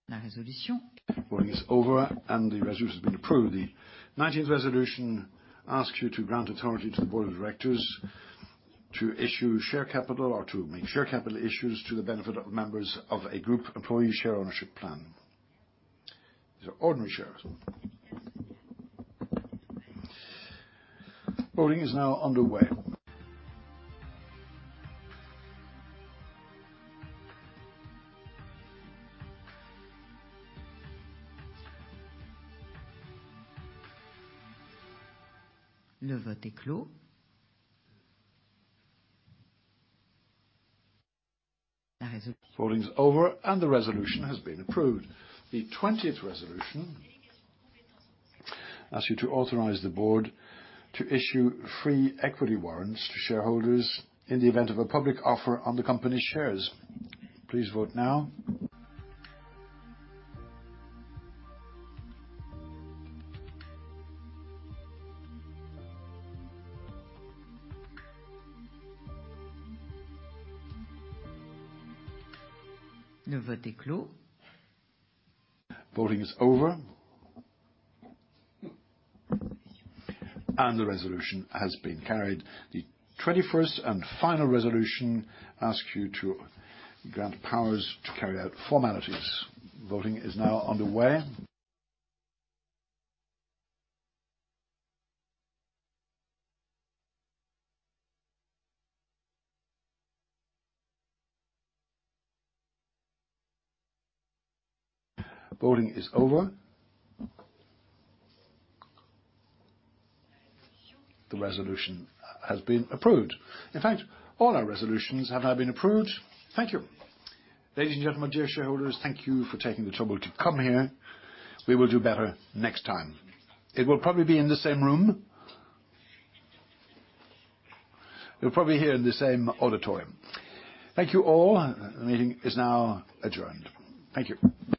La résolution.
Voting is over and the resolution has been approved. The nineteenth resolution asks you to grant authority to the board of directors to issue share capital or to make share capital issues to the benefit of members of a group employee share ownership plan. These are ordinary shares. Voting is now underway.
Le vote est clos.
Voting is over and the resolution has been approved. The 20th resolution asks you to authorize the board to issue free equity warrants to shareholders in the event of a public offer on the company's shares. Please vote now.
Le vote est clos.
Voting is over and the resolution has been carried. The 21st and final resolution asks you to grant powers to carry out formalities. Voting is now underway. Voting is over. The resolution has been approved. In fact, all our resolutions have now been approved. Thank you. Ladies and gentlemen, dear shareholders, thank you for taking the trouble to come here. We will do better next time. It will probably be in the same room. We're probably here in the same auditorium. Thank you all. The meeting is now adjourned. Thank you.